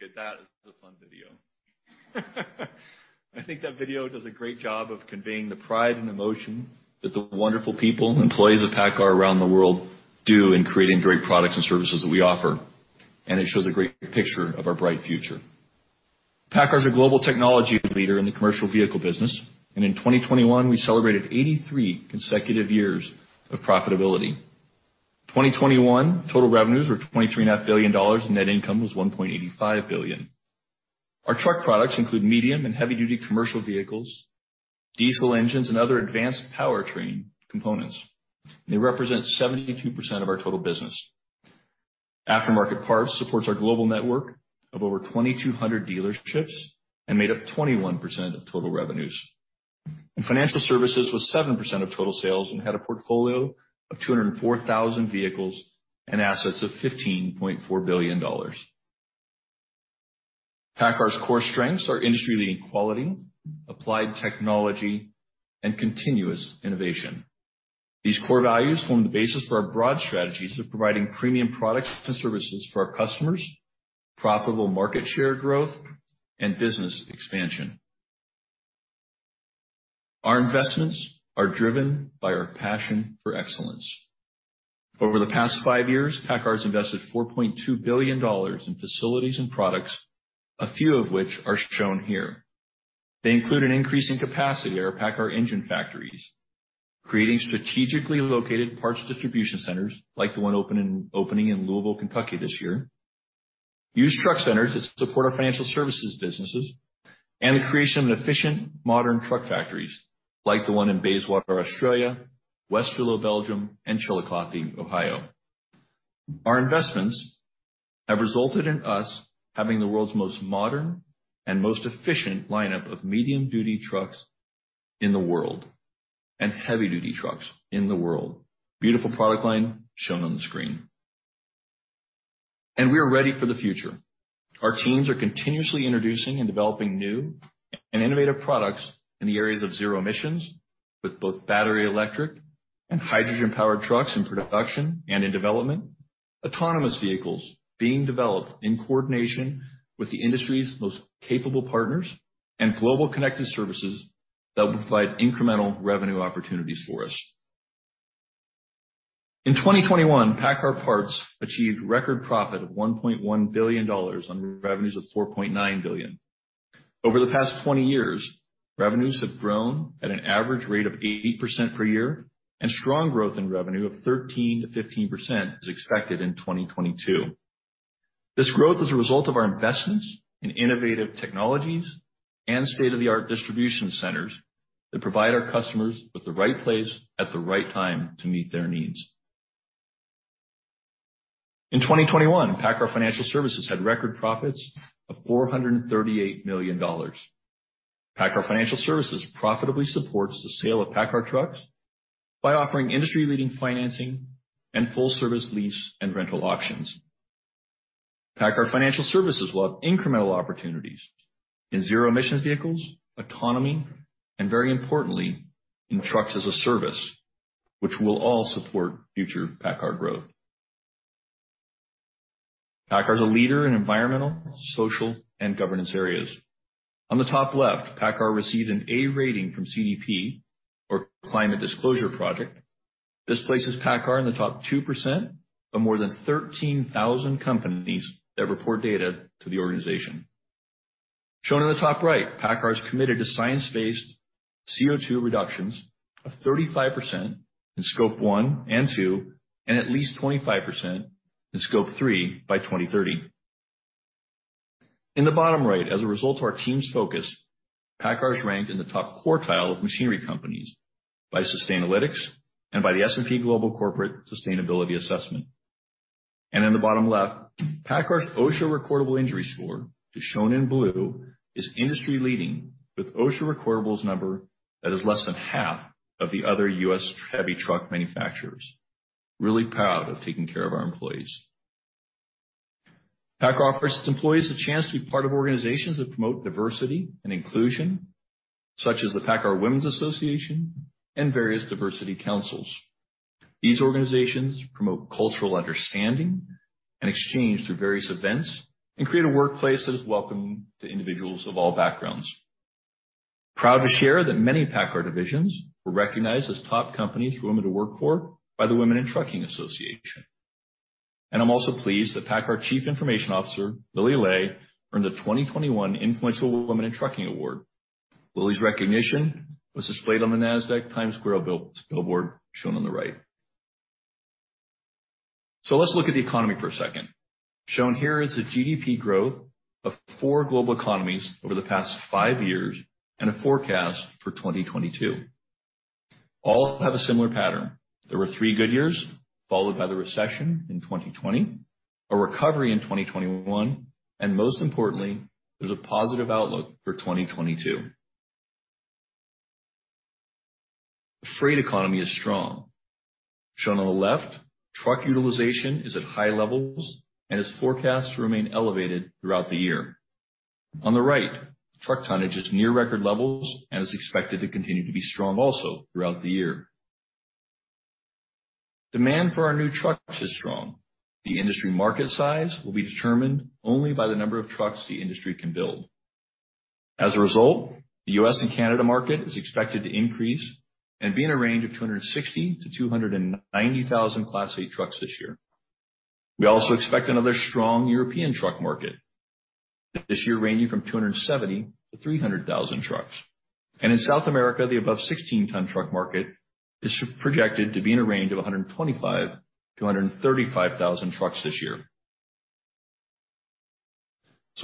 Okay, that is a fun video. I think that video does a great job of conveying the pride and emotion that the wonderful people, employees of PACCAR around the world do in creating great products and services that we offer. It shows a great picture of our bright future. PACCAR is a global technology leader in the commercial vehicle business, and in 2021, we celebrated 83 consecutive years of profitability. 2021 total revenues were $23.5 billion, net income was $1.85 billion. Our truck products include medium and heavy-duty commercial vehicles, diesel engines, and other advanced powertrain components. They represent 72% of our total business. Aftermarket parts supports our global network of over 2,200 dealerships and made up 21% of total revenues. Financial services was 7% of total sales and had a portfolio of 204,000 vehicles and assets of $15.4 billion. PACCAR's core strengths are industry-leading quality, applied technology, and continuous innovation. These core values form the basis for our broad strategies of providing premium products and services for our customers, profitable market share growth, and business expansion. Our investments are driven by our passion for excellence. Over the past five years, PACCAR's invested $4.2 billion in facilities and products, a few of which are shown here. They include an increase in capacity at our PACCAR engine factories, creating strategically located parts distribution centers like the one opening in Louisville, Kentucky this year. Used truck centers that support our financial services businesses, and the creation of efficient modern truck factories like the one in Bayswater, Australia, Westerlo, Belgium, and Chillicothe, Ohio. Our investments have resulted in us having the world's most modern and most efficient lineup of medium-duty trucks in the world and heavy-duty trucks in the world. Beautiful product line shown on the screen. We are ready for the future. Our teams are continuously introducing and developing new and innovative products in the areas of zero emissions, with both battery, electric, and hydrogen-powered trucks in production and in development. Autonomous vehicles being developed in coordination with the industry's most capable partners and global connected services that will provide incremental revenue opportunities for us. In 2021, PACCAR Parts achieved record profit of $1.1 billion on revenues of $4.9 billion. Over the past 20 years, revenues have grown at an average rate of 80% per year, and strong growth in revenue of 13% to 15% is expected in 2022. This growth is a result of our investments in innovative technologies and state-of-the-art distribution centers that provide our customers with the right place at the right time to meet their needs. In 2021, PACCAR Financial Services had record profits of $438 million. PACCAR Financial Services profitably supports the sale of PACCAR trucks by offering industry-leading financing and full service lease and rental options. PACCAR Financial Services will have incremental opportunities in zero-emission vehicles, economy, and very importantly, in trucks as a service, which will all support future PACCAR growth. PACCAR is a leader in environmental, social, and governance areas. On the top left, PACCAR received an A rating from CDP or Carbon Disclosure Project. This places PACCAR in the top 2% of more than 13,000 companies that report data to the organization. Shown in the top right, PACCAR is committed to science-based CO₂ reductions of 35% in Scope 1 and 2, and at least 25% in Scope 3 by 2030. In the bottom right, as a result of our team's focus, PACCAR is ranked in the top quartile of machinery companies by Sustainalytics and by the S&P Global Corporate Sustainability Assessment. In the bottom left, PACCAR's OSHA recordable injury score is shown in blue, is industry-leading with OSHA recordables number that is less than half of the other U.S. heavy truck manufacturers. Really proud of taking care of our employees. PACCAR offers its employees a chance to be part of organizations that promote diversity and inclusion, such as the PACCAR Women's Association and various diversity councils. These organizations promote cultural understanding and exchange through various events and create a workplace that is welcoming to individuals of all backgrounds. Proud to share that many PACCAR divisions were recognized as top companies for women to work for by the Women In Trucking Association. I'm also pleased that PACCAR Chief Information Officer, Lily Ley, earned the 2021 Influential Woman in Trucking Award. Lily's recognition was displayed on the Nasdaq Times Square billboard shown on the right. Let's look at the economy for a second. Shown here is the GDP growth of four global economies over the past five years and a forecast for 2022. All have a similar pattern. There were three good years, followed by the recession in 2020, a recovery in 2021, and most importantly, there's a positive outlook for 2022. The freight economy is strong. Shown on the left, truck utilization is at high levels and is forecast to remain elevated throughout the year. On the right, truck tonnage is near record levels and is expected to continue to be strong also throughout the year. Demand for our new trucks is strong. The industry market size will be determined only by the number of trucks the industry can build. As a result, the U.S. and Canada market is expected to increase and be in a range of 260,000 to 290,000 Class 8 trucks this year. We also expect another strong European truck market this year, ranging from 270,000 to 300,000 trucks. In South America, the above 16-ton truck market is projected to be in a range of 125,000 to 135,000 trucks this year.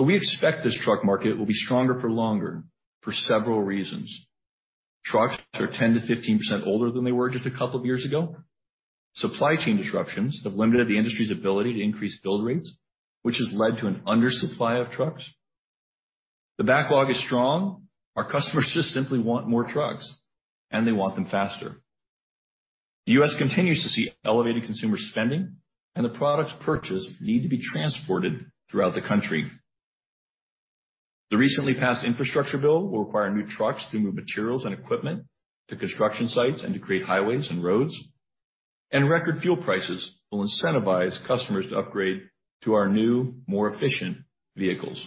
We expect this truck market will be stronger for longer for several reasons. Trucks are 10% to 15% older than they were just a couple of years ago. Supply chain disruptions have limited the industry's ability to increase build rates, which has led to an undersupply of trucks. The backlog is strong. Our customers just simply want more trucks, and they want them faster. The U.S. continues to see elevated consumer spending and the products purchased need to be transported throughout the country. The recently passed infrastructure bill will require new trucks to move materials and equipment to construction sites and to create highways and roads. Record fuel prices will incentivize customers to upgrade to our new, more efficient vehicles.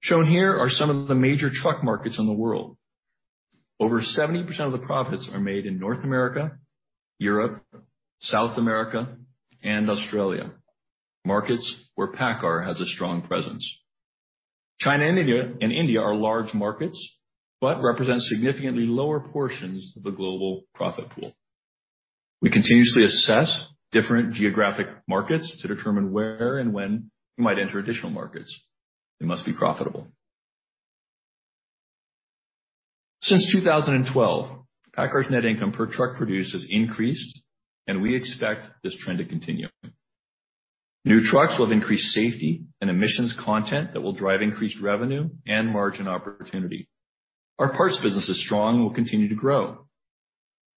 Shown here are some of the major truck markets in the world. Over 70% of the profits are made in North America, Europe, South America, and Australia, markets where PACCAR has a strong presence. China and India are large markets but represent significantly lower portions of the global profit pool. We continuously assess different geographic markets to determine where and when we might enter additional markets. They must be profitable. Since 2012, PACCAR's net income per truck produced has increased, and we expect this trend to continue. New trucks will have increased safety and emissions content that will drive increased revenue and margin opportunity. Our parts business is strong and will continue to grow.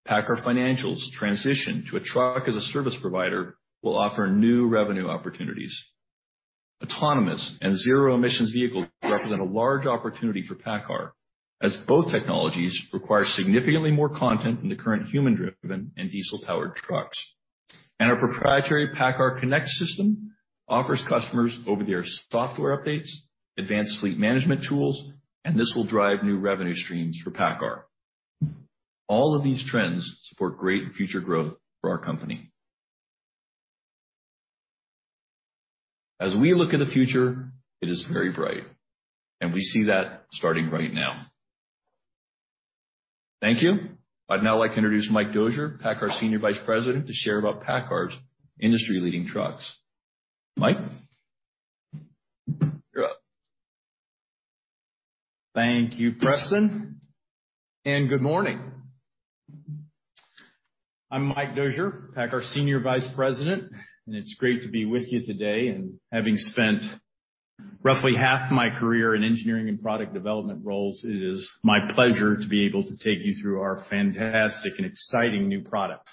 PACCAR Financial's transition to a truck as a service provider will offer new revenue opportunities. Autonomous and zero emissions vehicles represent a large opportunity for PACCAR as both technologies require significantly more content than the current human driven and diesel-powered trucks. Our proprietary PACCAR Connect system offers customers over-the-air software updates, advanced fleet management tools, and this will drive new revenue streams for PACCAR. All of these trends support great future growth for our company. As we look at the future, it is very bright, and we see that starting right now. Thank you. I'd now like to introduce Mike Dozier, PACCAR Senior Vice President, to share about PACCAR's industry-leading trucks. Mike, you're up. Thank you, Preston, and good morning. I'm Mike Dozier, PACCAR Senior Vice President, and it's great to be with you today. Having spent roughly half my career in engineering and product development roles, it is my pleasure to be able to take you through our fantastic and exciting new products.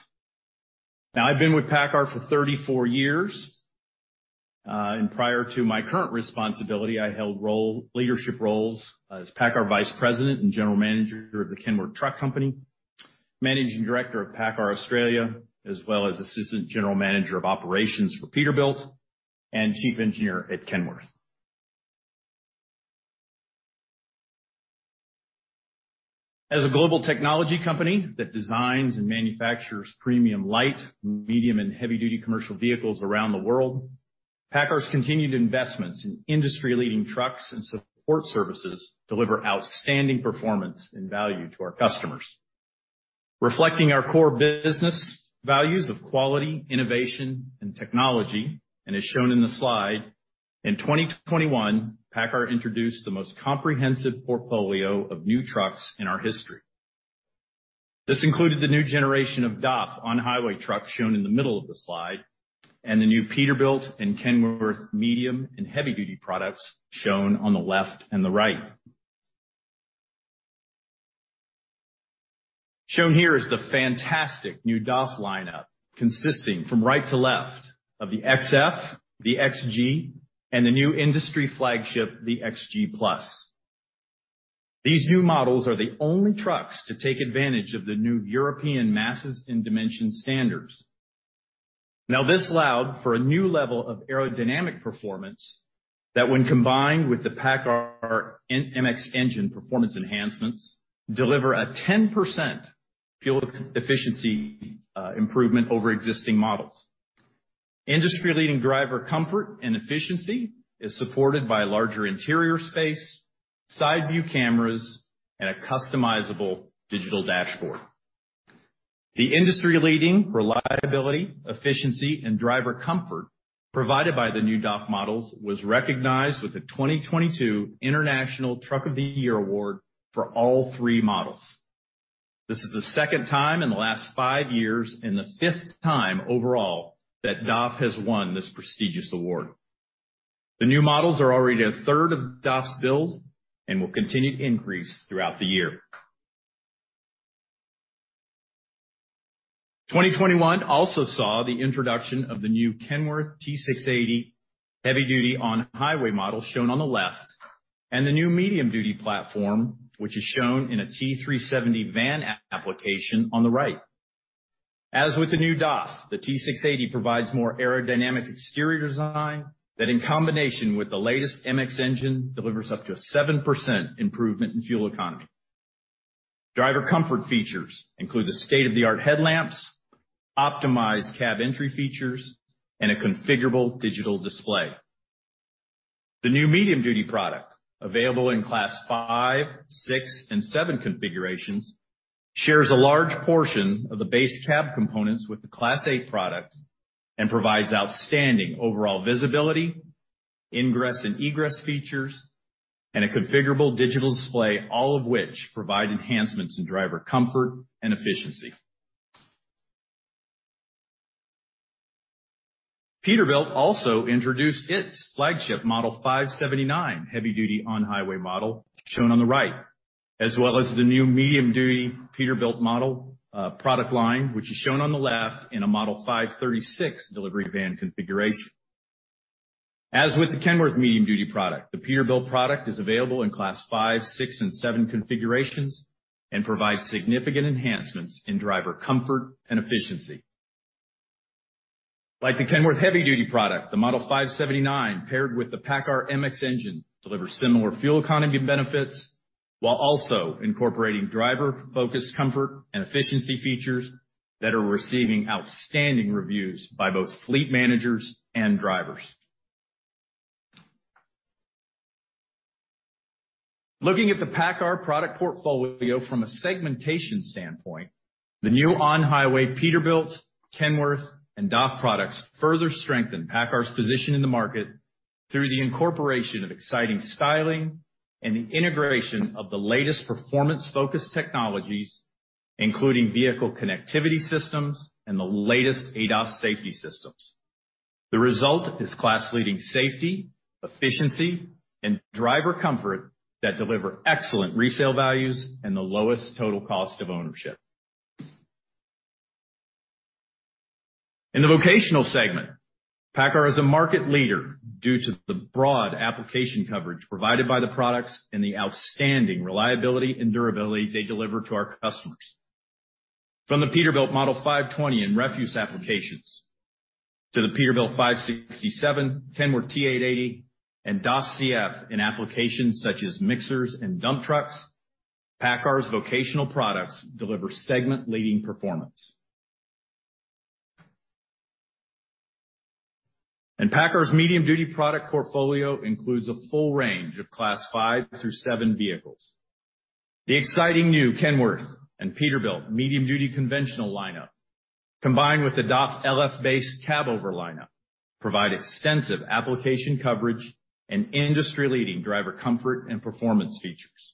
Now, I've been with PACCAR for 34 years. Prior to my current responsibility, I held leadership roles as PACCAR Vice President and General Manager of the Kenworth Truck Company, Managing Director of PACCAR Australia, as well as Assistant General Manager of Operations for Peterbilt and Chief Engineer at Kenworth. As a global technology company that designs and manufactures premium light, medium, and heavy-duty commercial vehicles around the world, PACCAR's continued investments in industry-leading trucks and support services deliver outstanding performance and value to our customers. Reflecting our core business values of quality, innovation, and technology, and as shown in the slide, in 2021, PACCAR introduced the most comprehensive portfolio of new trucks in our history. This included the new generation of DAF on-highway trucks shown in the middle of the slide, and the new Peterbilt and Kenworth medium and heavy-duty products shown on the left and the right. Shown here is the fantastic new DAF lineup, consisting, from right to left, of the XF, the XG, and the new industry flagship, the XG+. These new models are the only trucks to take advantage of the new European Masses and Dimensions standards. Now, this allowed for a new level of aerodynamic performance that when combined with the PACCAR MX engine performance enhancements, deliver a 10% fuel efficiency improvement over existing models. Industry-leading driver comfort and efficiency is supported by larger interior space, side view cameras, and a customizable digital dashboard. The industry-leading reliability, efficiency, and driver comfort provided by the new DAF models was recognized with the 2022 International Truck of the Year award for all three models. This is the second time in the last five years and the fifth time overall that DAF has won this prestigious award. The new models are already a third of DAF's build and will continue to increase throughout the year. 2021 also saw the introduction of the new Kenworth T680 heavy-duty on-highway model shown on the left, and the new medium-duty platform, which is shown in a T370 van application on the right. As with the new DAF, the T680 provides more aerodynamic exterior design that, in combination with the latest MX engine, delivers up to a 7% improvement in fuel economy. Driver comfort features include the state-of-the-art headlamps, optimized cab entry features, and a configurable digital display. The new medium-duty product, available in Class 5, 6, and 7 configurations, shares a large portion of the base cab components with the Class 8 product and provides outstanding overall visibility, ingress and egress features, and a configurable digital display, all of which provide enhancements in driver comfort and efficiency. Peterbilt also introduced its flagship Model 579 heavy-duty on-highway model, shown on the right, as well as the new medium-duty Peterbilt Model, product line, which is shown on the left in a Model 536 delivery van configuration. As with the Kenworth medium-duty product, the Peterbilt product is available in Class 5, 6, and 7 configurations and provides significant enhancements in driver comfort and efficiency. Like the Kenworth heavy-duty product, the Model 579, paired with the PACCAR MX engine, delivers similar fuel economy benefits while also incorporating driver-focused comfort and efficiency features that are receiving outstanding reviews by both fleet managers and drivers. Looking at the PACCAR product portfolio from a segmentation standpoint, the new on-highway Peterbilt, Kenworth, and DAF products further strengthen PACCAR's position in the market through the incorporation of exciting styling and the integration of the latest performance-focused technologies, including vehicle connectivity systems and the latest ADAS safety systems. The result is class-leading safety, efficiency, and driver comfort that deliver excellent resale values and the lowest total cost of ownership. In the vocational segment, PACCAR is a market leader due to the broad application coverage provided by the products and the outstanding reliability and durability they deliver to our customers. From the Peterbilt Model 520 in refuse applications to the Peterbilt 567, Kenworth T880, and DAF CF in applications such as mixers and dump trucks, PACCAR's vocational products deliver segment-leading performance. PACCAR's medium-duty product portfolio includes a full range of Class 5 through 7 vehicles. The exciting new Kenworth and Peterbilt medium-duty conventional lineup, combined with the DAF LF-based cabover lineup, provide extensive application coverage and industry-leading driver comfort and performance features.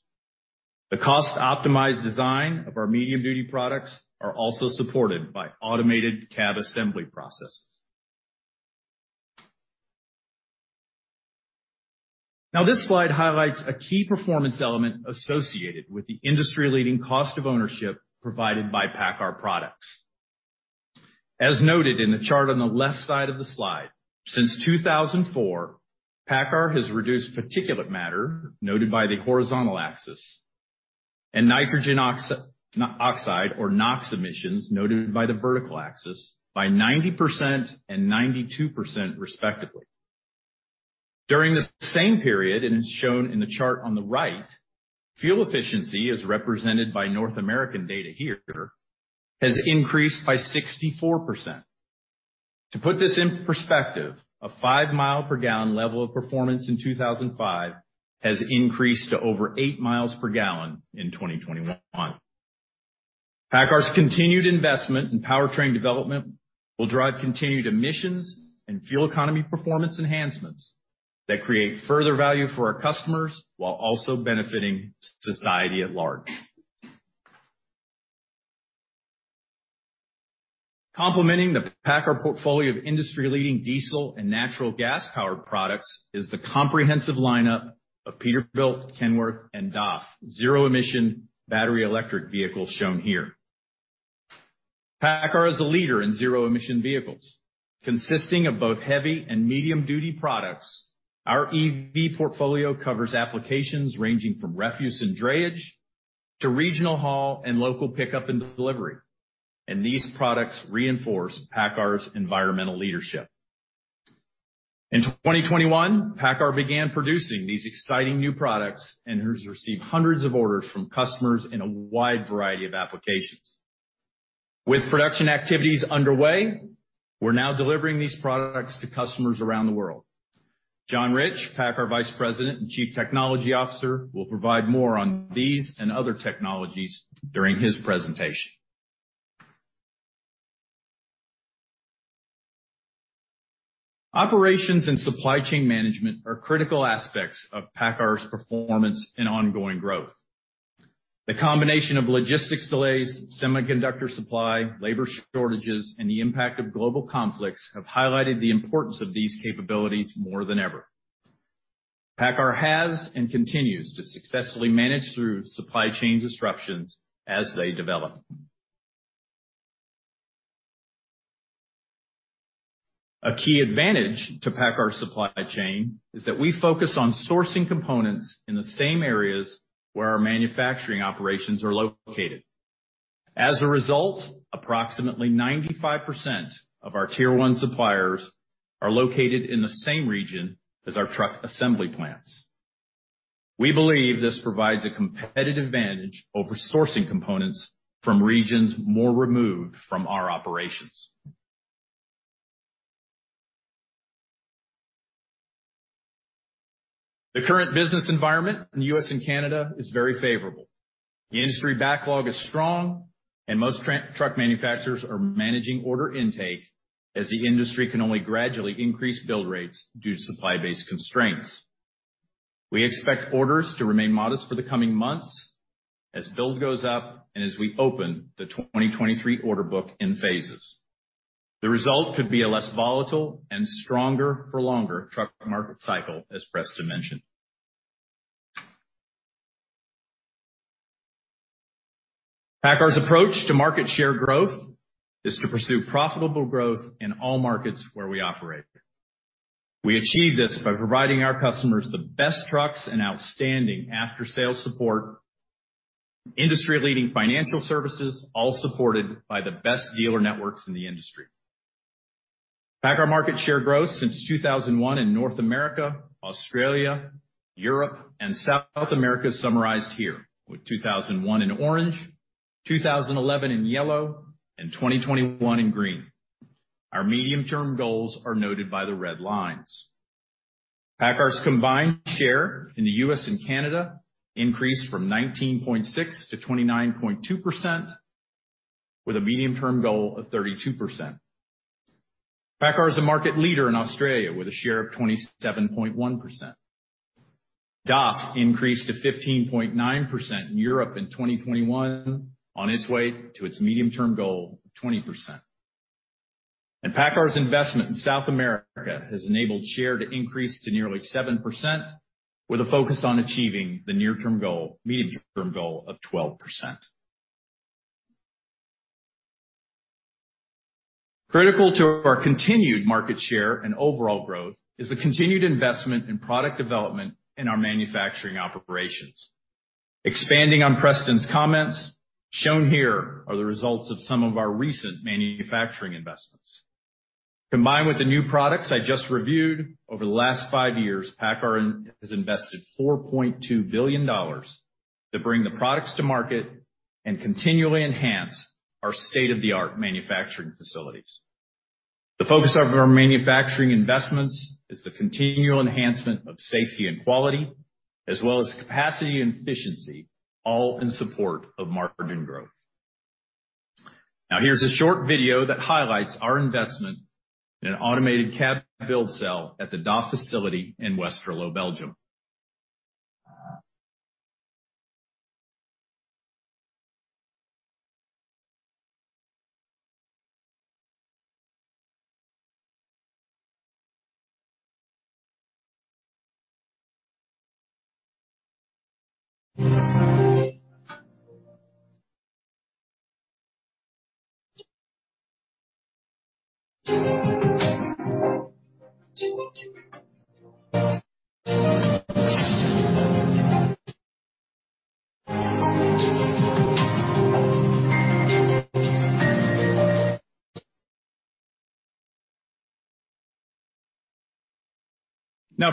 The cost-optimized design of our medium-duty products are also supported by automated cab assembly processes. Now, this slide highlights a key performance element associated with the industry-leading cost of ownership provided by PACCAR products. As noted in the chart on the left side of the slide, since 2004, PACCAR has reduced particulate matter, noted by the horizontal axis, and nitrogen oxide, or NOx emissions, noted by the vertical axis, by 90% and 92% respectively. During this same period, and it's shown in the chart on the right, fuel efficiency, as represented by North American data here, has increased by 64%. To put this in perspective, a 5-mile-per-gallon level of performance in 2005 has increased to over 8 miles per gallon in 2021. PACCAR's continued investment in powertrain development will drive continued emissions and fuel economy performance enhancements that create further value for our customers while also benefiting society at large. Complementing the PACCAR portfolio of industry-leading diesel and natural gas-powered products is the comprehensive lineup of Peterbilt, Kenworth, and DAF zero-emission battery electric vehicles shown here. PACCAR is a leader in zero-emission vehicles. Consisting of both heavy- and medium-duty products, our EV portfolio covers applications ranging from refuse and drayage to regional haul and local pickup and delivery. These products reinforce PACCAR's environmental leadership. In 2021, PACCAR began producing these exciting new products and has received hundreds of orders from customers in a wide variety of applications. With production activities underway, we're now delivering these products to customers around the world. John Rich, PACCAR Vice President and Chief Technology Officer, will provide more on these and other technologies during his presentation. Operations and supply chain management are critical aspects of PACCAR's performance and ongoing growth. The combination of logistics delays, semiconductor supply, labor shortages, and the impact of global conflicts have highlighted the importance of these capabilities more than ever. PACCAR has and continues to successfully manage through supply chain disruptions as they develop. A key advantage to PACCAR supply chain is that we focus on sourcing components in the same areas where our manufacturing operations are located. As a result, approximately 95% of our tier one suppliers are located in the same region as our truck assembly plants. We believe this provides a competitive advantage over sourcing components from regions more removed from our operations. The current business environment in the U.S. and Canada is very favorable. The industry backlog is strong and most truck manufacturers are managing order intake as the industry can only gradually increase build rates due to supply-based constraints. We expect orders to remain modest for the coming months as build goes up and as we open the 2023 order book in phases. The result could be a less volatile and stronger for longer truck market cycle as Preston mentioned. PACCAR's approach to market share growth is to pursue profitable growth in all markets where we operate. We achieve this by providing our customers the best trucks and outstanding after-sales support, industry-leading financial services, all supported by the best dealer networks in the industry. PACCAR market share growth since 2001 in North America, Australia, Europe and South America is summarized here, with 2001 in orange, 2011 in yellow, and 2021 in green. Our medium-term goals are noted by the red lines. PACCAR's combined share in the U.S. and Canada increased from 19.6% to 29.2% with a medium-term goal of 32%. PACCAR is a market leader in Australia with a share of 27.1%. DAF increased to 15.9% in Europe in 2021 on its way to its medium-term goal of 20%. PACCAR's investment in South America has enabled share to increase to nearly 7% with a focus on achieving the near-term goal, medium-term goal of 12%. Critical to our continued market share and overall growth is the continued investment in product development in our manufacturing operations. Expanding on Preston's comments, shown here are the results of some of our recent manufacturing investments. Combined with the new products I just reviewed, over the last five years, PACCAR has invested $4.2 billion to bring the products to market and continually enhance our state-of-the-art manufacturing facilities. The focus of our manufacturing investments is the continual enhancement of safety and quality, as well as capacity and efficiency, all in support of margin growth. Now here's a short video that highlights our investment in an automated cab build cell at the DAF facility in Westerlo, Belgium. Now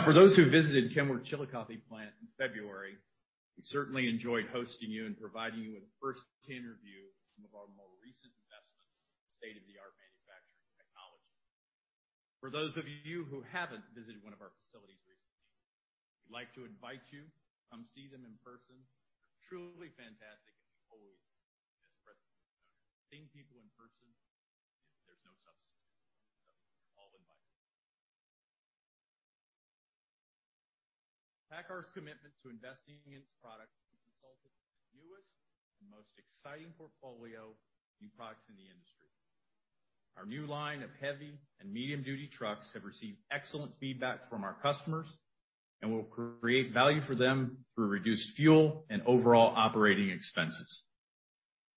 for those who visited Kenworth Chillicothe Plant in February, we certainly enjoyed hosting you and providing you with a first-hand review of some of our more recent investments in state-of-the-art manufacturing technology. For those of you who haven't visited one of our facilities recently, we'd like to invite you to come see them in person. They're truly fantastic, and we always, as Preston said, seeing people in person, there's no substitute. You're all invited. PACCAR's commitment to investing in its products has resulted in the newest and most exciting portfolio of new products in the industry. Our new line of heavy and medium-duty trucks have received excellent feedback from our customers and will create value for them through reduced fuel and overall operating expenses.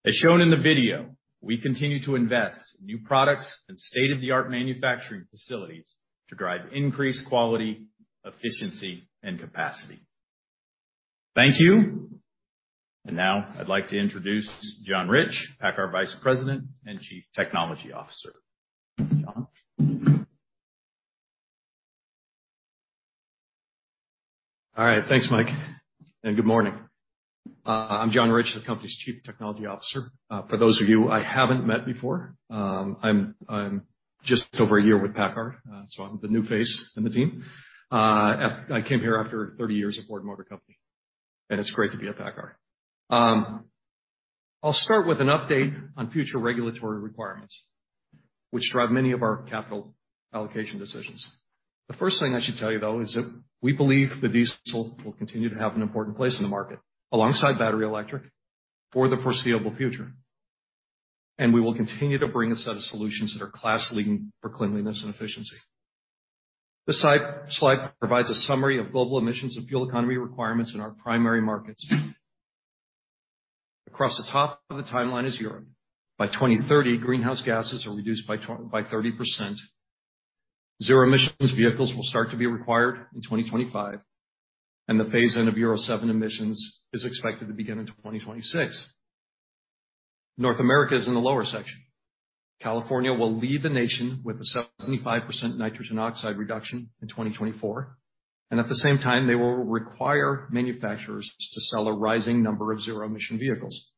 As shown in the video, we continue to invest in new products and state-of-the-art manufacturing facilities to drive increased quality, efficiency, and capacity. Thank you. Now I'd like to introduce John Rich, PACCAR Vice President and Chief Technology Officer. John. All right. Thanks, Mike, and good morning. I'm John Rich, the company's Chief Technology Officer. For those of you I haven't met before, I'm just over a year with PACCAR, so I'm the new face in the team. I came here after 30 years at Ford Motor Company, and it's great to be at PACCAR. I'll start with an update on future regulatory requirements, which drive many of our capital allocation decisions. The first thing I should tell you, though, is that we believe the diesel will continue to have an important place in the market, alongside battery electric for the foreseeable future. We will continue to bring a set of solutions that are class-leading for cleanliness and efficiency. This slide provides a summary of global emissions and fuel economy requirements in our primary markets. Across the top of the timeline is Europe. By 2030, greenhouse gases are reduced by 30%. Zero emissions vehicles will start to be required in 2025, and the phase-in of Euro 7 emissions is expected to begin in 2026. North America is in the lower section. California will lead the nation with a 75% nitrogen oxide reduction in 2024, and at the same time, they will require manufacturers to sell a rising number of zero emission vehicles.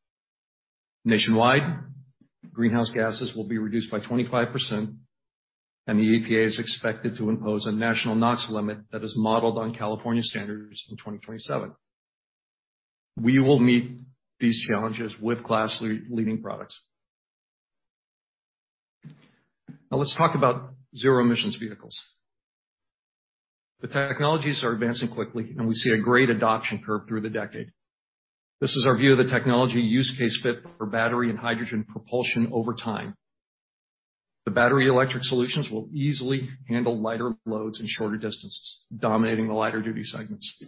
Nationwide, greenhouse gases will be reduced by 25%, and the EPA is expected to impose a national NOx limit that is modeled on California standards in 2027. We will meet these challenges with class-leading products. Now let's talk about zero-emissions vehicles. The technologies are advancing quickly, and we see a great adoption curve through the decade. This is our view of the technology use case fit for battery and hydrogen propulsion over time. The battery electric solutions will easily handle lighter loads and shorter distances, dominating the lighter duty segments.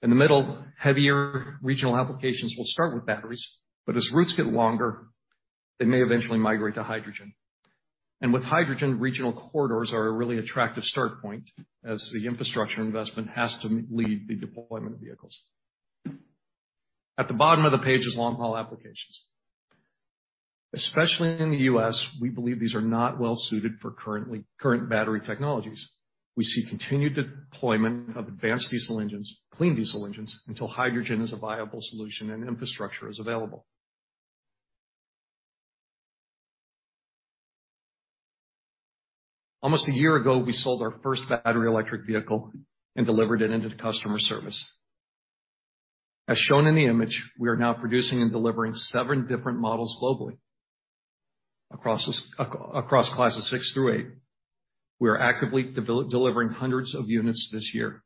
In the middle, heavier regional applications will start with batteries, but as routes get longer, they may eventually migrate to hydrogen. With hydrogen, regional corridors are a really attractive start point as the infrastructure investment has to precede the deployment of vehicles. At the bottom of the page is long-haul applications. Especially in the U.S., we believe these are not well suited for current battery technologies. We see continued deployment of advanced diesel engines, clean diesel engines until hydrogen is a viable solution and infrastructure is available. Almost a year ago, we sold our first battery electric vehicle and delivered it into the customer service. As shown in the image, we are now producing and delivering seven different models globally. Across Class 6 through 8, we are actively delivering hundreds of units this year.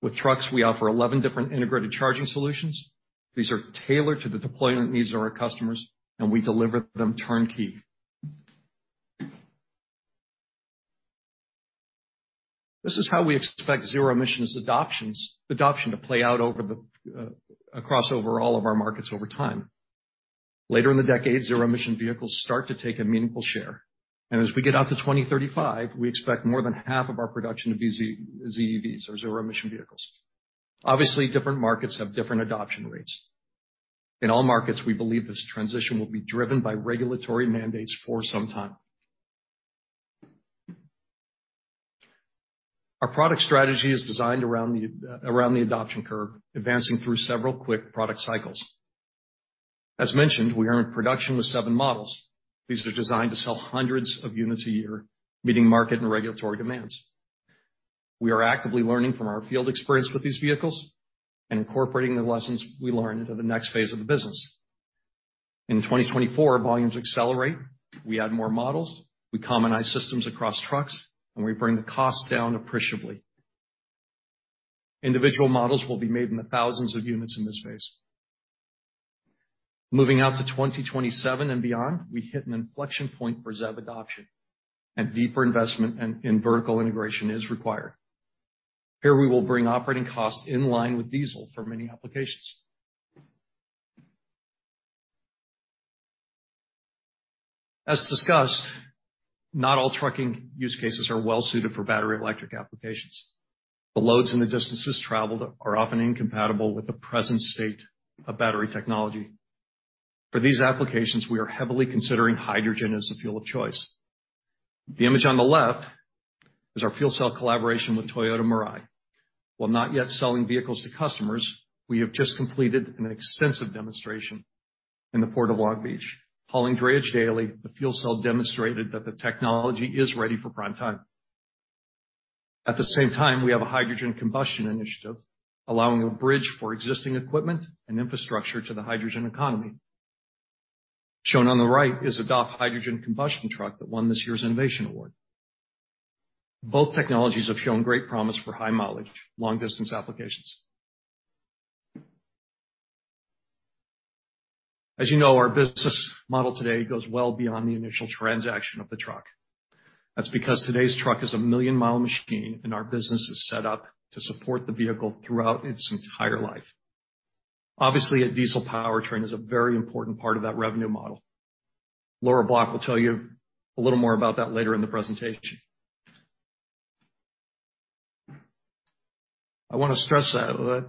With trucks, we offer 11 different integrated charging solutions. These are tailored to the deployment needs of our customers, and we deliver them turnkey. This is how we expect zero-emissions adoption to play out across all of our markets over time. Later in the decade, zero-emission vehicles start to take a meaningful share. As we get out to 2035, we expect more than half of our production to be ZEVs or zero-emission vehicles. Obviously, different markets have different adoption rates. In all markets, we believe this transition will be driven by regulatory mandates for some time. Our product strategy is designed around the adoption curve, advancing through several quick product cycles. As mentioned, we are in production with seven models. These are designed to sell hundreds of units a year, meeting market and regulatory demands. We are actively learning from our field experience with these vehicles and incorporating the lessons we learn into the next phase of the business. In 2024, volumes accelerate, we add more models, we commonize systems across trucks, and we bring the cost down appreciably. Individual models will be made in the thousands of units in this phase. Moving out to 2027 and beyond, we hit an inflection point for ZEV adoption and deeper investment in vertical integration is required. Here, we will bring operating costs in line with diesel for many applications. As discussed, not all trucking use cases are well suited for battery electric applications. The loads and the distances traveled are often incompatible with the present state of battery technology. For these applications, we are heavily considering hydrogen as the fuel of choice. The image on the left is our fuel cell collaboration with Toyota Mirai. While not yet selling vehicles to customers, we have just completed an extensive demonstration in the Port of Long Beach. Hauling drayage daily, the fuel cell demonstrated that the technology is ready for prime time. At the same time, we have a hydrogen combustion initiative allowing a bridge for existing equipment and infrastructure to the hydrogen economy. Shown on the right is a DAF hydrogen combustion truck that won this year's Innovation Award. Both technologies have shown great promise for high mileage, long-distance applications. As you know, our business model today goes well beyond the initial transaction of the truck. That's because today's truck is a million-mile machine, and our business is set up to support the vehicle throughout its entire life. Obviously, a diesel powertrain is a very important part of that revenue model. Laura Bloch will tell you a little more about that later in the presentation. I wanna stress that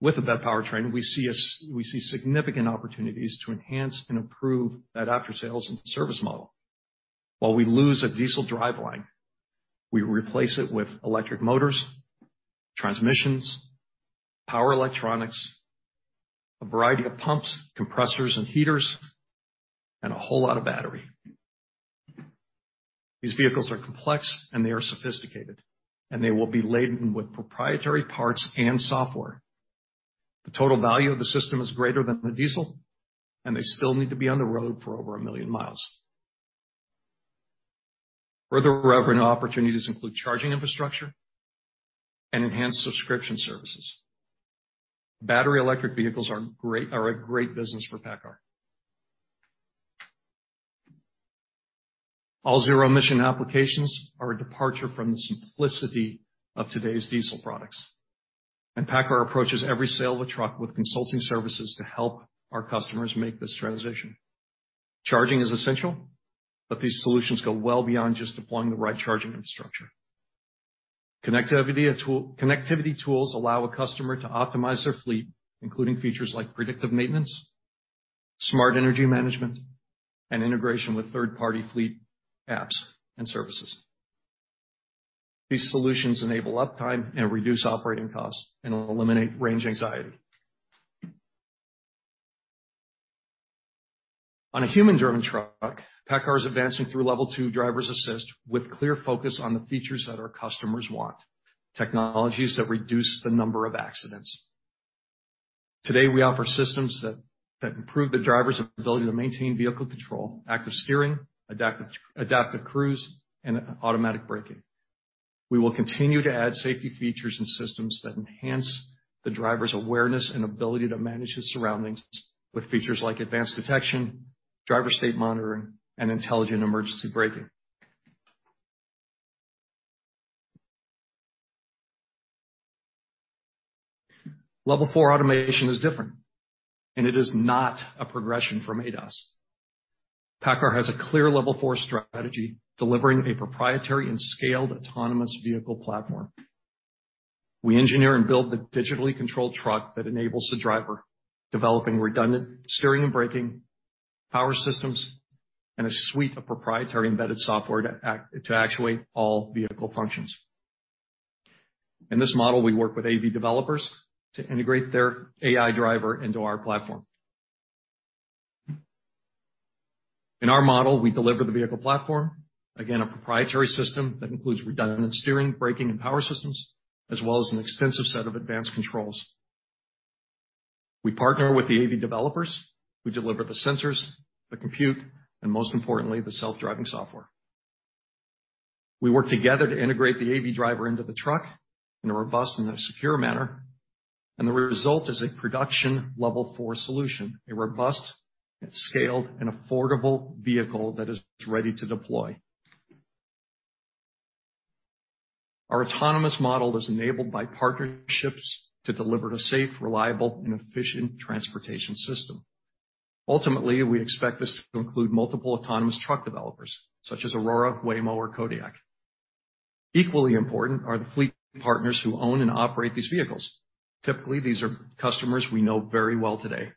with a BEV powertrain, we see significant opportunities to enhance and improve that after-sales and service model. While we lose a diesel driveline, we replace it with electric motors, transmissions, power electronics, a variety of pumps, compressors and heaters, and a whole lot of battery. These vehicles are complex, and they are sophisticated, and they will be laden with proprietary parts and software. The total value of the system is greater than the diesel, and they still need to be on the road for over a million miles. Further revenue opportunities include charging infrastructure and enhanced subscription services. Battery electric vehicles are a great business for PACCAR. All zero-emission applications are a departure from the simplicity of today's diesel products. PACCAR approaches every sale of a truck with consulting services to help our customers make this transition. Charging is essential, but these solutions go well beyond just deploying the right charging infrastructure. Connectivity tools allow a customer to optimize their fleet, including features like predictive maintenance, smart energy management, and integration with third-party fleet apps and services. These solutions enable uptime and reduce operating costs and eliminate range anxiety. On a human-driven truck, PACCAR is advancing through Level 2 driver's assist with clear focus on the features that our customers want, technologies that reduce the number of accidents. Today, we offer systems that improve the driver's ability to maintain vehicle control, active steering, adaptive cruise, and automatic braking. We will continue to add safety features and systems that enhance the driver's awareness and ability to manage his surroundings with features like advanced detection, driver state monitoring, and intelligent emergency braking. Level 4 Automation is different, and it is not a progression from ADAS. PACCAR has a clear Level 4 Strategy, delivering a proprietary and scaled autonomous vehicle platform. We engineer and build the digitally controlled truck that enables the driver, developing redundant steering and braking, power systems, and a suite of proprietary embedded software to actuate all vehicle functions. In this model, we work with AV developers to integrate their AI driver into our platform. In our model, we deliver the vehicle platform, again, a proprietary system that includes redundant steering, braking, and power systems, as well as an extensive set of advanced controls. We partner with the AV developers. We deliver the sensors, the compute, and most importantly, the self-driving software. We work together to integrate the AV driver into the truck in a robust and a secure manner, and the result is a production Level 4 solution, a robust and scaled and affordable vehicle that is ready to deploy. Our autonomous model is enabled by partnerships to deliver a safe, reliable, and efficient transportation system. Ultimately, we expect this to include multiple autonomous truck developers, such as Aurora, Waymo, or Kodiak. Equally important are the fleet partners who own and operate these vehicles. Typically, these are customers we know very well today.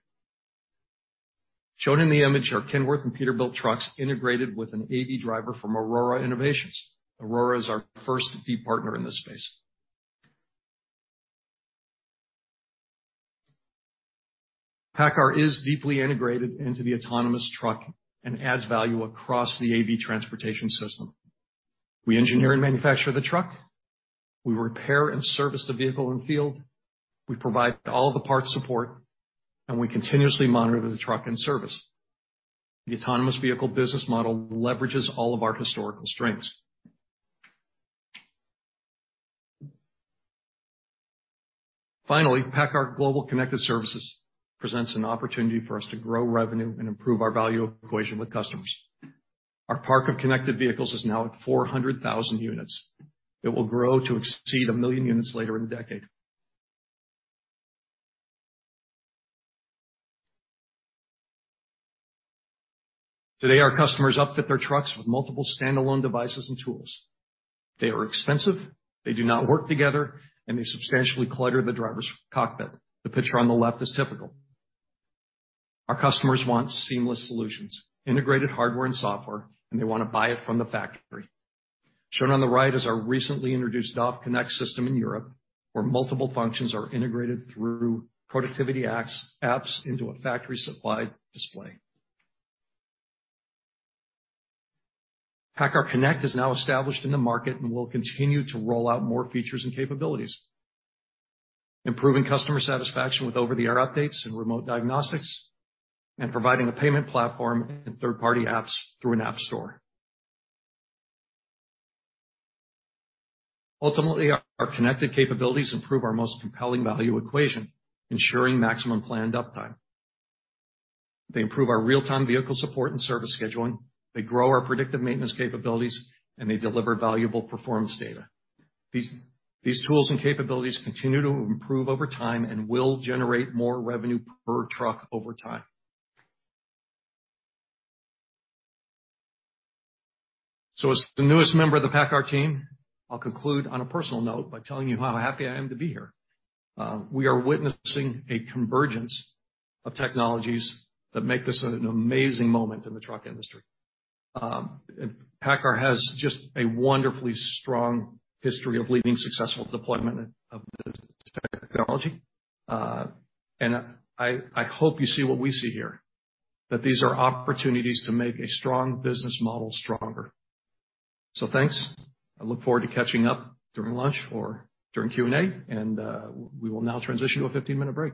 Shown in the image are Kenworth and Peterbilt trucks integrated with an AV driver from Aurora Innovation. Aurora is our first fleet partner in this space. PACCAR is deeply integrated into the autonomous truck and adds value across the AV transportation system. We engineer and manufacture the truck, we repair and service the vehicle in the field, we provide all the parts support, and we continuously monitor the truck and service. The autonomous vehicle business model leverages all of our historical strengths. Finally, PACCAR Global Connected Services presents an opportunity for us to grow revenue and improve our value equation with customers. Our park of connected vehicles is now at 400,000 units. It will grow to exceed 1 million units later in the decade. Today, our customers upfit their trucks with multiple standalone devices and tools. They are expensive, they do not work together, and they substantially clutter the driver's cockpit. The picture on the left is typical. Our customers want seamless solutions, integrated hardware and software, and they wanna buy it from the factory. Shown on the right is our recently introduced DAF Connect system in Europe, where multiple functions are integrated through productivity apps into a factory-supplied display. PACCAR Connect is now established in the market and will continue to roll out more features and capabilities, improving customer satisfaction with over-the-air updates and remote diagnostics, and providing a payment platform and third-party apps through an app store. Ultimately, our connected capabilities improve our most compelling value equation, ensuring maximum planned uptime. They improve our real-time vehicle support and service scheduling, they grow our predictive maintenance capabilities, and they deliver valuable performance data. These tools and capabilities continue to improve over time and will generate more revenue per truck over time. As the newest member of the PACCAR team, I'll conclude on a personal note by telling you how happy I am to be here. We are witnessing a convergence of technologies that make this an amazing moment in the truck industry. PACCAR has just a wonderfully strong history of leading successful deployment of this technology. And I hope you see what we see here, that these are opportunities to make a strong business model stronger. Thanks. I look forward to catching up during lunch or during Q&A, and we will now transition to a 15-minute break.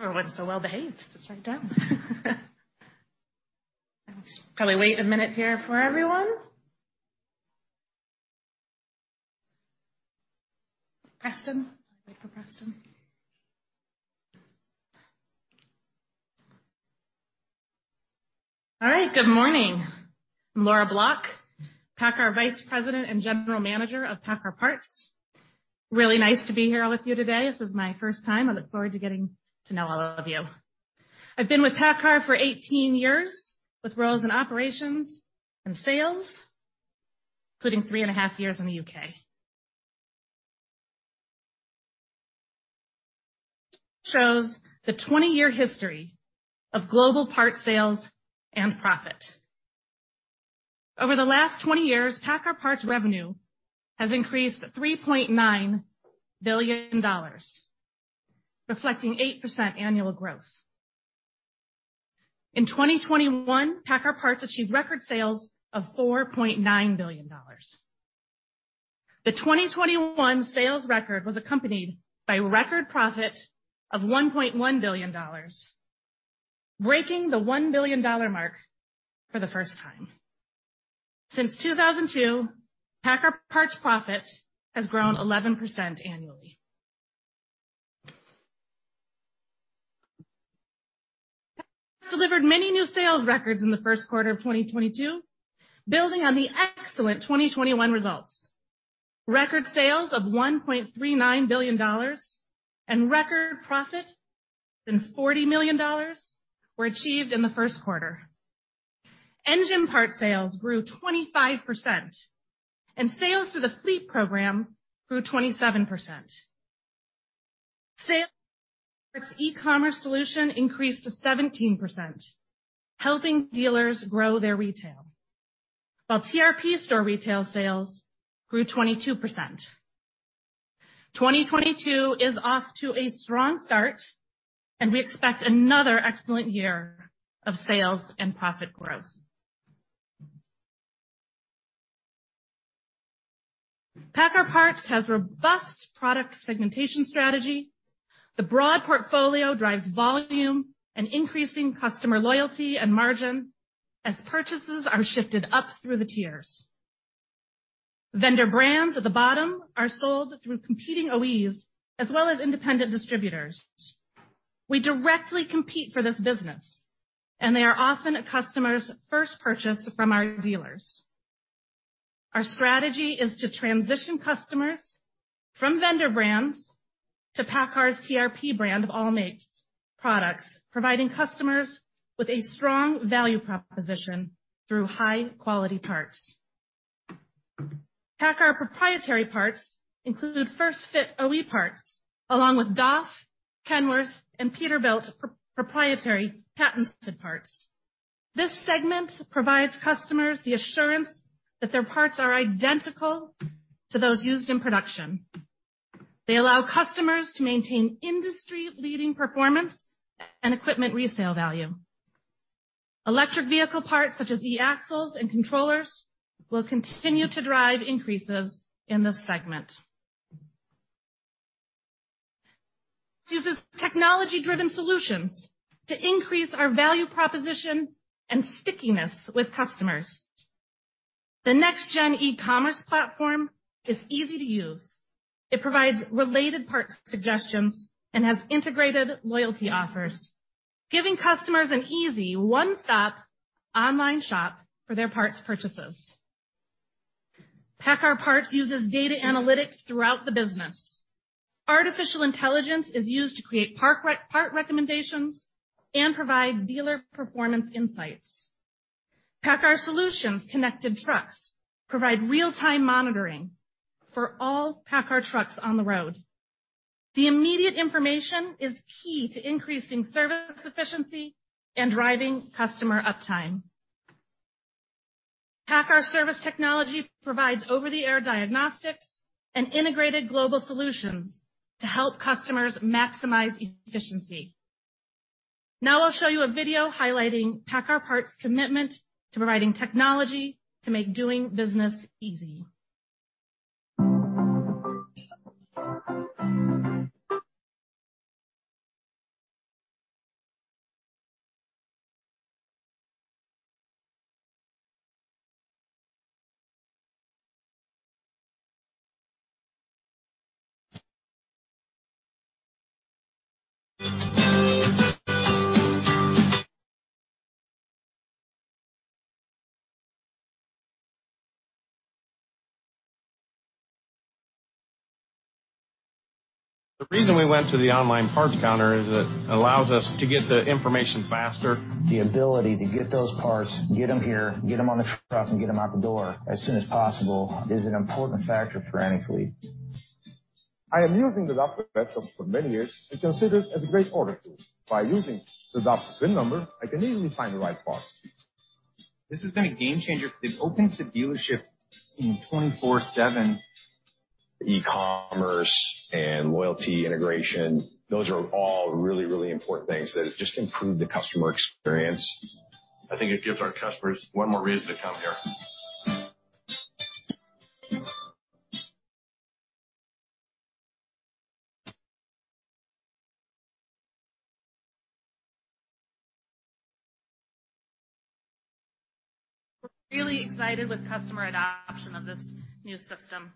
Everyone's so well-behaved. Sit down. I'll probably wait a minute here for everyone. Preston. Wait for Preston. All right. Good morning. I'm Laura Bloch, PACCAR Vice President and General Manager of PACCAR Parts. Really nice to be here with you today. This is my first time. I look forward to getting to know all of you. I've been with PACCAR for 18 years, with roles in operations and sales, including three and a half years in the U.K.. Shows the 20-year history of global part sales and profit. Over the last 20 years, PACCAR Parts revenue has increased $3.9 billion, reflecting 8% annual growth. In 2021, PACCAR Parts achieved record sales of $4.9 billion. The 2021 sales record was accompanied by record profit of $1.1 billion, breaking the $1 billion mark for the first time. Since 2002, PACCAR Parts profit has grown 11% annually. Delivered many new sales records in the Q1 of 2022, building on the excellent 2021 results. Record sales of $1.39 billion and record profit of $40 million were achieved in the Q1. Engine part sales grew 25%, and sales through the fleet program grew 27%. Sales e-commerce solution increased to 17%, helping dealers grow their retail. While TRP store retail sales grew 22%. 2022 is off to a strong start, and we expect another excellent year of sales and profit growth. PACCAR Parts has robust product segmentation strategy. The broad portfolio drives volume and increasing customer loyalty and margin as purchases are shifted up through the tiers. Vendor brands at the bottom are sold through competing OEs as well as independent distributors. We directly compete for this business, and they are often a customer's first purchase from our dealers. Our strategy is to transition customers from vendor brands to PACCAR's TRP brand of all-makes products, providing customers with a strong value proposition through high-quality parts. PACCAR proprietary parts include first-fit OE parts along with DAF, Kenworth, and Peterbilt proprietary patented parts. This segment provides customers the assurance that their parts are identical to those used in production. They allow customers to maintain industry-leading performance and equipment resale value. Electric vehicle parts such as e-axles and controllers will continue to drive increases in this segment. Uses technology-driven solutions to increase our value proposition and stickiness with customers. The next-gen e-commerce platform is easy to use. It provides related parts suggestions and has integrated loyalty offers, giving customers an easy one-stop online shop for their parts purchases. PACCAR Parts uses data analytics throughout the business. Artificial intelligence is used to create part recommendations and provide dealer performance insights. PACCAR Solutions Connected trucks provide real-time monitoring for all PACCAR trucks on the road. The immediate information is key to increasing service efficiency and driving customer uptime. PACCAR Service Technology provides over-the-air diagnostics and integrated global solutions to help customers maximize efficiency. Now I'll show you a video highlighting PACCAR Parts' commitment to providing technology to make doing business easy. We're really excited with customer adoption of this new system.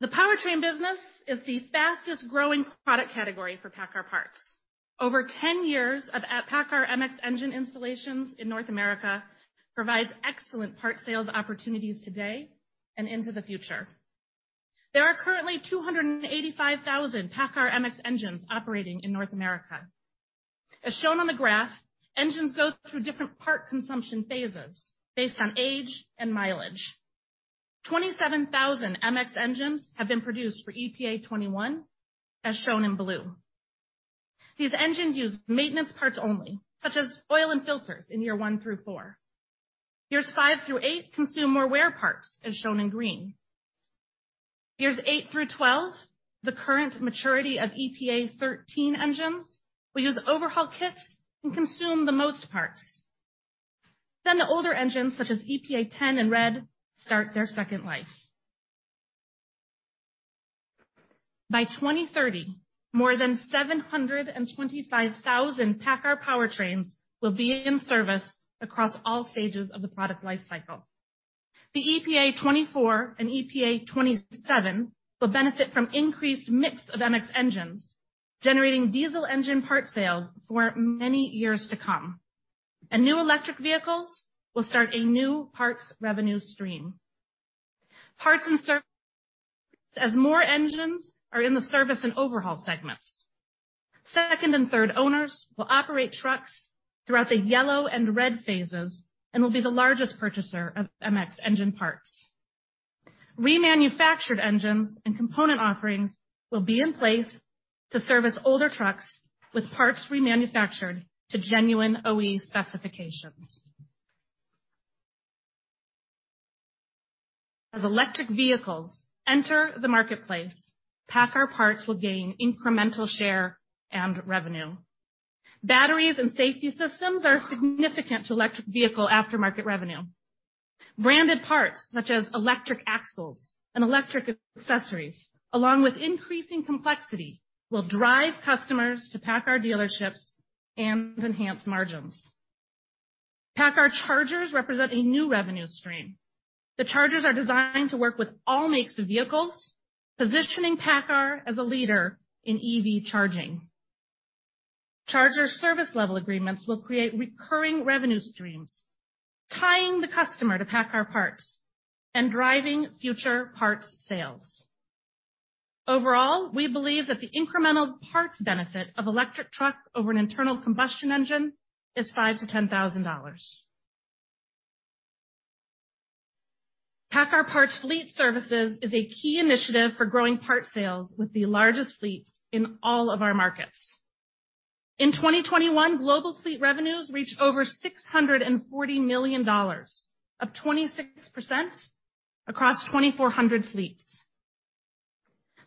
The powertrain business is the fastest-growing product category for PACCAR Parts. Over 10 years of PACCAR MX engine installations in North America provides excellent parts sales opportunities today and into the future. There are currently 285,000 PACCAR MX engines operating in North America. As shown on the graph, engines go through different part consumption phases based on age and mileage. 27,000 MX engines have been produced for EPA 21, as shown in blue. These engines use maintenance parts only, such as oil and filters in year one through four. Years five through eight consume more wear parts, as shown in green. Years eight through 12, the current maturity of EPA 13 engines, will use overhaul kits and consume the most parts. The older engines, such as EPA 10 in red, start their second life. By 2030, more than 725,000 PACCAR powertrains will be in service across all stages of the product life cycle. The EPA 24 and EPA 2027 will benefit from increased mix of MX engines, generating diesel engine parts sales for many years to come. New electric vehicles will start a new parts revenue stream. Parts, as more engines are in the service and overhaul segments, second and third owners will operate trucks throughout the yellow and red phases and will be the largest purchaser of MX engine parts. Remanufactured engines and component offerings will be in place to service older trucks with parts remanufactured to genuine OE specifications. As electric vehicles enter the marketplace, PACCAR Parts will gain incremental share and revenue. Batteries and safety systems are significant to electric vehicle aftermarket revenue. Branded parts, such as electric axles and electric accessories, along with increasing complexity, will drive customers to PACCAR dealerships and enhance margins. PACCAR chargers represent a new revenue stream. The chargers are designed to work with all makes of vehicles, positioning PACCAR as a leader in EV charging. Charger service level agreements will create recurring revenue streams, tying the customer to PACCAR Parts and driving future parts sales. Overall, we believe that the incremental parts benefit of electric truck over an internal combustion engine is $5,000 to $10,000. PACCAR Parts Fleet Services is a key initiative for growing parts sales with the largest fleets in all of our markets. In 2021, global fleet revenues reached over $640 million, up 26% across 2,400 fleets.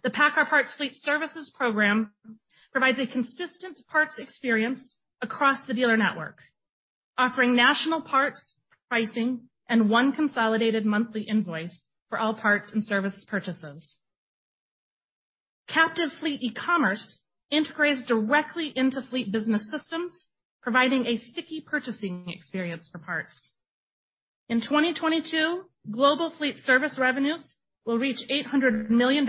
The PACCAR Parts Fleet Services program provides a consistent parts experience across the dealer network, offering national parts, pricing, and one consolidated monthly invoice for all parts and service purchases. Captive fleet e-commerce integrates directly into fleet business systems, providing a sticky purchasing experience for parts. In 2022, global fleet service revenues will reach $800 million,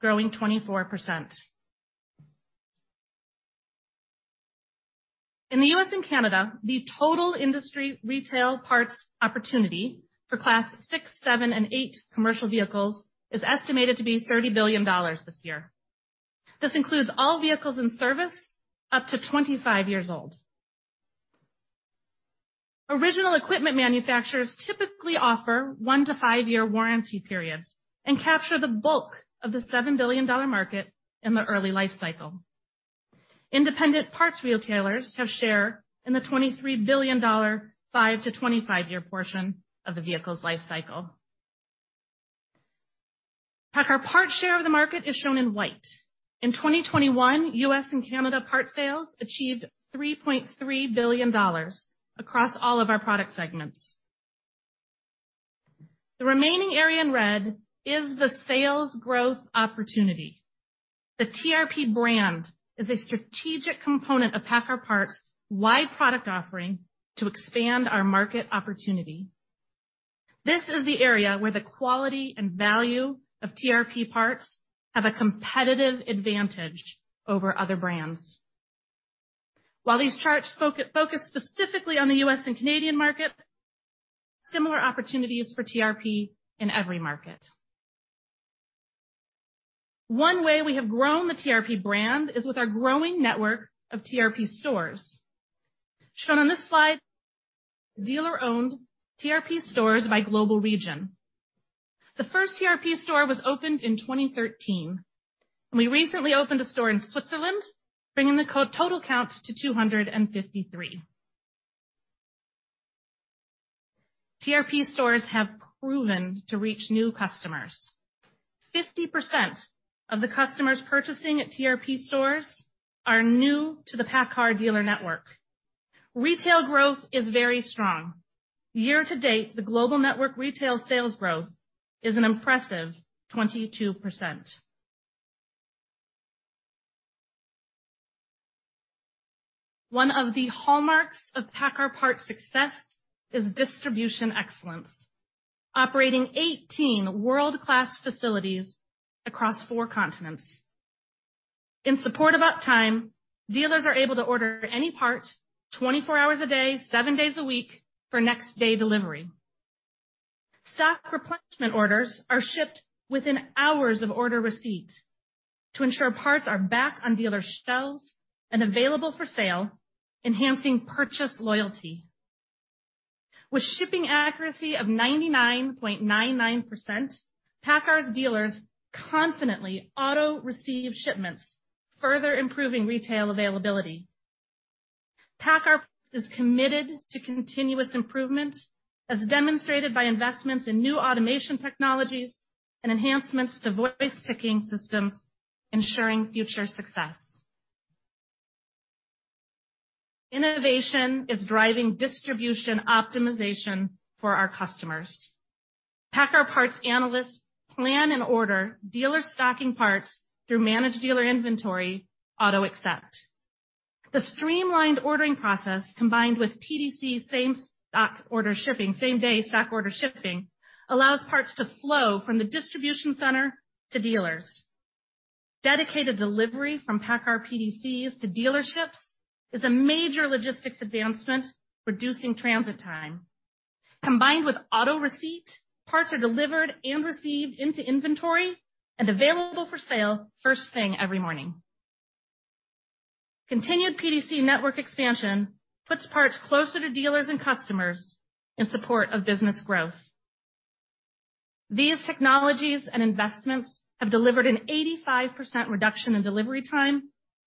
growing 24%. In the U.S. and Canada, the total industry retail parts opportunity for Class 6, 7, and 8 commercial vehicles is estimated to be $30 billion this year. This includes all vehicles in service up to 25 years old. Original equipment manufacturers typically offer 1 to 5-year warranty periods and capture the bulk of the $7 billion market in the early life cycle. Independent parts retailers have share in the $23 billion 5- to 25-year portion of the vehicle's life cycle. PACCAR Parts share of the market is shown in white. In 2021, U.S. and Canada parts sales achieved $3.3 billion across all of our product segments. The remaining area in red is the sales growth opportunity. The TRP brand is a strategic component of PACCAR Parts' wide product offering to expand our market opportunity. This is the area where the quality and value of TRP parts have a competitive advantage over other brands. While these charts focus specifically on the U.S. and Canadian market, similar opportunities for TRP in every market. One way we have grown the TRP brand is with our growing network of TRP stores. Shown on this slide, dealer-owned TRP stores by global region. The first TRP store was opened in 2013. We recently opened a store in Switzerland, bringing the total count to 253. TRP stores have proven to reach new customers. 50% of the customers purchasing at TRP stores are new to the PACCAR dealer network. Retail growth is very strong. Year-to-date, the global network retail sales growth is an impressive 22%. One of the hallmarks of PACCAR Parts success is distribution excellence, operating 18 world-class facilities across four continents. In support of uptime, dealers are able to order any part 24 hours a day, seven days a week for next day delivery. Stock replenishment orders are shipped within hours of order receipt to ensure parts are back on dealers' shelves and available for sale, enhancing purchase loyalty. With shipping accuracy of 99.99%, PACCAR's dealers confidently auto-receive shipments, further improving retail availability. PACCAR is committed to continuous improvement, as demonstrated by investments in new automation technologies and enhancements to voice picking systems, ensuring future success. Innovation is driving distribution optimization for our customers. PACCAR Parts analysts plan and order dealer stocking parts through Managed Dealer Inventory auto-accept. The streamlined ordering process, combined with PDC same-day stock order shipping, same-day stock order shipping, allows parts to flow from the distribution center to dealers. Dedicated delivery from PACCAR PDCs to dealerships is a major logistics advancement, reducing transit time. Combined with auto receipt, parts are delivered and received into inventory and available for sale first thing every morning. Continued PDC network expansion puts parts closer to dealers and customers in support of business growth. These technologies and investments have delivered an 85% reduction in delivery time,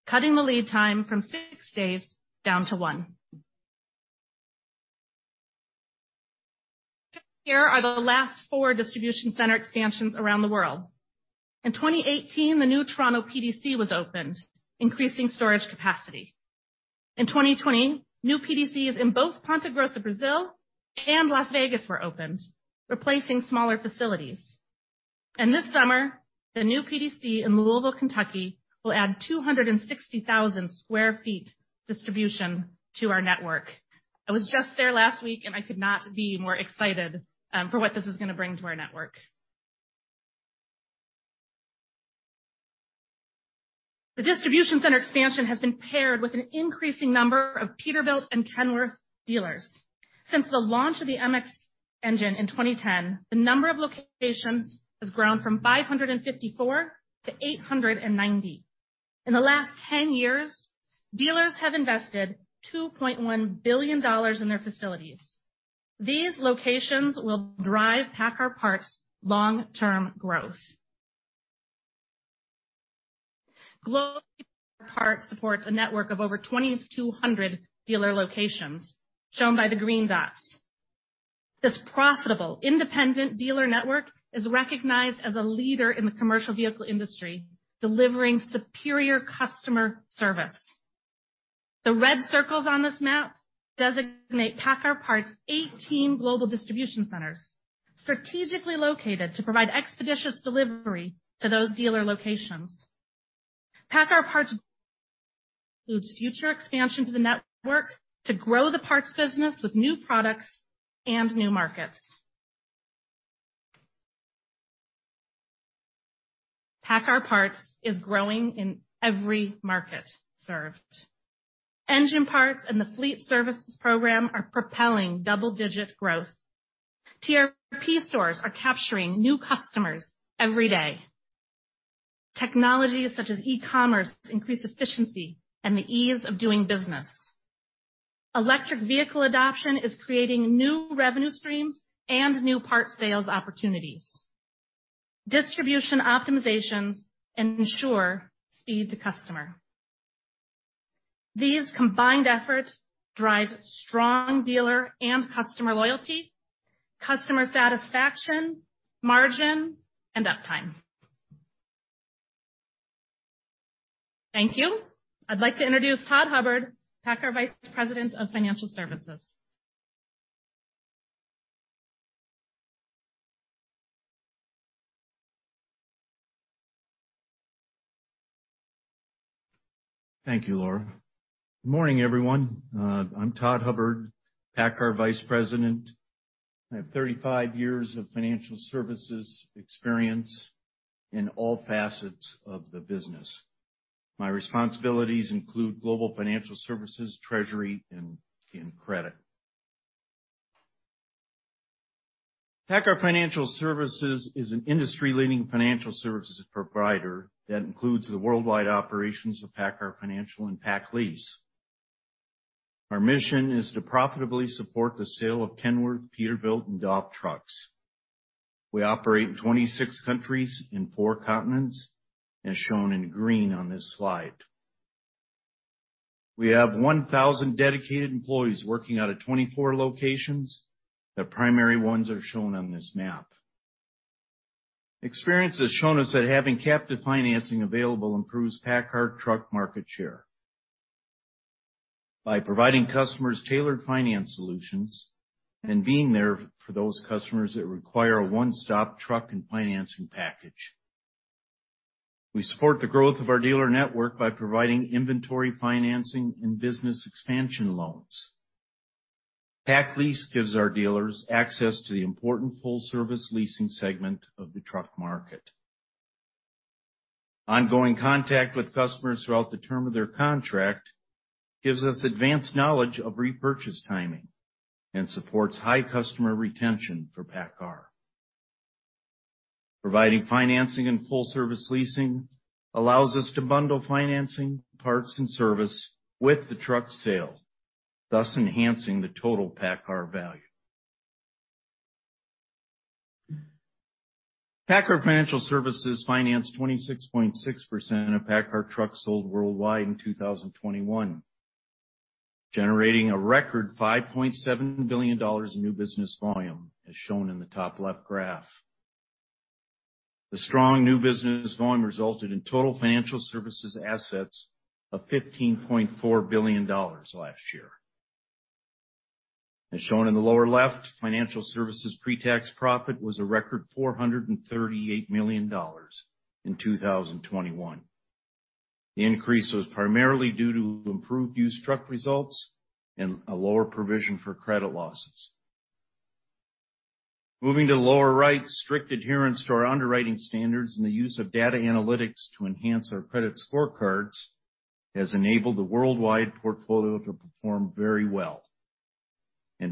cutting the lead time from six days down to one. Here are the last four distribution center expansions around the world. In 2018, the new Toronto PDC was opened, increasing storage capacity. In 2020, new PDCs in both Ponta Grossa, Brazil and Las Vegas were opened, replacing smaller facilities. This summer, the new PDC in Louisville, Kentucky, will add 260,000 sq ft distribution to our network. I was just there last week, and I could not be more excited for what this is gonna bring to our network. The distribution center expansion has been paired with an increasing number of Peterbilt and Kenworth dealers. Since the launch of the MX engine in 2010, the number of locations has grown from 554 to 890. In the last ten years, dealers have invested $2.1 billion in their facilities. These locations will drive PACCAR Parts' long-term growth. Globally, PACCAR Parts supports a network of over 2,200 dealer locations, shown by the green dots. This profitable independent dealer network is recognized as a leader in the commercial vehicle industry, delivering superior customer service. The red circles on this map designate PACCAR Parts' 18 global distribution centers, strategically located to provide expeditious delivery to those dealer locations. PACCAR Parts future expansion to the network to grow the parts business with new products and new markets. PACCAR Parts is growing in every market served. Engine parts and the fleet services program are propelling double-digit growth. TRP stores are capturing new customers every day. Technologies such as e-commerce increase efficiency and the ease of doing business. Electric vehicle adoption is creating new revenue streams and new parts sales opportunities. Distribution optimizations ensure speed to customer. These combined efforts drive strong dealer and customer loyalty, customer satisfaction, margin, and uptime. Thank you. I'd like to introduce Todd Hubbard, PACCAR Vice President of Financial Services. Thank you, Laura. Good morning, everyone. I'm Todd Hubbard, PACCAR Vice President. I have 35 years of financial services experience in all facets of the business. My responsibilities include global financial services, treasury, and credit. PACCAR Financial Services is an industry-leading financial services provider that includes the worldwide operations of PACCAR Financial and PacLease. Our mission is to profitably support the sale of Kenworth, Peterbilt, and DAF trucks. We operate in 26 countries in four continents, as shown in green on this slide. We have 1,000 dedicated employees working out of 24 locations. The primary ones are shown on this map. Experience has shown us that having captive financing available improves PACCAR truck market share. By providing customers tailored finance solutions and being there for those customers that require a one-stop truck and financing package. We support the growth of our dealer network by providing inventory, financing, and business expansion loans. PacLease gives our dealers access to the important full-service leasing segment of the truck market. Ongoing contact with customers throughout the term of their contract gives us advanced knowledge of repurchase timing and supports high customer retention for PACCAR. Providing financing and full-service leasing allows us to bundle financing, parts, and service with the truck sale, thus enhancing the total PACCAR value. PACCAR Financial Services financed 26.6% of PACCAR trucks sold worldwide in 2021, generating a record $5.7 billion in new business volume, as shown in the top left graph. The strong new business volume resulted in total financial services assets of $15.4 billion last year. As shown in the lower left, financial services' pre-tax profit was a record $438 million in 2021. The increase was primarily due to improved used truck results and a lower provision for credit losses. Moving to the lower right, strict adherence to our underwriting standards and the use of data analytics to enhance our credit scorecards has enabled the worldwide portfolio to perform very well.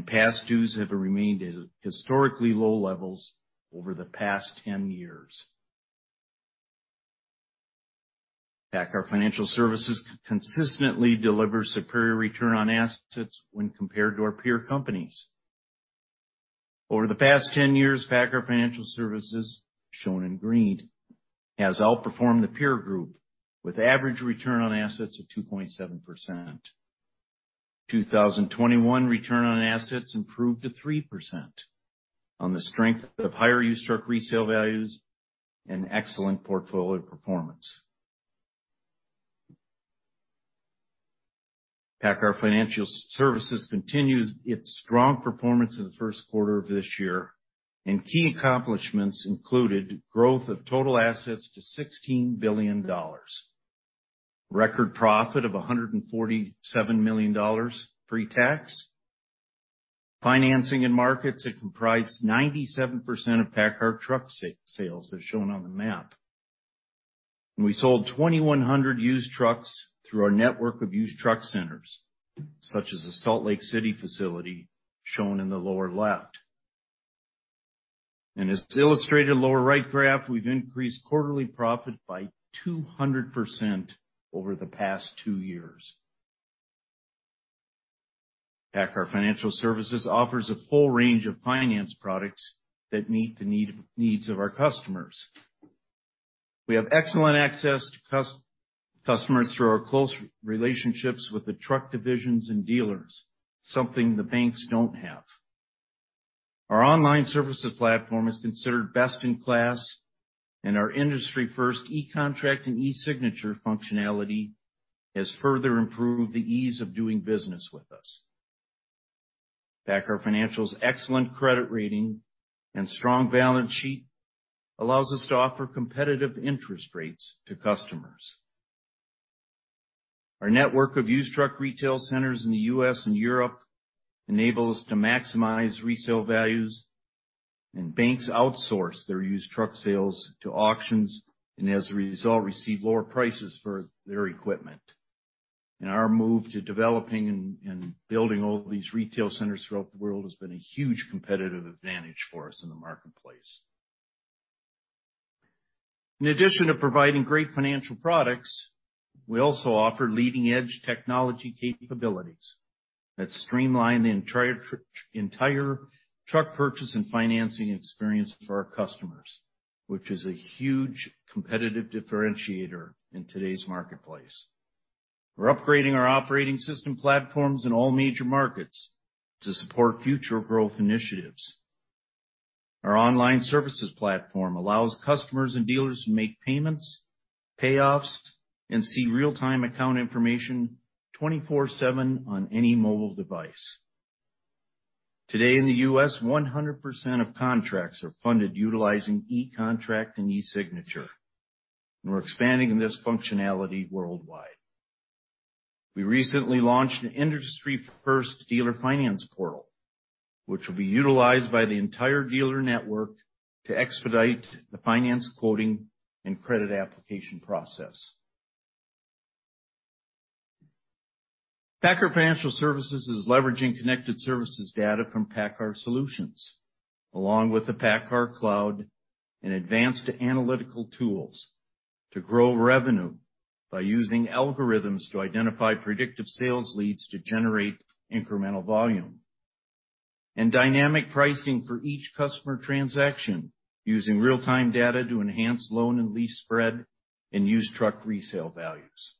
Past dues have remained at historically low levels over the past 10 years. PACCAR Financial Services consistently delivers superior return on assets when compared to our peer companies. Over the past 10 years, PACCAR Financial Services, shown in green, has outperformed the peer group with average return on assets of 2.7%. 2021 return on assets improved to 3% on the strength of higher used truck resale values and excellent portfolio performance. PACCAR Financial Services continues its strong performance in the Q1 of this year, and key accomplishments included growth of total assets to $16 billion, record profit of $147 million pre-tax, financing in markets that comprise 97% of PACCAR truck sales, as shown on the map. We sold 2,100 used trucks through our network of used truck centers, such as the Salt Lake City facility shown in the lower left. As illustrated lower right graph, we've increased quarterly profit by 200% over the past two years. PACCAR Financial Services offers a full range of finance products that meet the needs of our customers. We have excellent access to customers through our close relationships with the truck divisions and dealers, something the banks don't have. Our online services platform is considered best in class, and our industry first eContract and eSignature functionality has further improved the ease of doing business with us. PACCAR Financial's excellent credit rating and strong balance sheet allows us to offer competitive interest rates to customers. Our network of used truck retail centers in the U.S. and Europe enable us to maximize resale values, and banks outsource their used truck sales to auctions, and as a result, receive lower prices for their equipment. Our move to developing and building all these retail centers throughout the world has been a huge competitive advantage for us in the marketplace. In addition to providing great financial products, we also offer leading-edge technology capabilities that streamline the entire truck purchase and financing experience for our customers, which is a huge competitive differentiator in today's marketplace. We're upgrading our operating system platforms in all major markets to support future growth initiatives. Our online services platform allows customers and dealers to make payments, payoffs, and see real-time account information 24/7 on any mobile device. Today in the U.S., 100% of contracts are funded utilizing eContract and eSignature, and we're expanding this functionality worldwide. We recently launched an industry-first dealer finance portal, which will be utilized by the entire dealer network to expedite the finance quoting and credit application process. PACCAR Financial Services is leveraging Connected Services data from PACCAR Solutions, along with the PACCAR Cloud and advanced analytical tools to grow revenue by using algorithms to identify predictive sales leads to generate incremental volume. Dynamic pricing for each customer transaction using real-time data to enhance loan and lease spread and used truck resale values.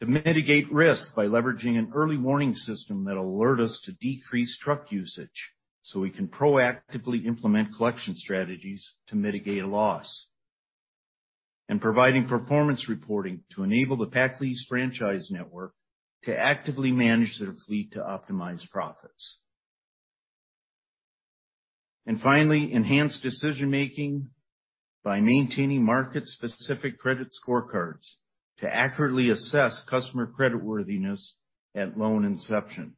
To mitigate risk by leveraging an early warning system that alert us to decrease truck usage, so we can proactively implement collection strategies to mitigate a loss. Providing performance reporting to enable the PacLease franchise network to actively manage their fleet to optimize profits. Finally, enhance decision-making by maintaining market-specific credit scorecards to accurately assess customer creditworthiness at loan inception.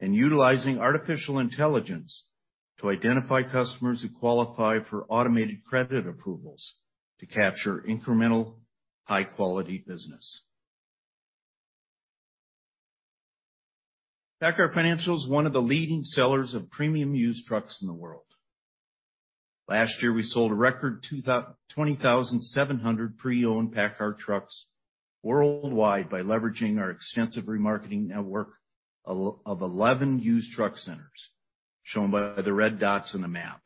Utilizing artificial intelligence to identify customers who qualify for automated credit approvals to capture incremental, high-quality business. PACCAR Financial is one of the leading sellers of premium used trucks in the world. Last year, we sold a record 20,700 pre-owned PACCAR trucks worldwide by leveraging our extensive remarketing network of 11 used truck centers, shown by the red dots on the map.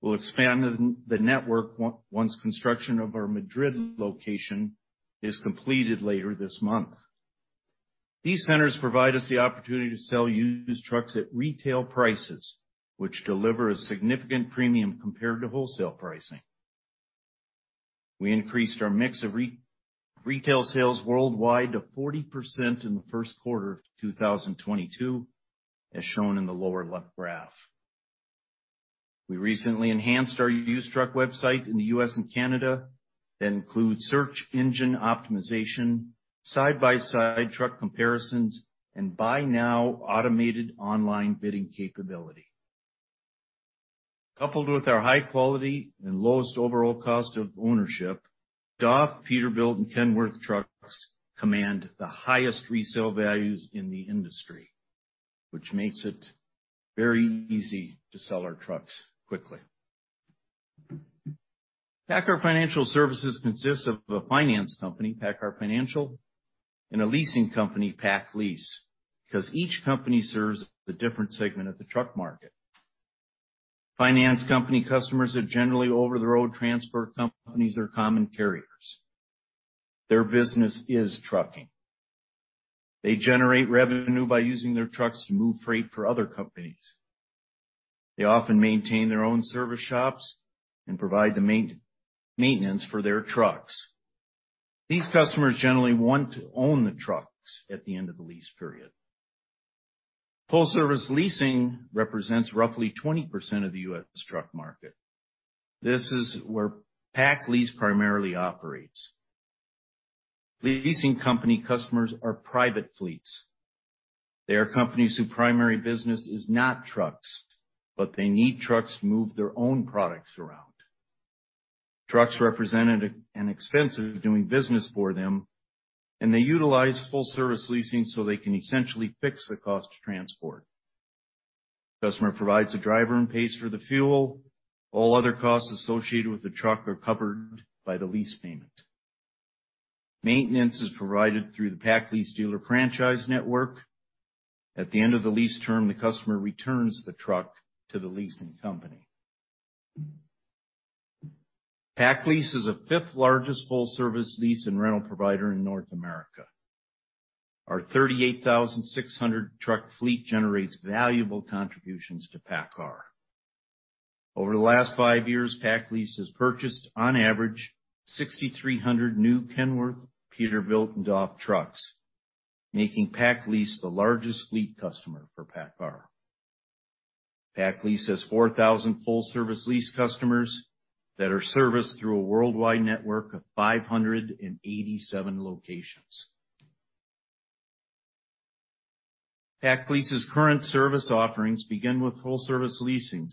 We'll expand the network once construction of our Madrid location is completed later this month. These centers provide us the opportunity to sell used trucks at retail prices, which deliver a significant premium compared to wholesale pricing. We increased our mix of re-retail sales worldwide to 40% in the Q1 of 2022, as shown in the lower left graph. We recently enhanced our used truck website in the U.S. and Canada that include search engine optimization, side-by-side truck comparisons, and buy now automated online bidding capability. Coupled with our high quality and lowest overall cost of ownership, DAF, Peterbilt, and Kenworth trucks command the highest resale values in the industry, which makes it very easy to sell our trucks quickly. PACCAR Financial Services consists of a finance company, PACCAR Financial, and a leasing company, PacLease, because each company serves a different segment of the truck market. Finance company customers are generally over-the-road transport companies or common carriers. Their business is trucking. They generate revenue by using their trucks to move freight for other companies. They often maintain their own service shops and provide the major maintenance for their trucks. These customers generally want to own the trucks at the end of the lease period. Full service leasing represents roughly 20% of the U.S. truck market. This is where PacLease primarily operates. Leasing company customers are private fleets. They are companies whose primary business is not trucks, but they need trucks to move their own products around. Trucks represent an expense of doing business for them, and they utilize full service leasing so they can essentially fix the cost to transport. Customer provides the driver and pays for the fuel. All other costs associated with the truck are covered by the lease payment. Maintenance is provided through the PacLease dealer franchise network. At the end of the lease term, the customer returns the truck to the leasing company. PacLease is the fifth-largest full-service lease and rental provider in North America. Our 38,600 truck fleet generates valuable contributions to PACCAR. Over the last five years, PacLease has purchased on average 6,300 new Kenworth, Peterbilt, and DAF trucks, making PacLease the largest fleet customer for PACCAR. PacLease has 4,000 full-service lease customers that are serviced through a worldwide network of 587 locations. PacLease's current service offerings begin with full-service leasing,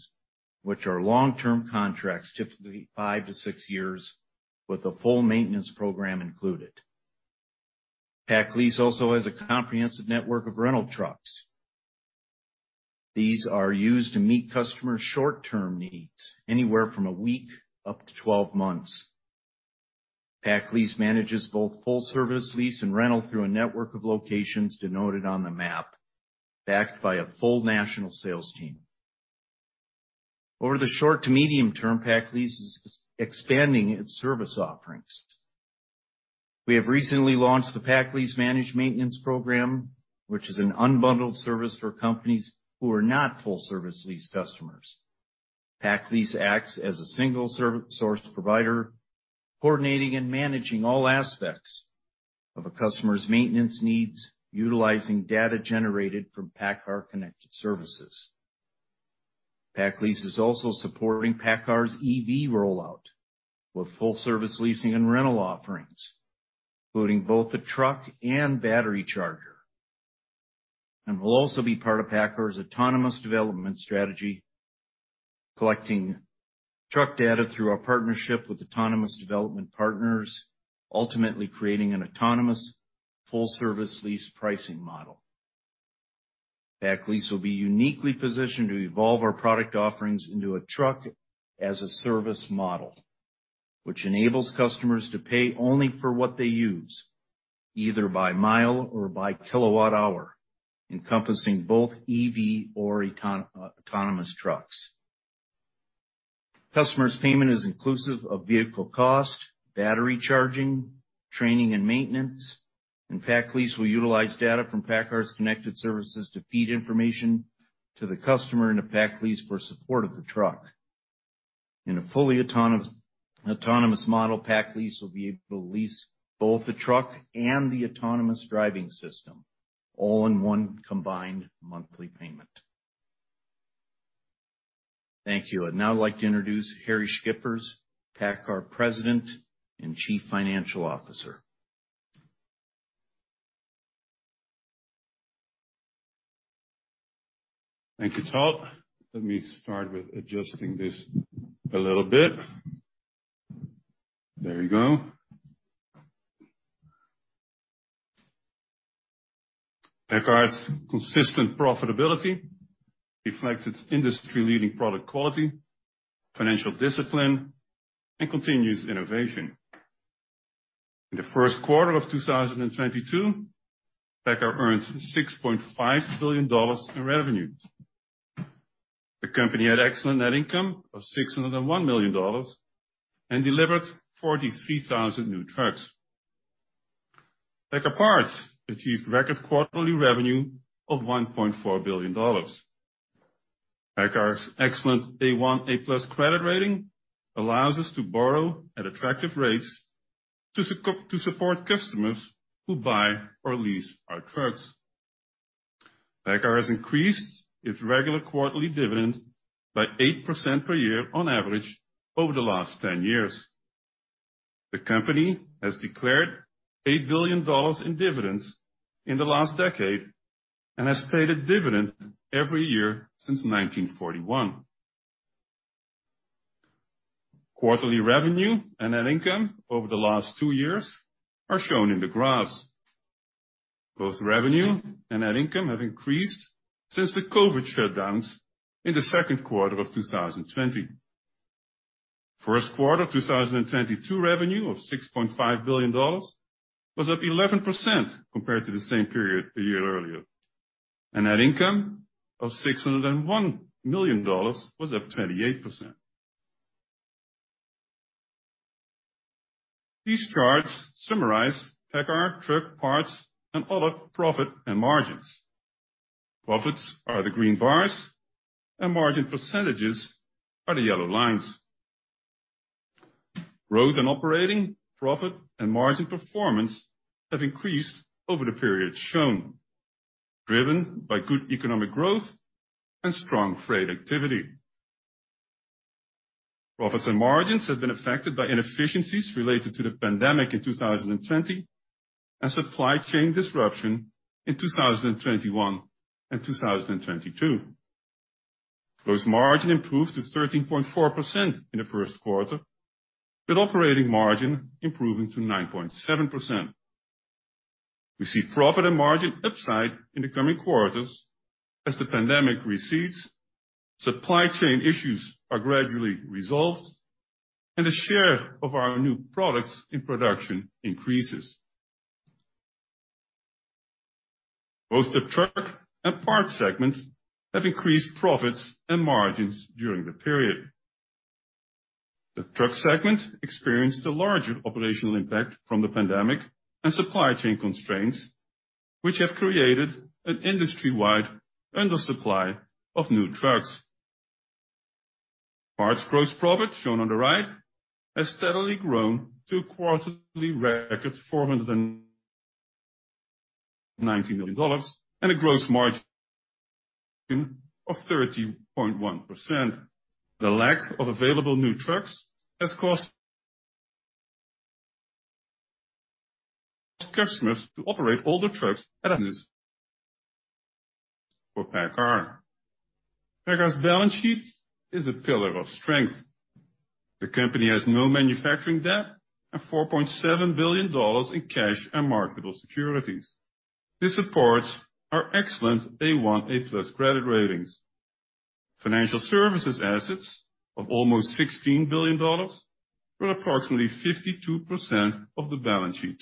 which are long-term contracts, typically five to six years, with a full maintenance program included. PacLease also has a comprehensive network of rental trucks. These are used to meet customer short-term needs, anywhere from a week up to 12 months. PacLease manages both full-service lease and rental through a network of locations denoted on the map, backed by a full national sales team. Over the short to medium term, PacLease is expanding its service offerings. We have recently launched the PacLease Managed Maintenance Program, which is an unbundled service for companies who are not full-service lease customers. PacLease acts as a single service source provider, coordinating and managing all aspects of a customer's maintenance needs, utilizing data generated from PACCAR Connect. PacLease is also supporting PACCAR's EV rollout with full-service leasing and rental offerings, including both the truck and battery charger. We'll also be part of PACCAR's autonomous development strategy, collecting truck data through our partnership with autonomous development partners, ultimately creating an autonomous full-service lease pricing model. PacLease will be uniquely positioned to evolve our product offerings into a truck as a service model, which enables customers to pay only for what they use, either by mile or by kilowatt hour, encompassing both EV or autonomous trucks. Customer's payment is inclusive of vehicle cost, battery charging, training, and maintenance. PacLease will utilize data from PACCAR Connect to feed information to the customer and to PacLease for support of the truck. In a fully autonomous model, PacLease will be able to lease both the truck and the autonomous driving system, all in one combined monthly payment. Thank you. I'd now like to introduce Harrie Schippers, PACCAR President and Chief Financial Officer. Thank you, Todd. Let me start with adjusting this a little bit. There we go. PACCAR's consistent profitability reflects its industry-leading product quality, financial discipline, and continuous innovation. In the Q1 of 2022, PACCAR earned $6.5 billion in revenue. The company had excellent net income of $601 million and delivered 43,000 new trucks. PACCAR Parts achieved record quarterly revenue of $1.4 billion. PACCAR's excellent A1, A+ credit rating allows us to borrow at attractive rates to support customers who buy or lease our trucks. PACCAR has increased its regular quarterly dividend by 8% per year on average over the last 10 years. The company has declared $8 billion in dividends in the last decade and has paid a dividend every year since 1941. Quarterly revenue and net income over the last two years are shown in the graphs. Both revenue and net income have increased since the COVID shutdowns in the Q2 of 2020. Q1 2022 revenue of $6.5 billion was up 11% compared to the same period a year earlier. Net income of $601 million was up 28%. These charts summarize PACCAR Truck, Parts, and other profit and margins. Profits are the green bars, and margin percentages are the yellow lines. Growth in operating profit and margin performance have increased over the period shown, driven by good economic growth and strong freight activity. Profits and margins have been affected by inefficiencies related to the pandemic in 2020 and supply chain disruption in 2021 and 2022. Gross margin improved to 13.4% in the Q1, with operating margin improving to 9.7%. We see profit and margin upside in the coming quarters as the pandemic recedes, supply chain issues are gradually resolved, and the share of our new products in production increases. Both the truck and parts segments have increased profits and margins during the period. The truck segment experienced a larger operational impact from the pandemic and supply chain constraints, which have created an industry-wide under supply of new trucks. Parts gross profit, shown on the right, has steadily grown to a quarterly record $490 million and a gross margin of 30.1%. The lack of available new trucks has caused customers to operate older trucks, a boon for PACCAR. PACCAR's balance sheet is a pillar of strength. The company has no manufacturing debt and $4.7 billion in cash and marketable securities. This supports our excellent A1, A+ credit ratings. Financial services assets of almost $16 billion were approximately 52% of the balance sheet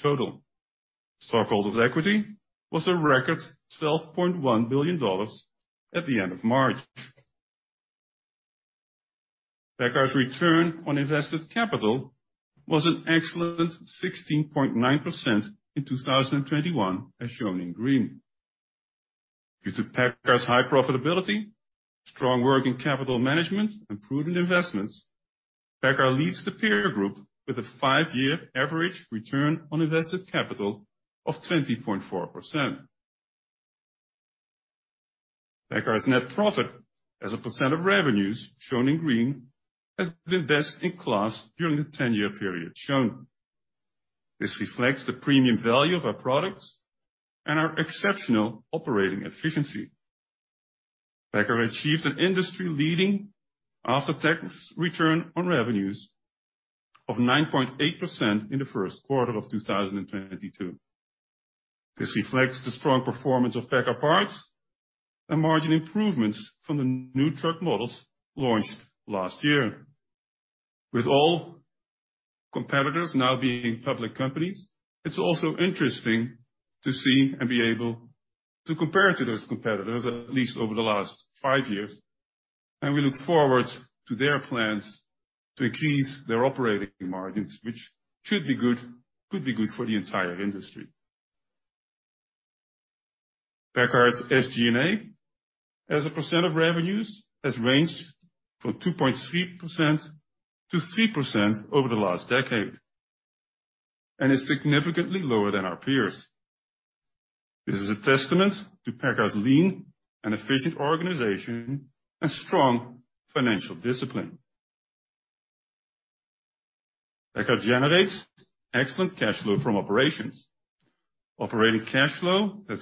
total. Stockholders' equity was a record $12.1 billion at the end of March. PACCAR's return on invested capital was an excellent 16.9% in 2021, as shown in green. Due to PACCAR's high profitability, strong working capital management, and prudent investments, PACCAR leads the peer group with a five-year average return on invested capital of 20.4%. PACCAR's net profit as a percent of revenues, shown in green, has been best in class during the 10-year period shown. This reflects the premium value of our products and our exceptional operating efficiency. PACCAR achieved an industry-leading after-tax return on revenues of 9.8% in the Q1 of 2022. This reflects the strong performance of PACCAR Parts and margin improvements from the new truck models launched last year. With all competitors now being public companies, it's also interesting to see and be able to compare to those competitors, at least over the last five years, and we look forward to their plans to increase their operating margins, which should be good, could be good for the entire industry. PACCAR's SG&A as a percent of revenues has ranged from 2.3% to 3% over the last decade, and is significantly lower than our peers. This is a testament to PACCAR's lean and efficient organization and strong financial discipline. PACCAR generates excellent cash flow from operations. Operating cash flow has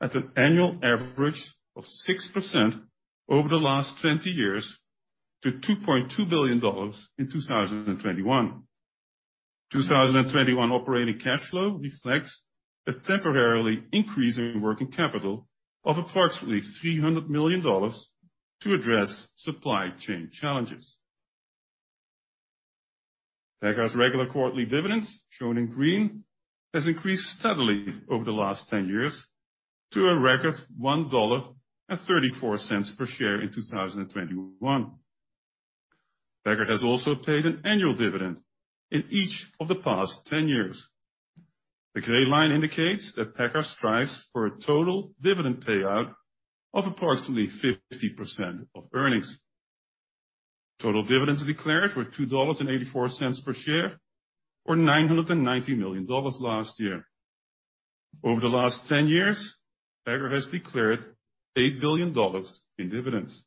grown at an annual average of 6% over the last 20 years to $2.2 billion in 2021. 2021 operating cash flow reflects a temporary increase in working capital of approximately $300 million to address supply chain challenges. PACCAR's regular quarterly dividends, shown in green, have increased steadily over the last 10 years to a record $1.34 per share in 2021. PACCAR has also paid an annual dividend in each of the past 10 years. The gray line indicates that PACCAR strives for a total dividend payout of approximately 50% of earnings. Total dividends declared were $2.84 per share, or $990 million last year. Over the last 10 years, PACCAR has declared $8 billion in dividends.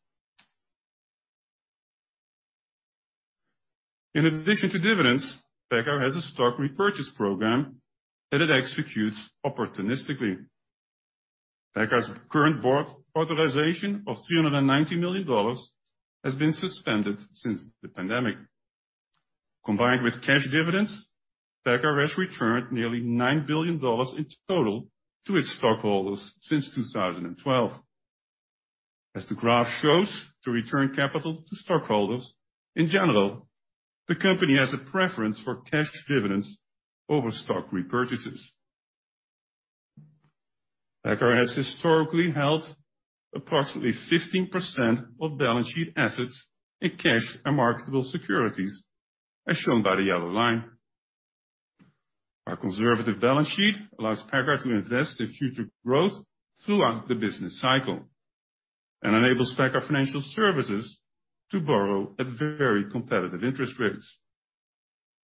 In addition to dividends, PACCAR has a stock repurchase program that it executes opportunistically. PACCAR's current board authorization of $390 million has been suspended since the pandemic. Combined with cash dividends, PACCAR has returned nearly $9 billion in total to its stockholders since 2012. As the graph shows, to return capital to stockholders, in general, the company has a preference for cash dividends over stock repurchases. PACCAR has historically held approximately 15% of balance sheet assets in cash and marketable securities, as shown by the yellow line. Our conservative balance sheet allows PACCAR to invest in future growth throughout the business cycle and enables PACCAR Financial Services to borrow at very competitive interest rates.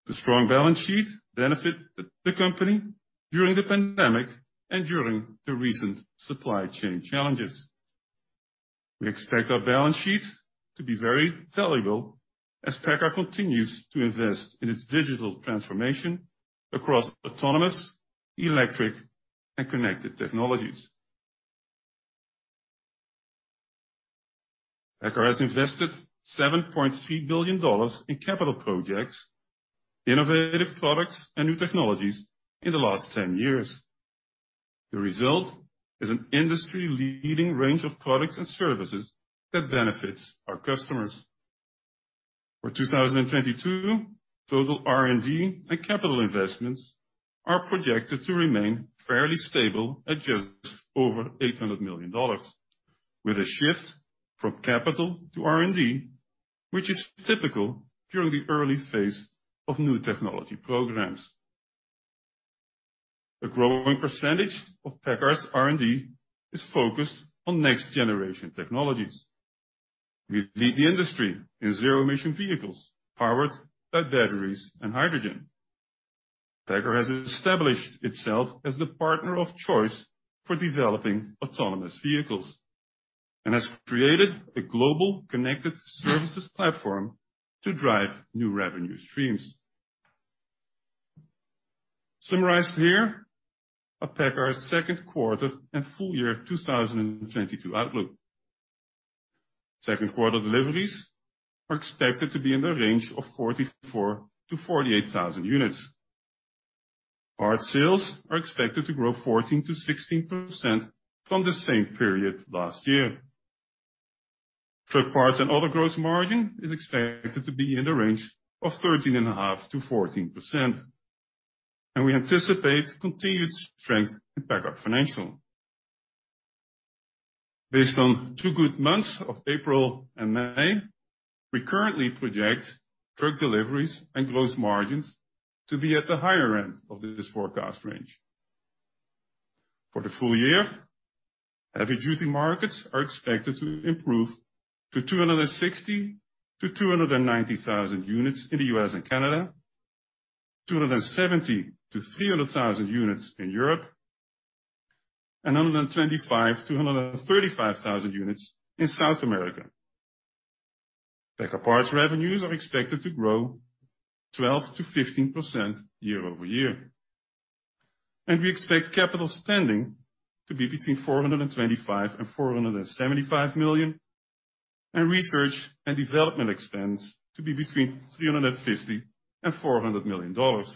The strong balance sheet benefited the company during the pandemic and during the recent supply chain challenges. We expect our balance sheet to be very valuable as PACCAR continues to invest in its digital transformation across autonomous, electric, and connected technologies. PACCAR has invested $7.3 billion in capital projects, innovative products, and new technologies in the last 10 years. The result is an industry-leading range of products and services that benefits our customers. For 2022, total R&D and capital investments are projected to remain fairly stable at just over $800 million, with a shift from capital to R&D, which is typical during the early phase of new technology programs. A growing percentage of PACCAR's R&D is focused on next-generation technologies. We lead the industry in zero-emission vehicles powered by batteries and hydrogen. PACCAR has established itself as the partner of choice for developing autonomous vehicles, and has created a global connected services platform to drive new revenue streams. Summarized here are PACCAR's Q2 and full year 2022 outlook. Q2 deliveries are expected to be in the range of 44,000 to 48,000 units. Parts sales are expected to grow 14% to 16% from the same period last year. Truck parts and other gross margin is expected to be in the range of 13.5% to 14%, and we anticipate continued strength in PACCAR Financial. Based on two good months of April and May, we currently project truck deliveries and gross margins to be at the higher end of this forecast range. For the full year, heavy-duty markets are expected to improve to 260,000 to 290,000 units in the U.S. and Canada, 270,000 to 300,000 units in Europe, and 125,000 to 135,000 units in South America. PACCAR Parts revenues are expected to grow 12% to 15% year-over-year. We expect capital spending to be between $425 million to $475 million, and research and development expense to be between $350 million to $400 million dollars.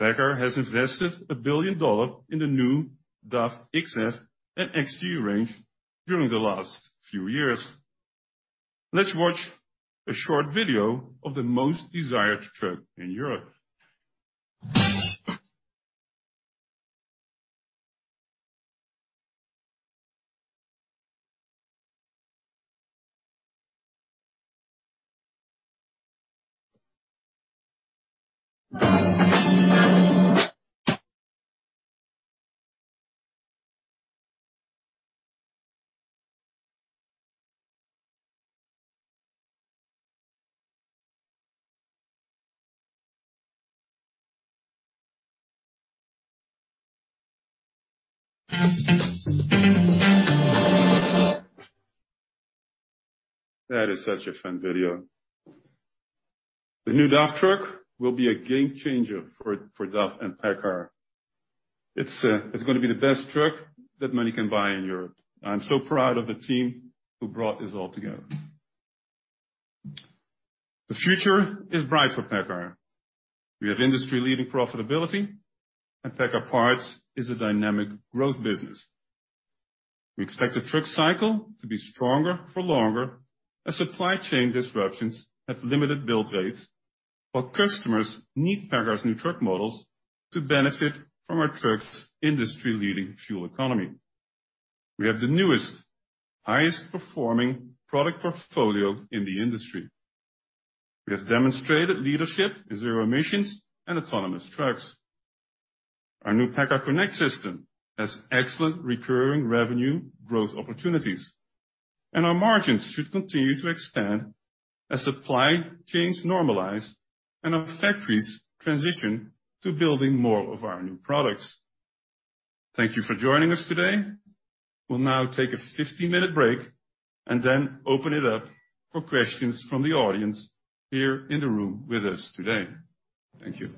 PACCAR has invested a billion dollar in the new DAF XF and XG range during the last few years. Let's watch a short video of the most desired truck in Europe. That is such a fun video. The new DAF truck will be a game changer for DAF and PACCAR. It's gonna be the best truck that money can buy in Europe. I'm so proud of the team who brought this all together. The future is bright for PACCAR. We have industry-leading profitability, and PACCAR Parts is a dynamic growth business. We expect the truck cycle to be stronger for longer as supply chain disruptions have limited build rates, while customers need PACCAR's new truck models to benefit from our trucks' industry-leading fuel economy. We have the newest, highest-performing product portfolio in the industry. We have demonstrated leadership in zero emissions and autonomous trucks. Our new PACCAR Connect system has excellent recurring revenue growth opportunities, and our margins should continue to expand as supply chains normalize and our factories transition to building more of our new products. Thank you for joining us today. We'll now take a 15-minute break and then open it up for questions from the audience here in the room with us today. Thank you.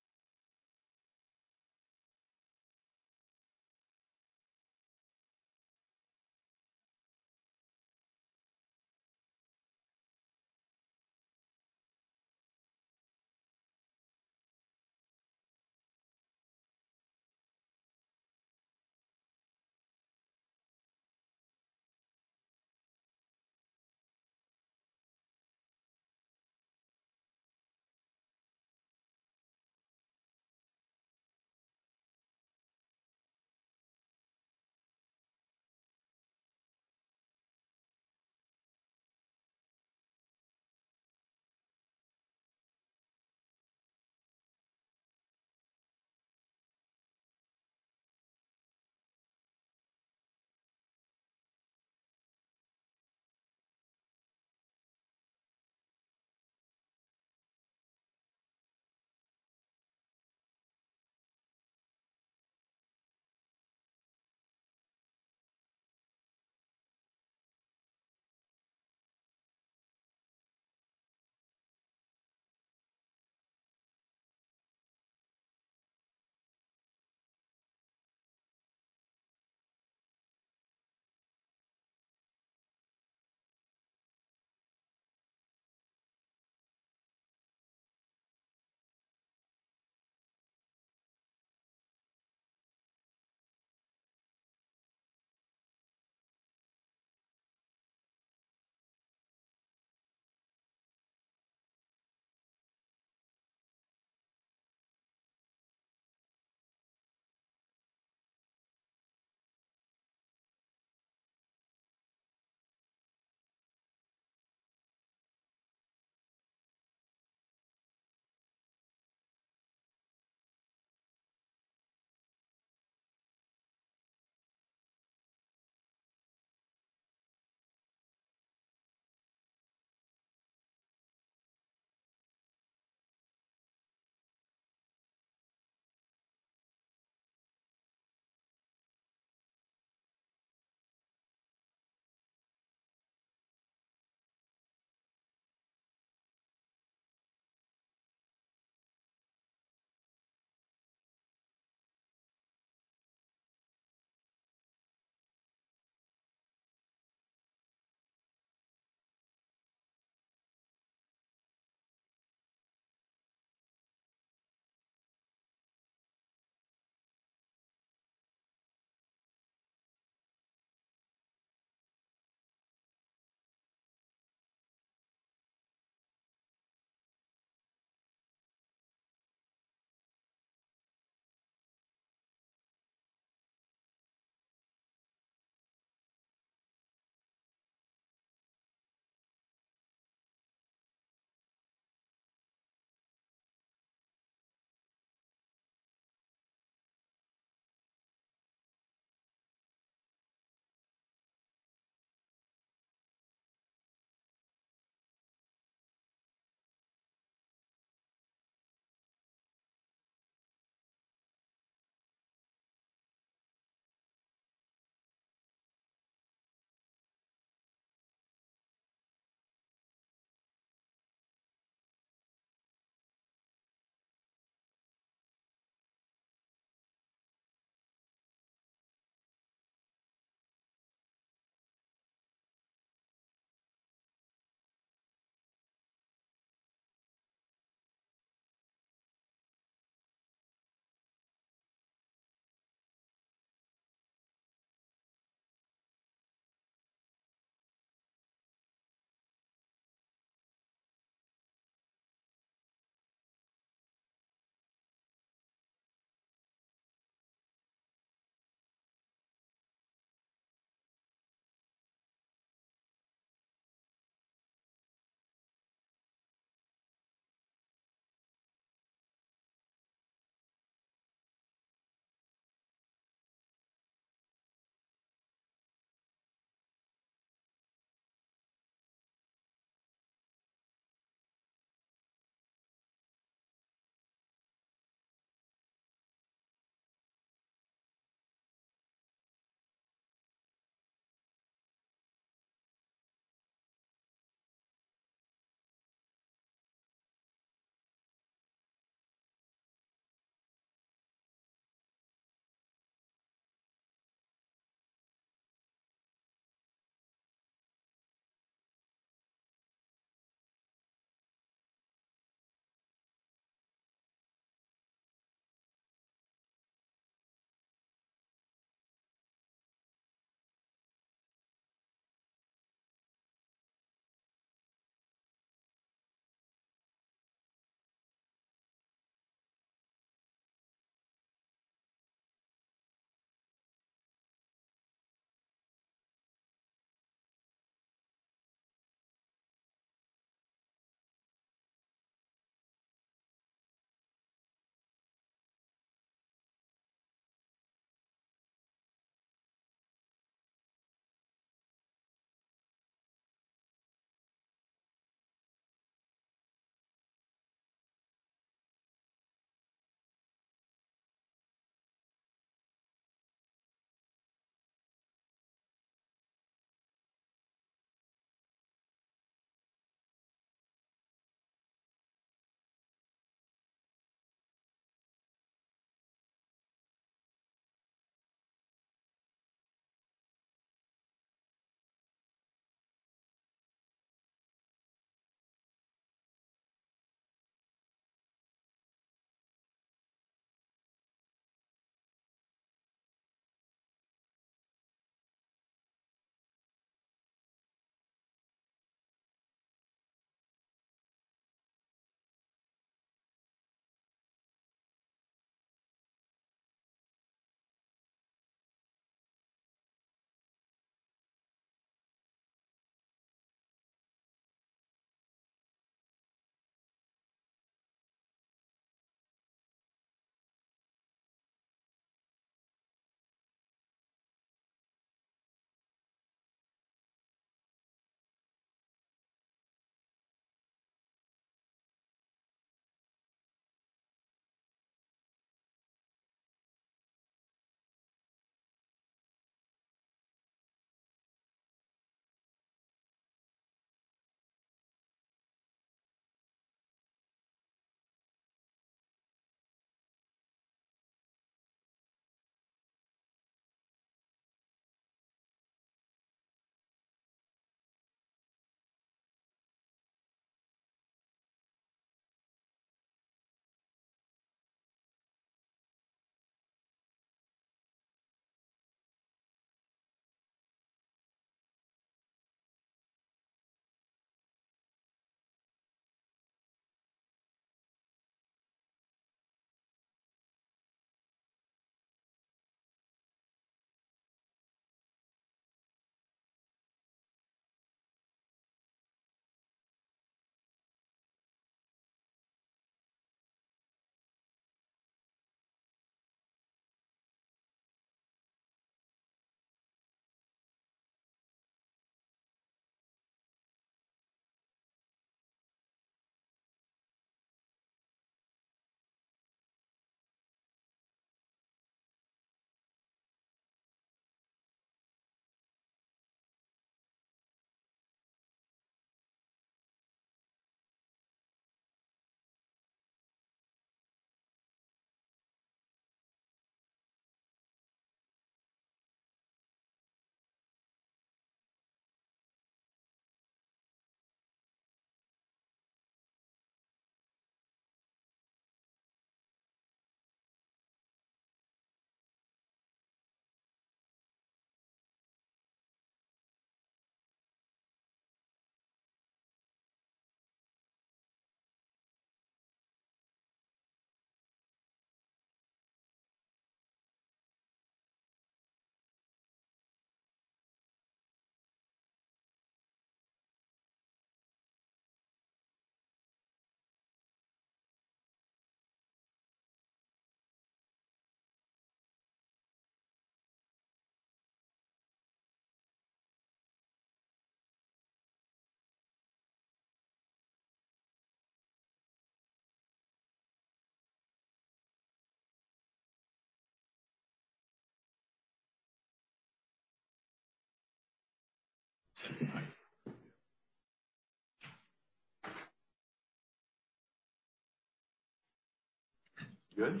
Good.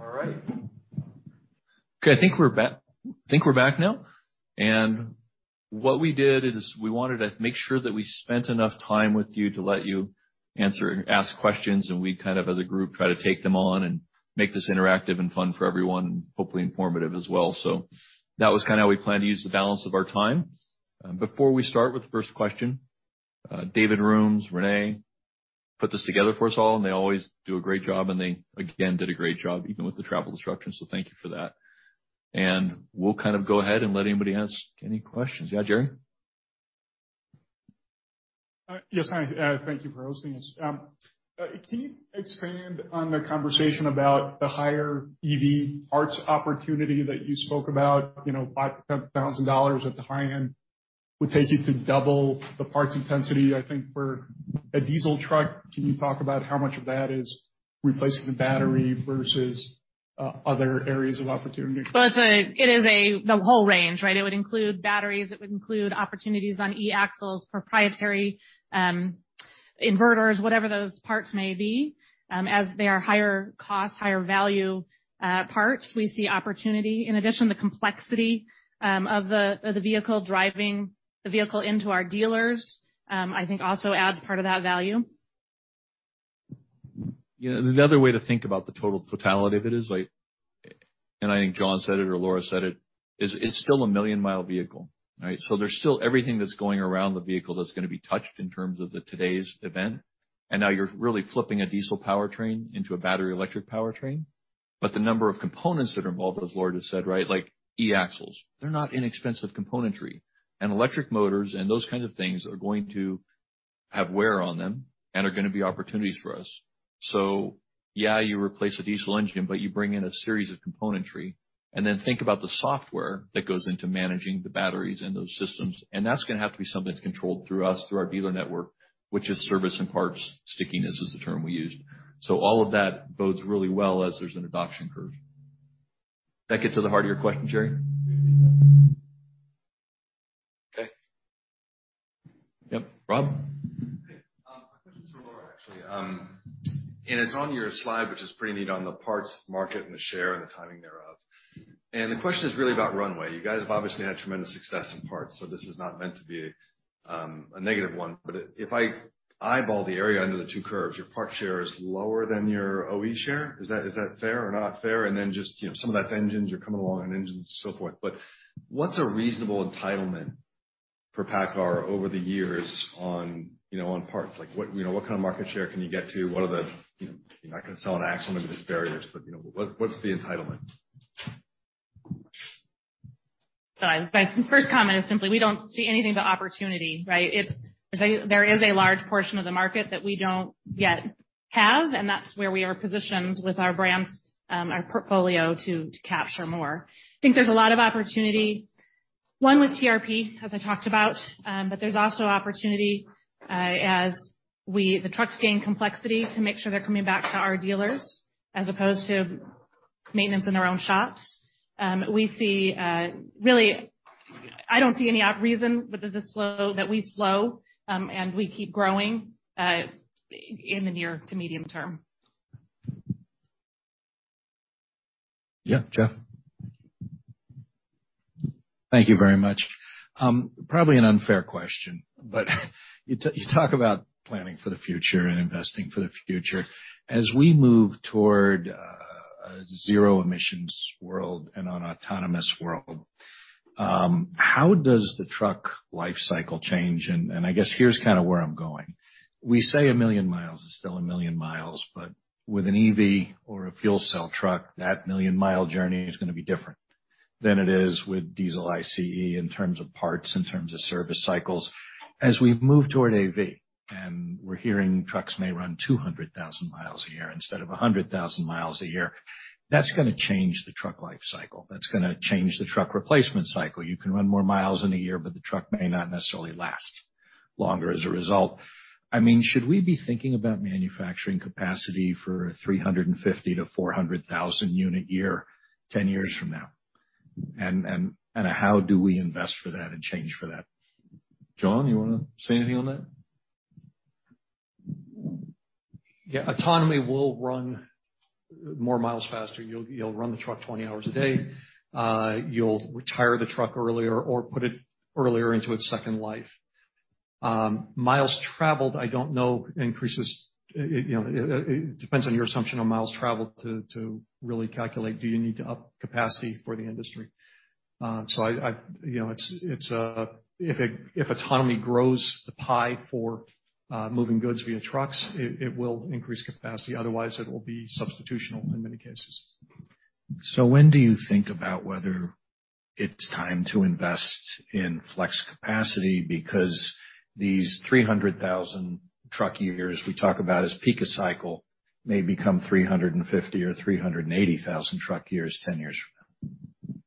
All right. Okay, I think we're back now. What we did is we wanted to make sure that we spent enough time with you to let you ask questions, and we kind of, as a group, try to take them on and make this interactive and fun for everyone. Hopefully informative as well. That was kinda how we planned to use the balance of our time. Before we start with the first question, David Rooms, Renee, put this together for us all, and they always do a great job, and they, again, did a great job, even with the travel disruptions. Thank you for that. We'll kind of go ahead and let anybody ask any questions. Yeah, Jerry? Yes. Hi. Thank you for hosting us. Can you expand on the conversation about the higher EV parts opportunity that you spoke about, you know, $5,000 to $10,000 at the high end would take you to double the parts intensity, I think, for a diesel truck. Can you talk about how much of that is replacing the battery versus other areas of opportunity? It is a, the whole range, right? It would include batteries. It would include opportunities on e-axles, proprietary inverters, whatever those parts may be. As they are higher cost, higher value parts, we see opportunity. In addition, the complexity of the vehicle driving the vehicle into our dealers, I think also adds part of that value. Yeah. Another way to think about the total totality of it is like I think John said it or Laura said it, is it's still a-million-mile vehicle, right? There's still everything that's going around the vehicle that's gonna be touched in terms of today's event, and now you're really flipping a diesel powertrain into a battery electric powertrain. The number of components that are involved, as Laura just said, right? Like e-axles, they're not inexpensive componentry. Electric motors, and those kinds of things are going to have wear on them and are gonna be opportunities for us. Yeah, you replace a diesel engine, but you bring in a series of componentry, and then think about the software that goes into managing the batteries in those systems, and that's gonna have to be something that's controlled through us, through our dealer network, which is service and parts. Stickiness is the term we used. All of that bodes really well as there's an adoption curve. That get to the heart of your question, Jerry? Okay. Yep. Rob? Hey. My question is for Laura, actually. It's on your slide, which is pretty neat on the parts market and the share and the timing thereof. The question is really about runway. You guys have obviously had tremendous success in parts, so this is not meant to be a negative one. If I eyeball the area under the two curves, your part share is lower than your OE share. Is that fair or not fair? Then just, you know, some of that's engines are coming along and engines and so forth. What's a reasonable entitlement for PACCAR over the years on, you know, on parts? Like, what, you know, what kind of market share can you get to? You know, you're not gonna sell an axle maybe there's barriers, but, you know, what's the entitlement? My first comment is simply we don't see anything but opportunity, right? There is a large portion of the market that we don't yet have, and that's where we are positioned with our brands, our portfolio to capture more. I think there's a lot of opportunity, one with TRP, as I talked about, but there's also opportunity, as the trucks gain complexity to make sure they're coming back to our dealers as opposed to maintenance in their own shops. We see. Really, I don't see any other reason why the slowdown would slow our growth in the near to medium term. Yeah. Jeff? Thank you very much. Probably an unfair question, but you talk about planning for the future and investing for the future. As we move toward a zero emissions world and an autonomous world, how does the truck life cycle change? I guess here's kinda where I'm going. We say a million miles is still a million miles, but with an EV or a fuel cell truck, that million-mile journey is gonna be different than it is with diesel ICE in terms of parts, in terms of service cycles. As we move toward AV, and we're hearing trucks may run 200,000 miles a year instead of 100,000 miles a year, that's gonna change the truck life cycle. That's gonna change the truck replacement cycle. You can run more miles in a year, but the truck may not necessarily last longer as a result. I mean, should we be thinking about manufacturing capacity for 350,000 to 400,000 units a year 10 years from now? How do we invest for that and change for that? John, you wanna say anything on that? Yeah. Autonomy will run more miles faster. You'll run the truck 20 hours a day. You'll retire the truck earlier or put it earlier into its second life. Miles traveled, I don't know, increases. You know, it depends on your assumption on miles traveled to really calculate, do you need to up capacity for the industry? You know, it's if autonomy grows the pie for moving goods via trucks, it will increase capacity. Otherwise, it will be substitutional in many cases. When do you think about whether it's time to invest in flex capacity because these 300,000 truck years we talk about as peak of a cycle may become 350,000 or 380,000 truck years 10 years from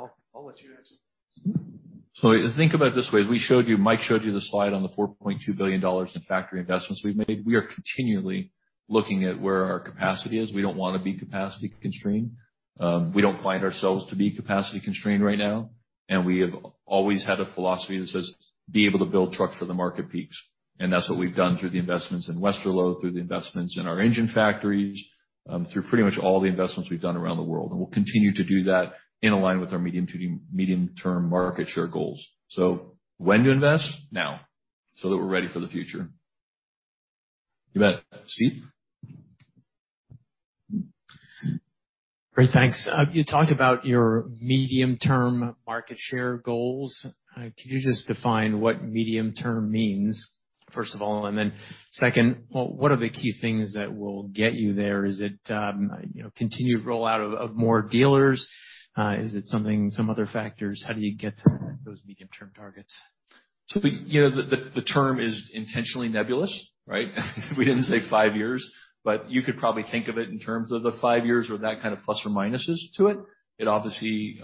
now? I'll let you answer. Think about it this way. As we showed you, Mike showed you the slide on the $4.2 billion in factory investments we've made. We are continually looking at where our capacity is. We don't wanna be capacity constrained. We don't find ourselves to be capacity constrained right now, and we have always had a philosophy that says, "Be able to build trucks for the market peaks." That's what we've done through the investments in Westerlo, through the investments in our engine factories, through pretty much all the investments we've done around the world. We'll continue to do that in line with our medium to medium term market share goals. When to invest? Now, so that we're ready for the future. You got it, Steve? Great. Thanks. You talked about your medium-term market share goals. Could you just define what medium term means, first of all? Second, well, what are the key things that will get you there? Is it, you know, continued rollout of more dealers? Is it something, some other factors? How do you get to those medium-term targets? You know, the term is intentionally nebulous, right? We didn't say five years, but you could probably think of it in terms of the five years or that kind of plus or minuses to it. It obviously,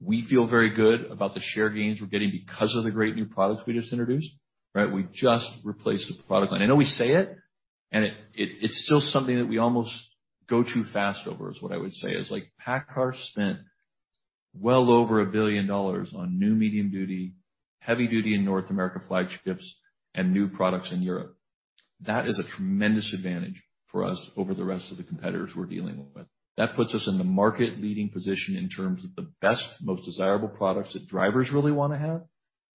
we feel very good about the share gains we're getting because of the great new products we just introduced, right? We just replaced the product line. I know we say it, and it's still something that we almost go too fast over, is what I would say, is like PACCAR spent well over $1 billion on new medium-duty, heavy-duty in North America, flagships and new products in Europe. That is a tremendous advantage for us over the rest of the competitors we're dealing with. That puts us in the market leading position in terms of the best, most desirable products that drivers really wanna have,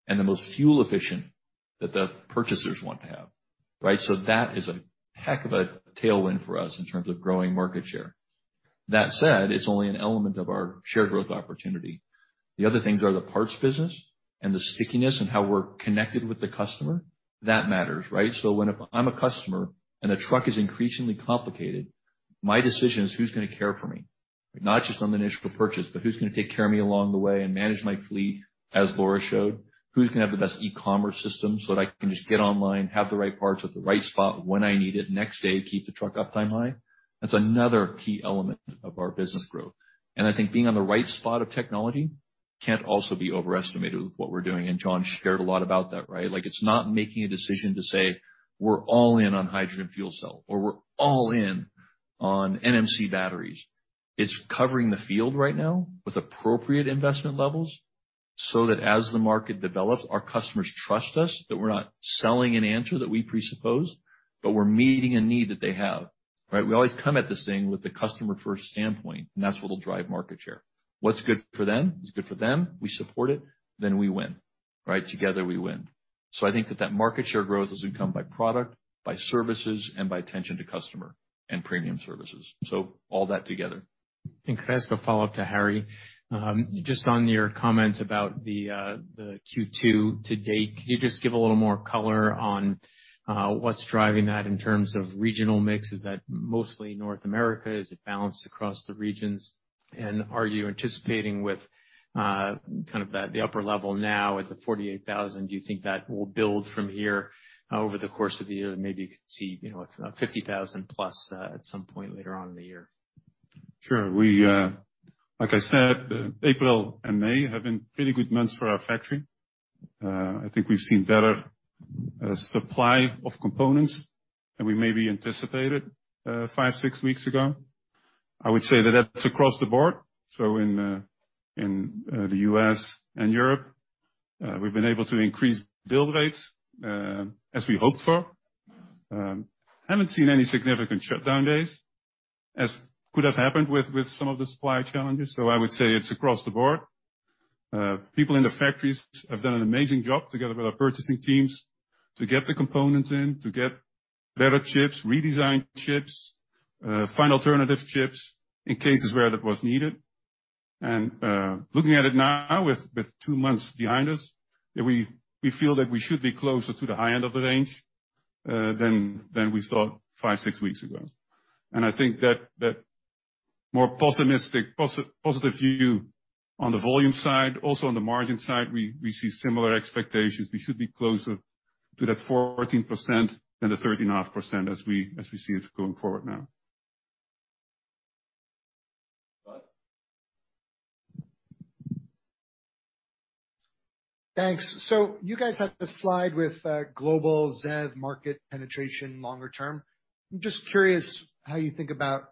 and the most fuel efficient that the purchasers want to have, right? That is a heck of a tailwind for us in terms of growing market share. That said, it's only an element of our share growth opportunity. The other things are the parts business and the stickiness and how we're connected with the customer. That matters, right? What if I'm a customer and the truck is increasingly complicated, my decision is who's gonna care for me? Not just on the initial purchase, but who's gonna take care of me along the way and manage my fleet, as Laura showed. Who's gonna have the best e-commerce system so that I can just get online, have the right parts at the right spot when I need it, next day, keep the truck uptime high? That's another key element of our business growth. I think being on the right spot of technology can't also be overestimated with what we're doing, and John shared a lot about that, right? Like, it's not making a decision to say, "We're all in on hydrogen fuel cell," or, "We're all in on NMC batteries." It's covering the field right now with appropriate investment levels so that as the market develops, our customers trust us that we're not selling an answer that we presuppose, but we're meeting a need that they have, right? We always come at this thing with the customer-first standpoint, and that's what'll drive market share. What's good for them is good for them. We support it, then we win, right? Together we win. I think that market share growth doesn't come by product, by services, and by attention to customer and premium services. All that together. Could I ask a follow-up to Harrie? Just on your comments about the Q2 to date, could you just give a little more color on what's driving that in terms of regional mix? Is that mostly North America? Is it balanced across the regions? Are you anticipating with kind of that, the upper level now at the 48,000, do you think that will build from here over the course of the year? Maybe you could see, you know, a 50,000 plus at some point later on in the year. Sure. Like I said, April and May have been pretty good months for our factory. I think we've seen better supply of components than we maybe anticipated five, six weeks ago. I would say that's across the board. In the U.S. and Europe, we've been able to increase build rates as we hoped for. Haven't seen any significant shutdown days, as could have happened with some of the supply challenges. I would say it's across the board. People in the factories have done an amazing job together with our purchasing teams to get the components in, to get better chips, redesigned chips, find alternative chips in cases where that was needed. Looking at it now with two months behind us, that we feel that we should be closer to the high end of the range than we thought five to six weeks ago. I think that more positive view on the volume side, also on the margin side, we see similar expectations. We should be closer to that 14% than the 13.5% as we see it going forward now. Thanks. You guys have the slide with global ZEV market penetration longer term. I'm just curious how you think about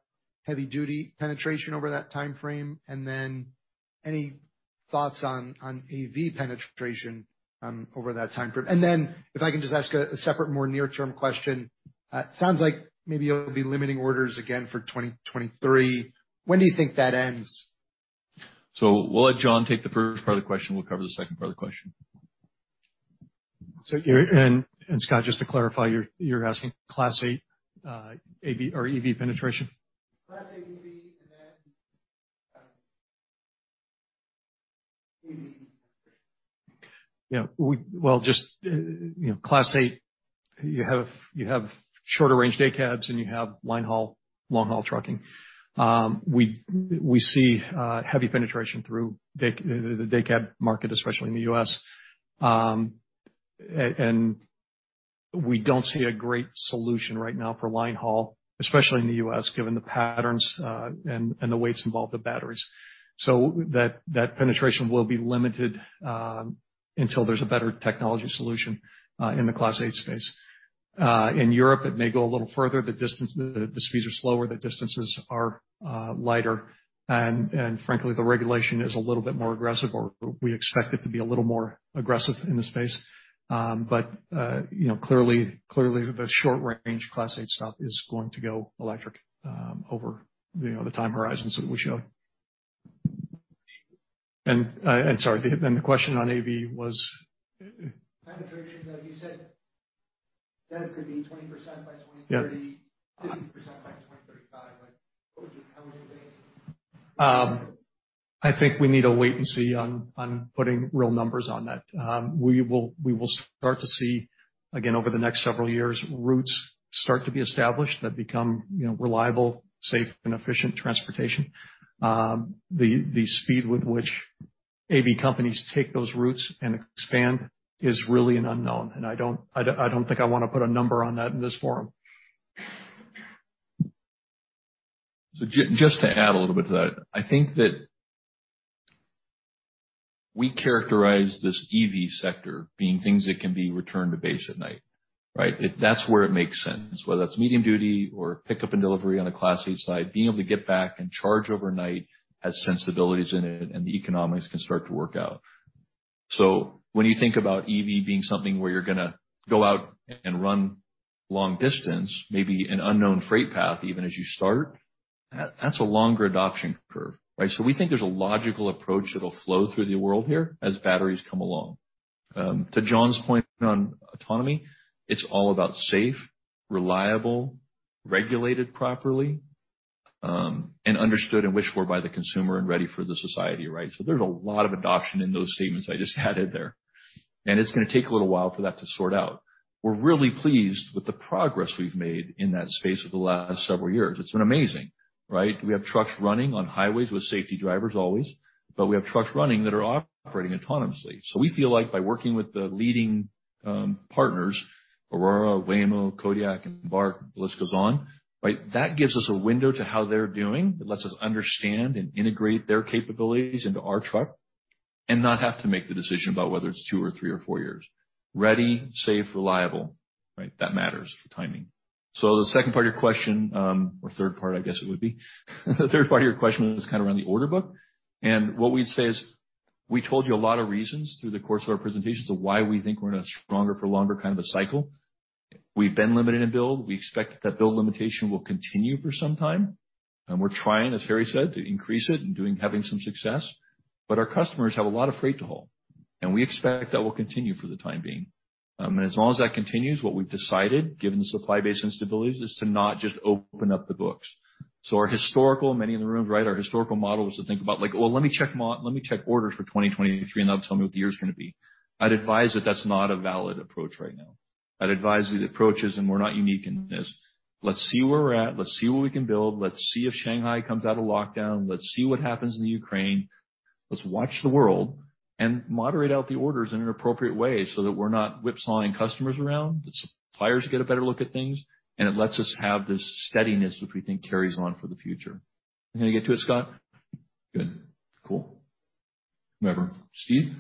heavy duty penetration over that time frame, and then any thoughts on EV penetration over that time frame. If I can just ask a separate more near-term question. It sounds like maybe it'll be limiting orders again for 2023. When do you think that ends? We'll let John take the first part of the question. We'll cover the second part of the question. Scott, just to clarify, you're asking Class 8 AV or EV penetration? Class 8 EV, and then, EV penetration. Yeah. Well, just, you know, Class 8, you have shorter range day cabs and you have line haul, long haul trucking. We see heavy penetration through the day cab market, especially in the U.S. We don't see a great solution right now for line haul, especially in the U.S., given the patterns and the weights involved with batteries. That penetration will be limited until there's a better technology solution in the Class 8 space. In Europe, it may go a little further. The speeds are slower, the distances are lighter. Frankly, the regulation is a little bit more aggressive, or we expect it to be a little more aggressive in the space. You know, clearly the short range Class 8 stuff is going to go electric over the time horizons that we show. Sorry, the question on AV was? Penetration, like you said, ZEV could be 20% by 2030. Yeah. 50% by 2035. Like, how would you think? I think we need to wait and see on putting real numbers on that. We will start to see, again over the next several years, routes start to be established that become, you know, reliable, safe, and efficient transportation. The speed with which AV companies take those routes and expand is really an unknown, and I don't think I wanna put a number on that in this forum. Just to add a little bit to that. I think that we characterize this EV sector being things that can be returned to base at night, right? That's where it makes sense, whether that's medium duty or pickup and delivery on a Class 8 side, being able to get back and charge overnight has sensibilities in it, and the economics can start to work out. When you think about EV being something where you're gonna go out and run long distance, maybe an unknown freight path, even as you start, that's a longer adoption curve, right? We think there's a logical approach that'll flow through the world here as batteries come along. To John's point on autonomy, it's all about safe, reliable, regulated properly, and understood and wished for by the consumer and ready for the society, right? There's a lot of adoption in those statements I just added there, and it's gonna take a little while for that to sort out. We're really pleased with the progress we've made in that space over the last several years. It's been amazing, right? We have trucks running on highways with safety drivers always, but we have trucks running that are operating autonomously. We feel like by working with the leading, partners, Aurora, Waymo, Kodiak, Embark, the list goes on, right? That gives us a window to how they're doing. It lets us understand and integrate their capabilities into our truck and not have to make the decision about whether it's two or three or four years. Ready, safe, reliable, right? That matters for timing. The second part of your question, or third part, I guess it would be. The third part of your question was kinda around the order book. What we'd say is, we told you a lot of reasons through the course of our presentation as to why we think we're in a stronger for longer kind of a cycle. We've been limiting a build. We expect that build limitation will continue for some time, and we're trying, as Harrie said, to increase it and having some success. Our customers have a lot of freight to haul, and we expect that will continue for the time being. As long as that continues, what we've decided, given the supply base instabilities, is to not just open up the books. Our historical, many in the room, right, our historical model was to think about, like, "Well, let me check orders for 2023, and that'll tell me what the year's gonna be." I'd advise that that's not a valid approach right now. I'd advise the approaches, and we're not unique in this. Let's see where we're at. Let's see what we can build. Let's see if Shanghai comes out of lockdown. Let's see what happens in the Ukraine. Let's watch the world and moderate out the orders in an appropriate way so that we're not whipsawing customers around, the suppliers get a better look at things, and it lets us have this steadiness, which we think carries on for the future. Am I gonna get to it, Scott? Good. Cool. Whomever. Steve?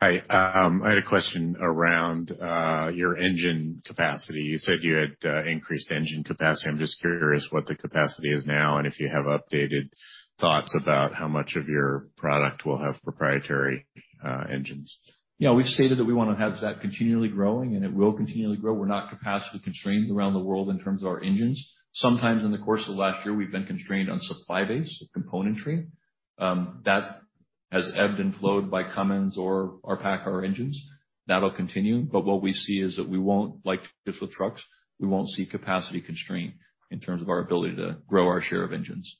Hi. I had a question around your engine capacity. You said you had increased engine capacity. I'm just curious what the capacity is now, and if you have updated thoughts about how much of your product will have proprietary engines. Yeah. We've stated that we wanna have that continually growing, and it will continually grow. We're not capacity constrained around the world in terms of our engines. Sometimes in the course of last year, we've been constrained on supply base of componentry. That has ebbed and flowed by Cummins or our PACCAR Engines. That'll continue, but what we see is that we won't, like with trucks, we won't see capacity constraint in terms of our ability to grow our share of engines.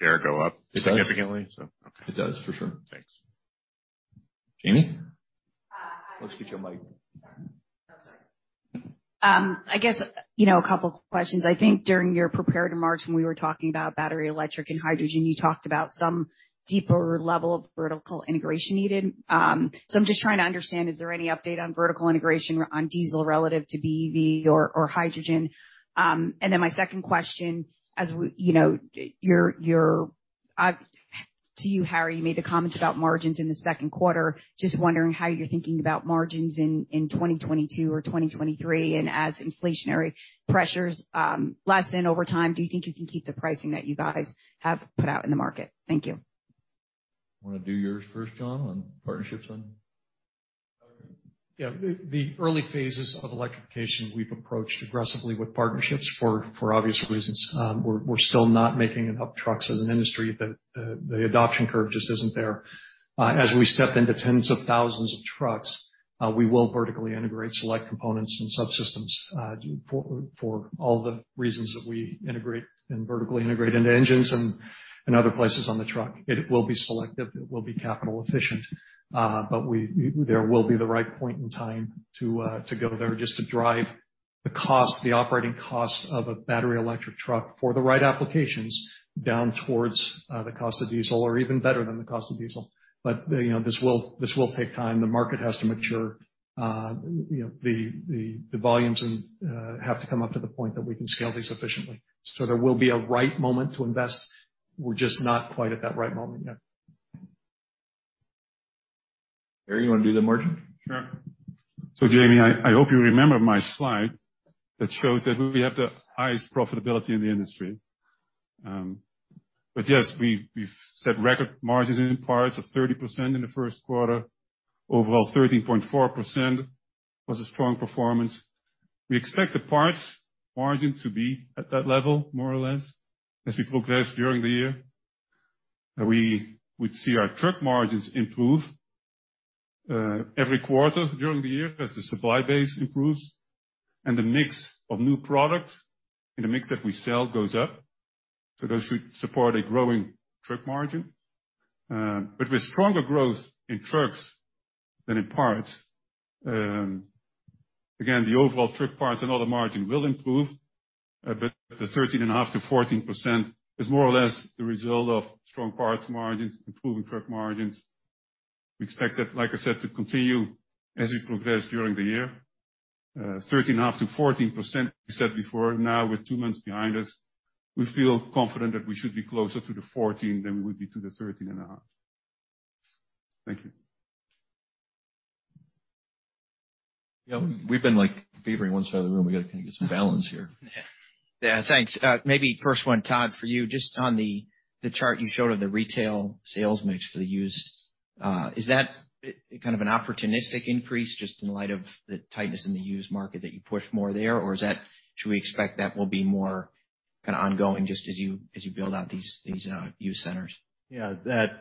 Shares go up significantly? It does. Okay. It does, for sure. Thanks. Jamie? Hi. Let's get your mic. I guess, you know, a couple of questions. I think during your prepared remarks, when we were talking about battery electric and hydrogen, you talked about some deeper level of vertical integration needed. So I'm just trying to understand, is there any update on vertical integration on diesel relative to BEV or hydrogen? My second question. To you, Harrie, you made the comments about margins in the Q2. Just wondering how you're thinking about margins in 2022 or 2023, and as inflationary pressures lessen over time, do you think you can keep the pricing that you guys have put out in the market? Thank you. Wanna do yours first, John, on partnerships? Yeah. The early phases of electrification we've approached aggressively with partnerships for obvious reasons. We're still not making enough trucks as an industry that the adoption curve just isn't there. As we step into tens of thousands of trucks, we will vertically integrate select components and subsystems for all the reasons that we integrate and vertically integrate into engines and other places on the truck. It will be selective, it will be capital efficient. There will be the right point in time to go there just to drive the cost, the operating cost of a battery electric truck for the right applications down towards the cost of diesel or even better than the cost of diesel. You know, this will take time. The market has to mature. You know, the volumes and have to come up to the point that we can scale these efficiently. There will be a right moment to invest. We're just not quite at that right moment yet. Harrie, you wanna do the margin? Sure. Jamie, I hope you remember my slide that shows that we have the highest profitability in the industry. But yes, we've set record margins in parts of 30% in the Q1. Overall, 13.4% was a strong performance. We expect the parts margin to be at that level more or less as we progress during the year. We would see our truck margins improve every quarter during the year as the supply base improves and the mix of new products and the mix that we sell goes up. Those should support a growing truck margin. With stronger growth in trucks than in parts, again, the overall truck parts and all the margin will improve. The 13.5% to 14% is more or less the result of strong parts margins, improving truck margins. We expect that, like I said, to continue as we progress during the year. 13.5% to 14% we said before. Now, with two months behind us, we feel confident that we should be closer to the 14% than we would be to the 13.5%. Thank you. Yeah. We've been like favoring one side of the room. We gotta kinda get some balance here. Yeah. Yeah, thanks. Maybe first one, Todd, for you. Just on the chart you showed on the retail sales mix for the used, is that kind of an opportunistic increase just in light of the tightness in the used market that you push more there? Or is that? Should we expect that will be more kinda ongoing just as you build out these used centers? Yeah,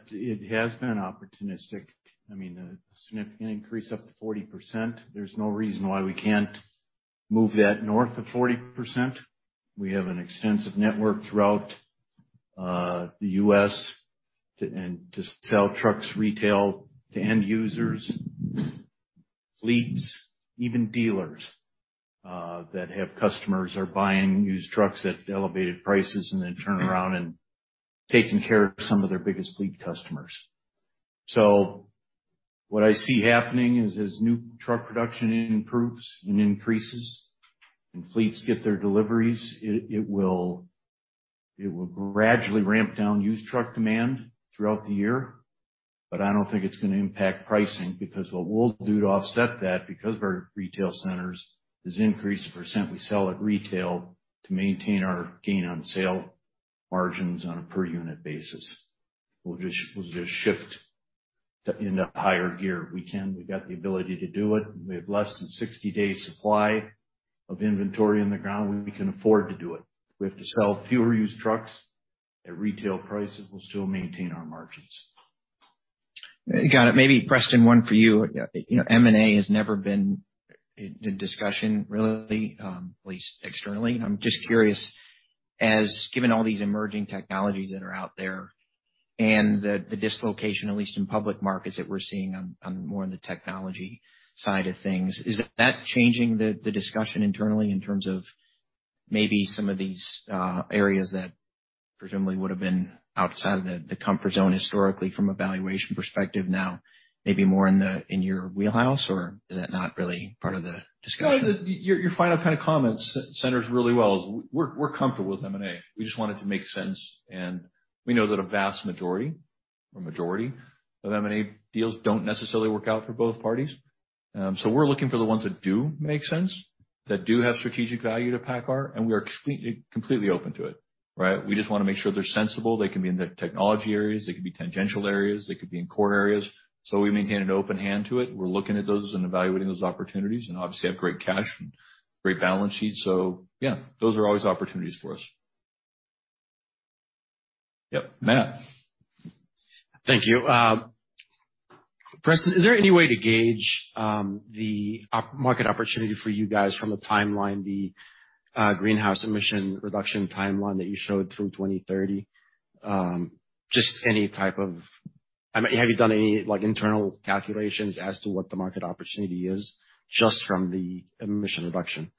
it has been opportunistic. I mean, a significant increase up to 40%. There's no reason why we can't move that north of 40%. We have an extensive network throughout the U.S. to sell trucks retail to end users, fleets, even dealers that have customers are buying used trucks at elevated prices and then turn around and taking care of some of their biggest fleet customers. What I see happening is as new truck production improves and increases and fleets get their deliveries, it will gradually ramp down used truck demand throughout the year. I don't think it's gonna impact pricing because what we'll do to offset that because our retail centers is increase the percent we sell at retail to maintain our gain on sale margins on a per unit basis. We'll just shift into higher gear. We can. We've got the ability to do it. We have less than 60 days supply of inventory in the ground. We can afford to do it. We have to sell fewer used trucks at retail prices. We'll still maintain our margins. Got it. Maybe Preston, one for you. You know, M&A has never been in discussion really, at least externally. I'm just curious, as given all these emerging technologies that are out there and the dislocation, at least in public markets, that we're seeing on more on the technology side of things, is that changing the discussion internally in terms of maybe some of these areas that presumably would have been outside the comfort zone historically from a valuation perspective now maybe more in the wheelhouse, or is that not really part of the discussion? No, your final kind of comments centers really well. We're comfortable with M&A. We just want it to make sense, and we know that a vast majority or majority of M&A deals don't necessarily work out for both parties. We're looking for the ones that do make sense, that do have strategic value to PACCAR, and we are completely open to it, right? We just wanna make sure they're sensible. They can be in the technology areas, they could be tangential areas, they could be in core areas. We maintain an open hand to it. We're looking at those and evaluating those opportunities and obviously have great cash and great balance sheet. Yeah, those are always opportunities for us. Yep. Matt. Thank you. Preston, is there any way to gauge the market opportunity for you guys from a timeline, the greenhouse emission reduction timeline that you showed through 2030? Just any type of. I mean, have you done any, like, internal calculations as to what the market opportunity is just from the emission reduction?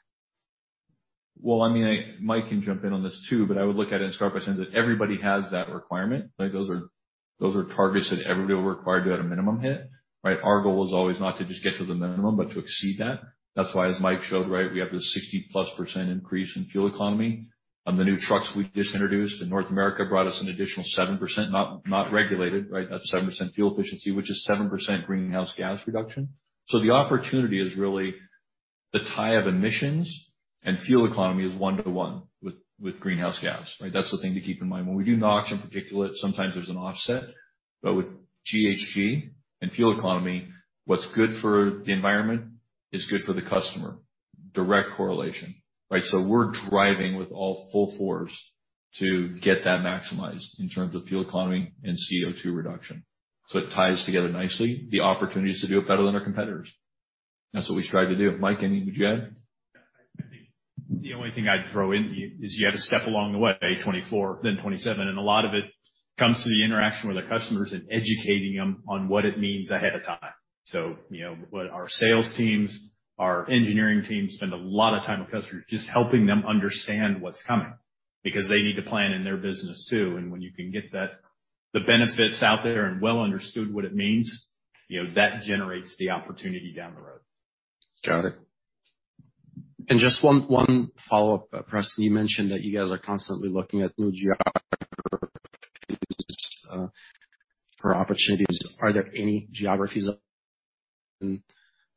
Well, I mean, Mike can jump in on this too, but I would look at it and start by saying that everybody has that requirement. Like, those are targets that everybody will require to at a minimum hit. Right. Our goal is always not to just get to the minimum, but to exceed that. That's why, as Mike showed, right, we have the 60+% increase in fuel economy. The new trucks we just introduced in North America brought us an additional 7%, not regulated, right. That's 7% fuel efficiency, which is 7% greenhouse gas reduction. The opportunity is really the tie of emissions and fuel economy is one-to-one with greenhouse gas, right? That's the thing to keep in mind. When we do NOx and particulate, sometimes there's an offset. With GHG and fuel economy, what's good for the environment is good for the customer. Direct correlation, right? We're driving with all full force to get that maximized in terms of fuel economy and CO₂ reduction. It ties together nicely the opportunities to do it better than our competitors. That's what we strive to do. Mike, anything you would add? Yeah. I think the only thing I'd throw in is you had a step along the way, 2024, then 2027, and a lot of it comes to the interaction with our customers and educating them on what it means ahead of time. You know, what our sales teams, our engineering teams spend a lot of time with customers just helping them understand what's coming because they need to plan in their business too. When you can get that, the benefits out there and well understood what it means, you know, that generates the opportunity down the road. Got it. Just one follow-up. Preston, you mentioned that you guys are constantly looking at new geographies for opportunities. Are there any geographies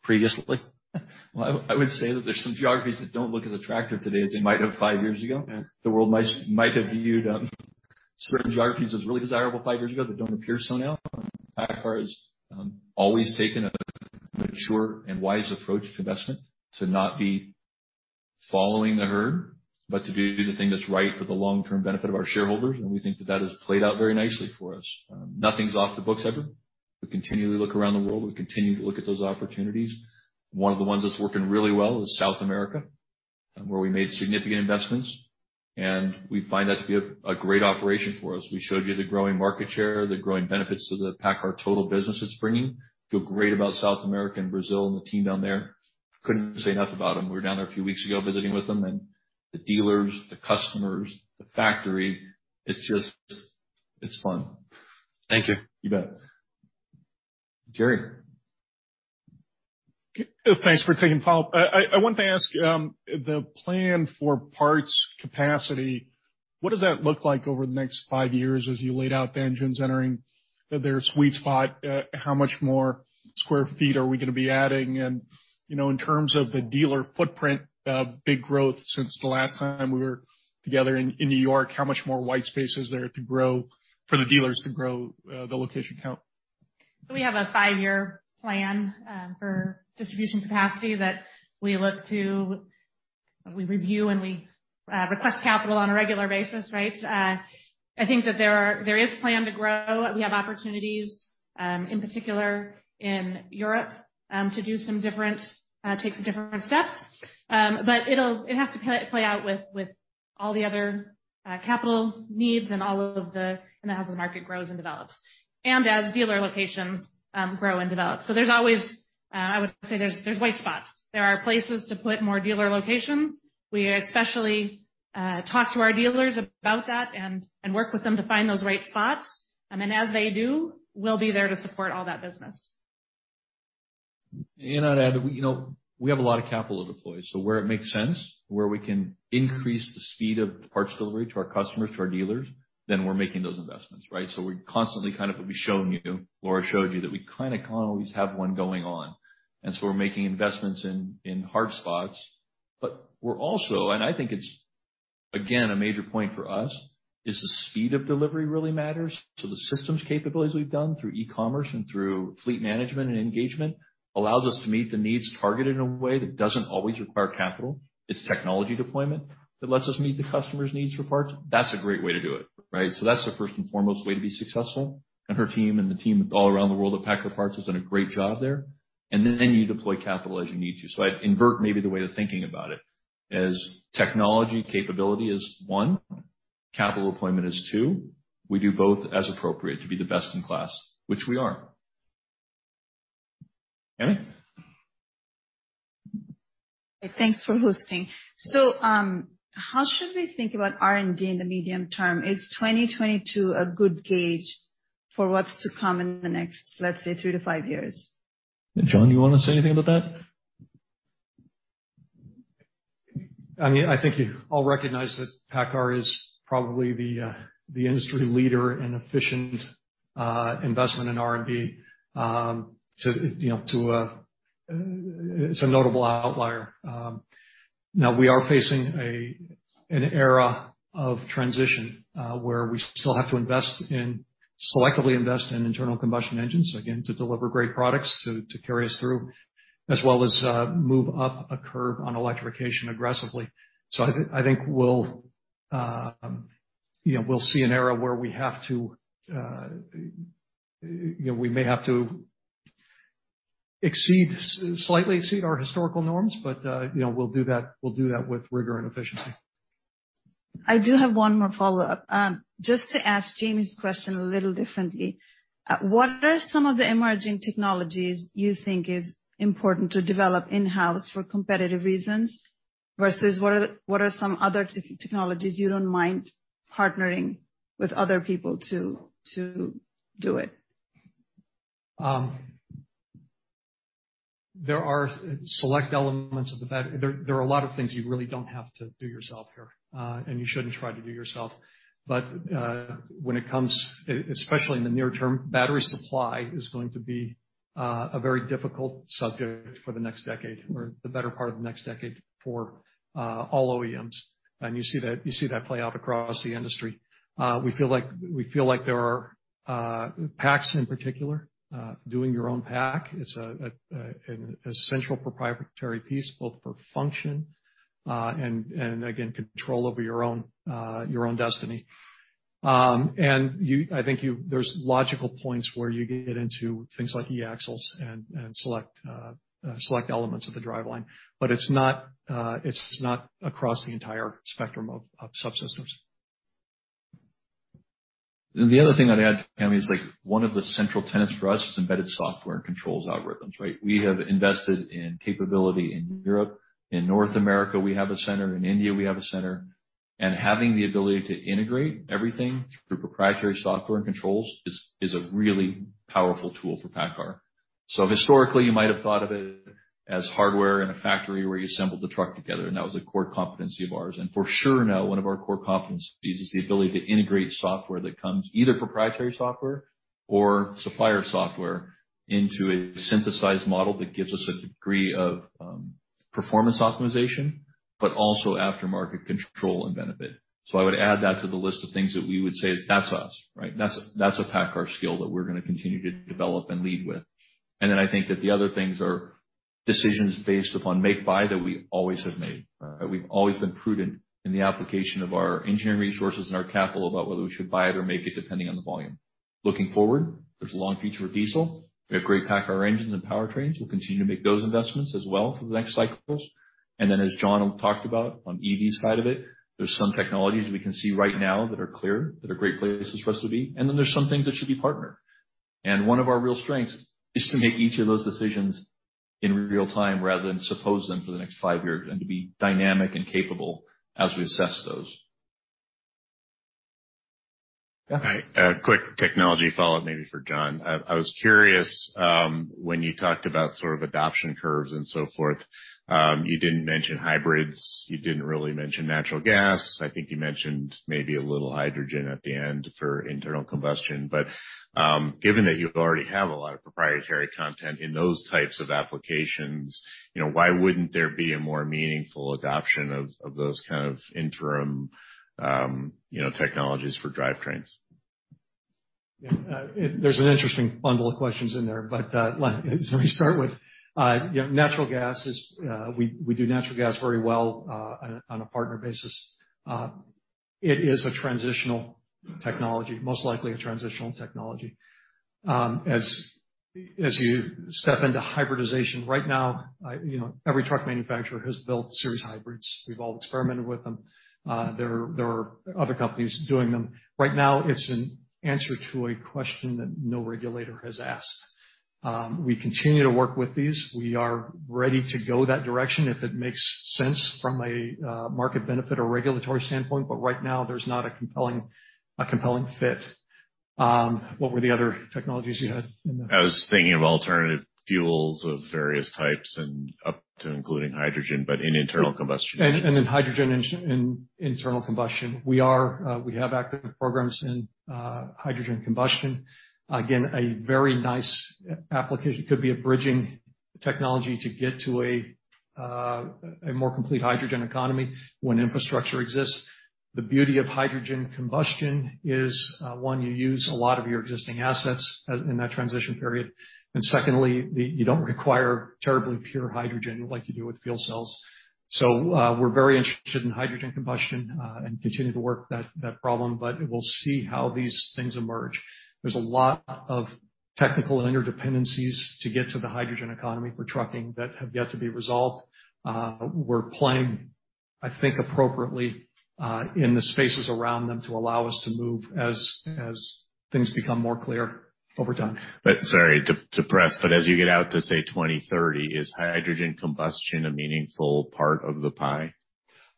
previously? Well, I would say that there's some geographies that don't look as attractive today as they might have five years ago. Yeah. The world might have viewed certain geographies as really desirable five years ago that don't appear so now. PACCAR has always taken a mature and wise approach to investment to not be following the herd, but to do the thing that's right for the long-term benefit of our shareholders, and we think that that has played out very nicely for us. Nothing's off the books ever. We continually look around the world. We continue to look at those opportunities. One of the ones that's working really well is South America, where we made significant investments, and we find that to be a great operation for us. We showed you the growing market share, the growing benefits to the PACCAR total business it's bringing. Feel great about South America and Brazil and the team down there. Couldn't say enough about them. We were down there a few weeks ago visiting with them and the dealers, the customers, the factory. It's just. It's fun. Thank you. You bet. Jerry. Thanks for taking the follow-up. I want to ask the plan for parts capacity, what does that look like over the next five years as you laid out the engines entering their sweet spot? How much more sq ft are we gonna be adding? You know, in terms of the dealer footprint, big growth since the last time we were together in New York, how much more white space is there to grow for the dealers to grow the location count? We have a five-year plan for distribution capacity that we look to. We review, and we request capital on a regular basis, right? I think that there is plan to grow. We have opportunities in particular in Europe to take some different steps. It has to play out with all the other capital needs and as the market grows and develops, and as dealer locations grow and develop. There's always, I would say, there's white spots. There are places to put more dealer locations. We especially talk to our dealers about that and work with them to find those right spots. Then as they do, we'll be there to support all that business. On that, we, you know, we have a lot of capital to deploy. Where it makes sense, where we can increase the speed of parts delivery to our customers, to our dealers, then we're making those investments, right? We constantly kind of will be showing you. Laura showed you that we kinda always have one going on, and we're making investments in hard spots. We're also, and I think it's, again, a major point for us, is the speed of delivery really matters. The systems capabilities we've done through e-commerce and through fleet management and engagement allows us to meet the needs targeted in a way that doesn't always require capital. It's technology deployment that lets us meet the customer's needs for parts. That's a great way to do it, right? That's the first and foremost way to be successful. Her team and the team all around the world at PACCAR Parts has done a great job there. Then you deploy capital as you need to. I'd invert maybe the way of thinking about it, as technology capability is one, capital deployment is two. We do both as appropriate to be the best in class, which we are. Tami. Thanks for hosting. How should we think about R&D in the medium term? Is 2022 a good gauge for what's to come in the next, let's say, two to five years? John, do you wanna say anything about that? I mean, I think you all recognize that PACCAR is probably the industry leader in efficient investment in R&D, to you know to. It's a notable outlier. Now we are facing an era of transition, where we still have to selectively invest in internal combustion engines, again, to deliver great products to carry us through, as well as move up a curve on electrification aggressively. I think we'll you know we'll see an era where we have to you know we may have to slightly exceed our historical norms, but you know we'll do that with rigor and efficiency. I do have one more follow-up. Just to ask Jamie's question a little differently. What are some of the emerging technologies you think is important to develop in-house for competitive reasons? Versus what are some other technologies you don't mind partnering with other people to do it? There are a lot of things you really don't have to do yourself here, and you shouldn't try to do yourself. When it comes, especially in the near term, battery supply is going to be a very difficult subject for the next decade or the better part of the next decade for all OEMs. You see that play out across the industry. We feel like there are packs in particular, doing your own pack. It's an essential proprietary piece, both for function and again, control over your own destiny. I think there's logical points where you get into things like e-axles and select elements of the driveline. It's not across the entire spectrum of subsystems. The other thing I'd add, Tami, is like one of the central tenets for us is embedded software and controls algorithms, right? We have invested in capability in Europe. In North America, we have a center. In India, we have a center. Having the ability to integrate everything through proprietary software and controls is a really powerful tool for PACCAR. Historically, you might have thought of it as hardware in a factory where you assembled the truck together, and that was a core competency of ours. For sure now, one of our core competencies is the ability to integrate software that comes, either proprietary software or supplier software, into a synthesized model that gives us a degree of performance optimization, but also aftermarket control and benefit. I would add that to the list of things that we would say, that's us, right? That's a PACCAR skill that we're gonna continue to develop and lead with. Then I think that the other things are decisions based upon make-buy that we always have made, right? We've always been prudent in the application of our engineering resources and our capital about whether we should buy it or make it depending on the volume. Looking forward, there's a long future of diesel. We have great PACCAR Engines and Powertrains. We'll continue to make those investments as well for the next cycles. As John talked about on EV side of it, there's some technologies we can see right now that are clear, that are great places for us to be. There's some things that should be partnered. One of our real strengths is to make each of those decisions in real time rather than suppose them for the next five years, and to be dynamic and capable as we assess those. Yeah. All right, a quick technology follow-up maybe for John. I was curious, when you talked about sort of adoption curves and so forth, you didn't mention hybrids, you didn't really mention natural gas. I think you mentioned maybe a little hydrogen at the end for internal combustion. But, given that you already have a lot of proprietary content in those types of applications, you know, why wouldn't there be a more meaningful adoption of those kind of interim, you know, technologies for drivetrains? Yeah. There's an interesting bundle of questions in there. Let me start with, you know, natural gas is, we do natural gas very well, on a partner basis. It is a transitional technology, most likely a transitional technology. As you step into hybridization, right now, you know, every truck manufacturer has built series hybrids. We've all experimented with them. There are other companies doing them. Right now, it's an answer to a question that no regulator has asked. We continue to work with these. We are ready to go that direction if it makes sense from a market benefit or regulatory standpoint, but right now, there's not a compelling fit. What were the other technologies you had in there? I was thinking of alternative fuels of various types and up to including hydrogen, but in internal combustion engines. In internal combustion. We have active programs in hydrogen combustion. Again, a very nice application. Could be a bridging technology to get to a more complete hydrogen economy when infrastructure exists. The beauty of hydrogen combustion is, one, you use a lot of your existing assets in that transition period. Secondly, you don't require terribly pure hydrogen like you do with fuel cells. We're very interested in hydrogen combustion and continue to work that problem, but we'll see how these things emerge. There's a lot of technical interdependencies to get to the hydrogen economy for trucking that have yet to be resolved. We're playing, I think, appropriately, in the spaces around them to allow us to move as things become more clear over time. Sorry to press, but as you get out to, say, 2030, is hydrogen combustion a meaningful part of the pie?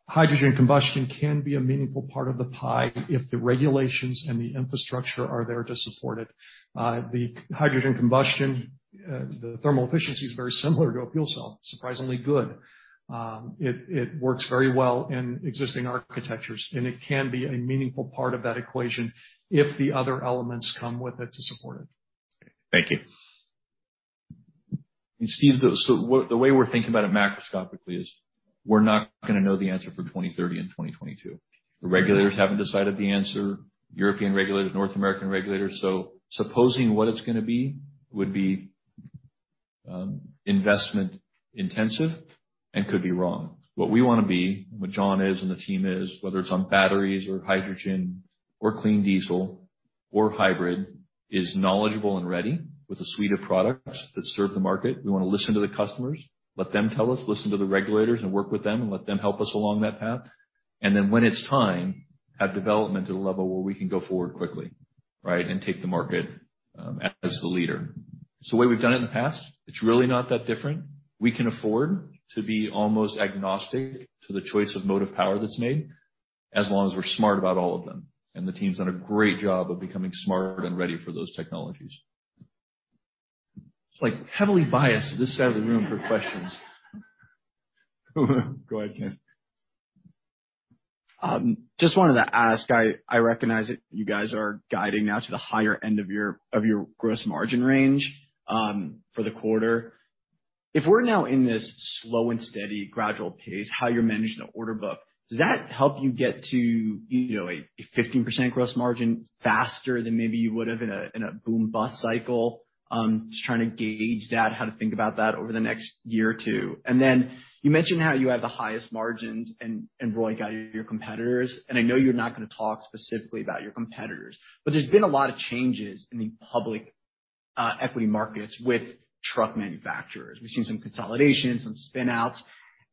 Hydrogen combustion can be a meaningful part of the pie if the regulations and the infrastructure are there to support it. The thermal efficiency is very similar to a fuel cell, surprisingly good. It works very well in existing architectures, and it can be a meaningful part of that equation if the other elements come with it to support it. Thank you. Steve, the way we're thinking about it macroscopically is we're not gonna know the answer for 2030 and 2022. The regulators haven't decided the answer, European regulators, North American regulators. Supposing what it's gonna be would be investment intensive and could be wrong. What we wanna be, and what John is and the team is, whether it's on batteries, or hydrogen, or clean diesel, or hybrid, is knowledgeable and ready with a suite of products that serve the market. We wanna listen to the customers, let them tell us, listen to the regulators and work with them, and let them help us along that path. Then when it's time, have development at a level where we can go forward quickly, right, and take the market, as the leader. It's the way we've done it in the past. It's really not that different. We can afford to be almost agnostic to the choice of mode of power that's made, as long as we're smart about all of them, and the team's done a great job of becoming smarter and ready for those technologies. It's, like, heavily biased to this side of the room for questions. Go ahead, Ken. Just wanted to ask, I recognize that you guys are guiding now to the higher end of your gross margin range for the quarter. If we're now in this slow and steady gradual pace, how you're managing the order book, does that help you get to, you know, a 15% gross margin faster than maybe you would've in a boom bust cycle? Just trying to gauge that, how to think about that over the next year or two. Then you mentioned how you have the highest margins and ROIC greater than your competitors, and I know you're not gonna talk specifically about your competitors, but there's been a lot of changes in the public equity markets with truck manufacturers. We've seen some consolidation, some spin-outs,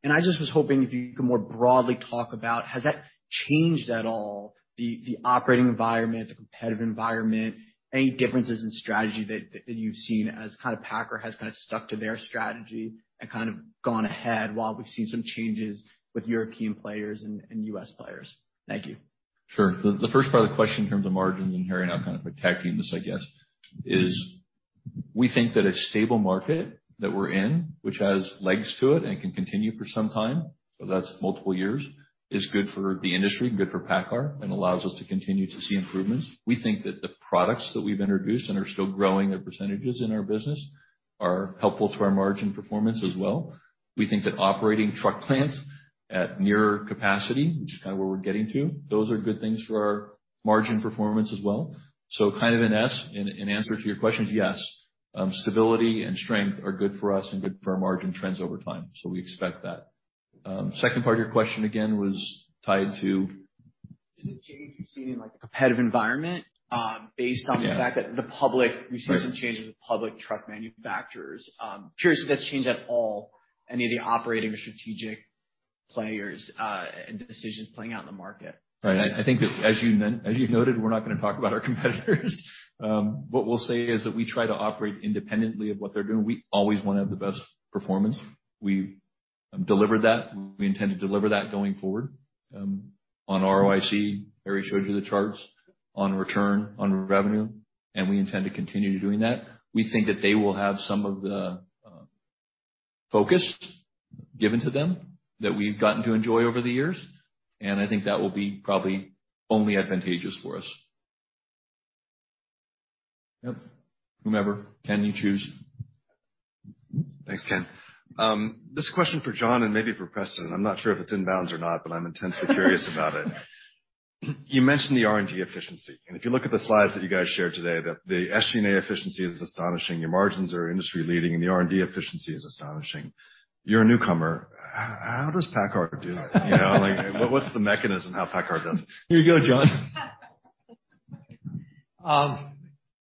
and I just was hoping if you could more broadly talk about, has that changed at all, the operating environment, the competitive environment, any differences in strategy that you've seen as kinda PACCAR has kinda stuck to their strategy and kind of gone ahead while we've seen some changes with European players and U.S. players? Thank you. Sure. The first part of the question in terms of margins, and Harrie and I'll kind of tag-team this, I guess, is we think that a stable market that we're in, which has legs to it and can continue for some time, so that's multiple years, is good for the industry and good for PACCAR and allows us to continue to see improvements. We think that the products that we've introduced and are still growing their percentages in our business are helpful to our margin performance as well. We think that operating truck plants at nearer capacity, which is kinda where we're getting to, those are good things for our margin performance as well. Kind of in answer to your questions, yes, stability and strength are good for us and good for our margin trends over time, so we expect that. Second part of your question again was tied to? Is the change you've seen in, like, the competitive environment? Yeah. based on the fact that the public Right. We've seen some changes with public truck manufacturers. Curious if that's changed at all any of the operating or strategic players, and decisions playing out in the market. Right. I think as you noted, we're not gonna talk about our competitors. What we'll say is that we try to operate independently of what they're doing. We always wanna have the best performance. We've delivered that. We intend to deliver that going forward on ROIC. Harrie showed you the charts on return on revenue, and we intend to continue doing that. We think that they will have some of the focus given to them that we've gotten to enjoy over the years, and I think that will be probably only advantageous for us. Yep. Whomever. Ken, you choose. Thanks, Ken. This question is for John and maybe for Preston. I'm not sure if it's in bounds or not, but I'm intensely curious about it. You mentioned the R&D efficiency, and if you look at the slides that you guys shared today, the SG&A efficiency is astonishing, your margins are industry-leading, and the R&D efficiency is astonishing. You're a newcomer. How does PACCAR do that? You know, like, what's the mechanism how PACCAR does it? Here you go, John.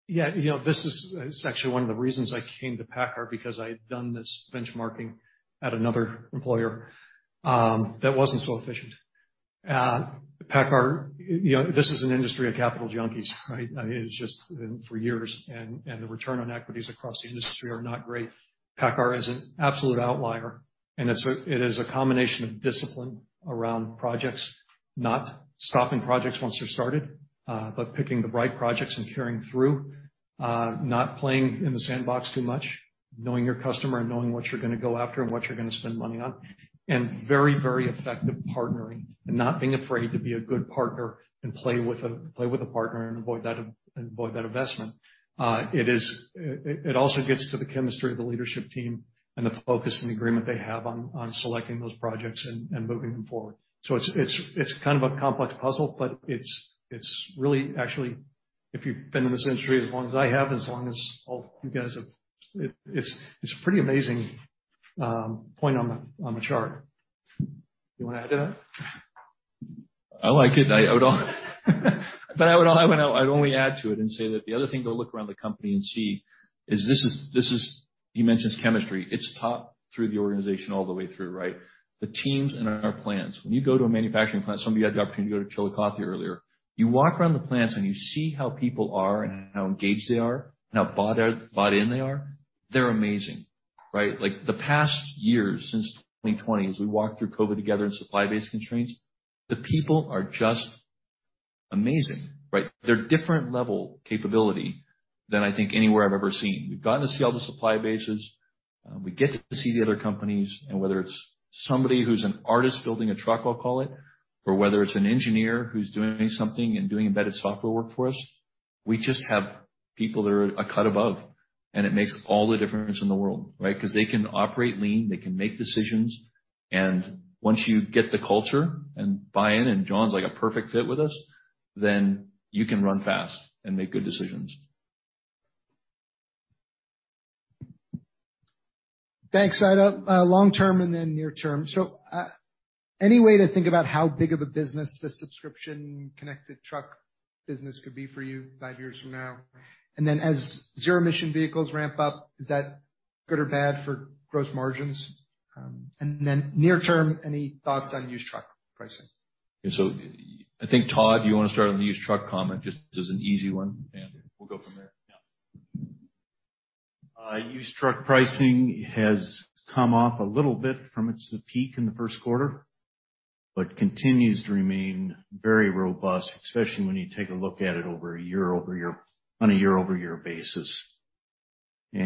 Yeah. You know, this is actually one of the reasons I came to PACCAR because I'd done this benchmarking at another employer that wasn't so efficient. You know, this is an industry of capital junkies, right? I mean, it's just been for years, and the return on equities across the industry are not great. PACCAR is an absolute outlier, and it is a combination of discipline around projects, not stopping projects once they're started, but picking the right projects and carrying through, not playing in the sandbox too much, knowing your customer and knowing what you're gonna go after and what you're gonna spend money on, and very, very effective partnering and not being afraid to be a good partner and play with a partner and avoid that investment. It also gets to the chemistry of the leadership team and the focus and the agreement they have on selecting those projects and moving them forward. It's kind of a complex puzzle, but it's really actually, if you've been in this industry as long as I have, as long as all of you guys have, it's a pretty amazing point number on the chart. You wanna add to that? I like it. I would only add to it and say that the other thing to look around the company and see is this is. He mentions chemistry. It's taught through the organization all the way through, right? The teams in our plants. When you go to a manufacturing plant, some of you had the opportunity to go to Chillicothe earlier, you walk around the plants and you see how people are and how engaged they are and how bought in they are, they're amazing, right? Like, the past year since 2020, as we walked through COVID together and supply base constraints, the people are just amazing, right? They're different level capability than I think anywhere I've ever seen. We've gotten to see all the supply bases. We get to see the other companies. Whether it's somebody who's an artist building a truck, I'll call it, or whether it's an engineer who's doing something and doing embedded software work for us, we just have people that are a cut above, and it makes all the difference in the world, right? 'Cause they can operate lean, they can make decisions, and once you get the culture and buy-in, and John is like a perfect fit with us, then you can run fast and make good decisions. Thanks. I'd long term and then near term. Any way to think about how big of a business this subscription-connected truck business could be for you five years from now? As zero-emission vehicles ramp up, is that Good or bad for gross margins? Near term, any thoughts on used truck pricing? I think, Todd, you want to start on the used truck comment, just as an easy one, and we'll go from there. Yeah. Used truck pricing has come off a little bit from its peak in the first quarter, but continues to remain very robust, especially when you take a look at it on a year-over-year basis. You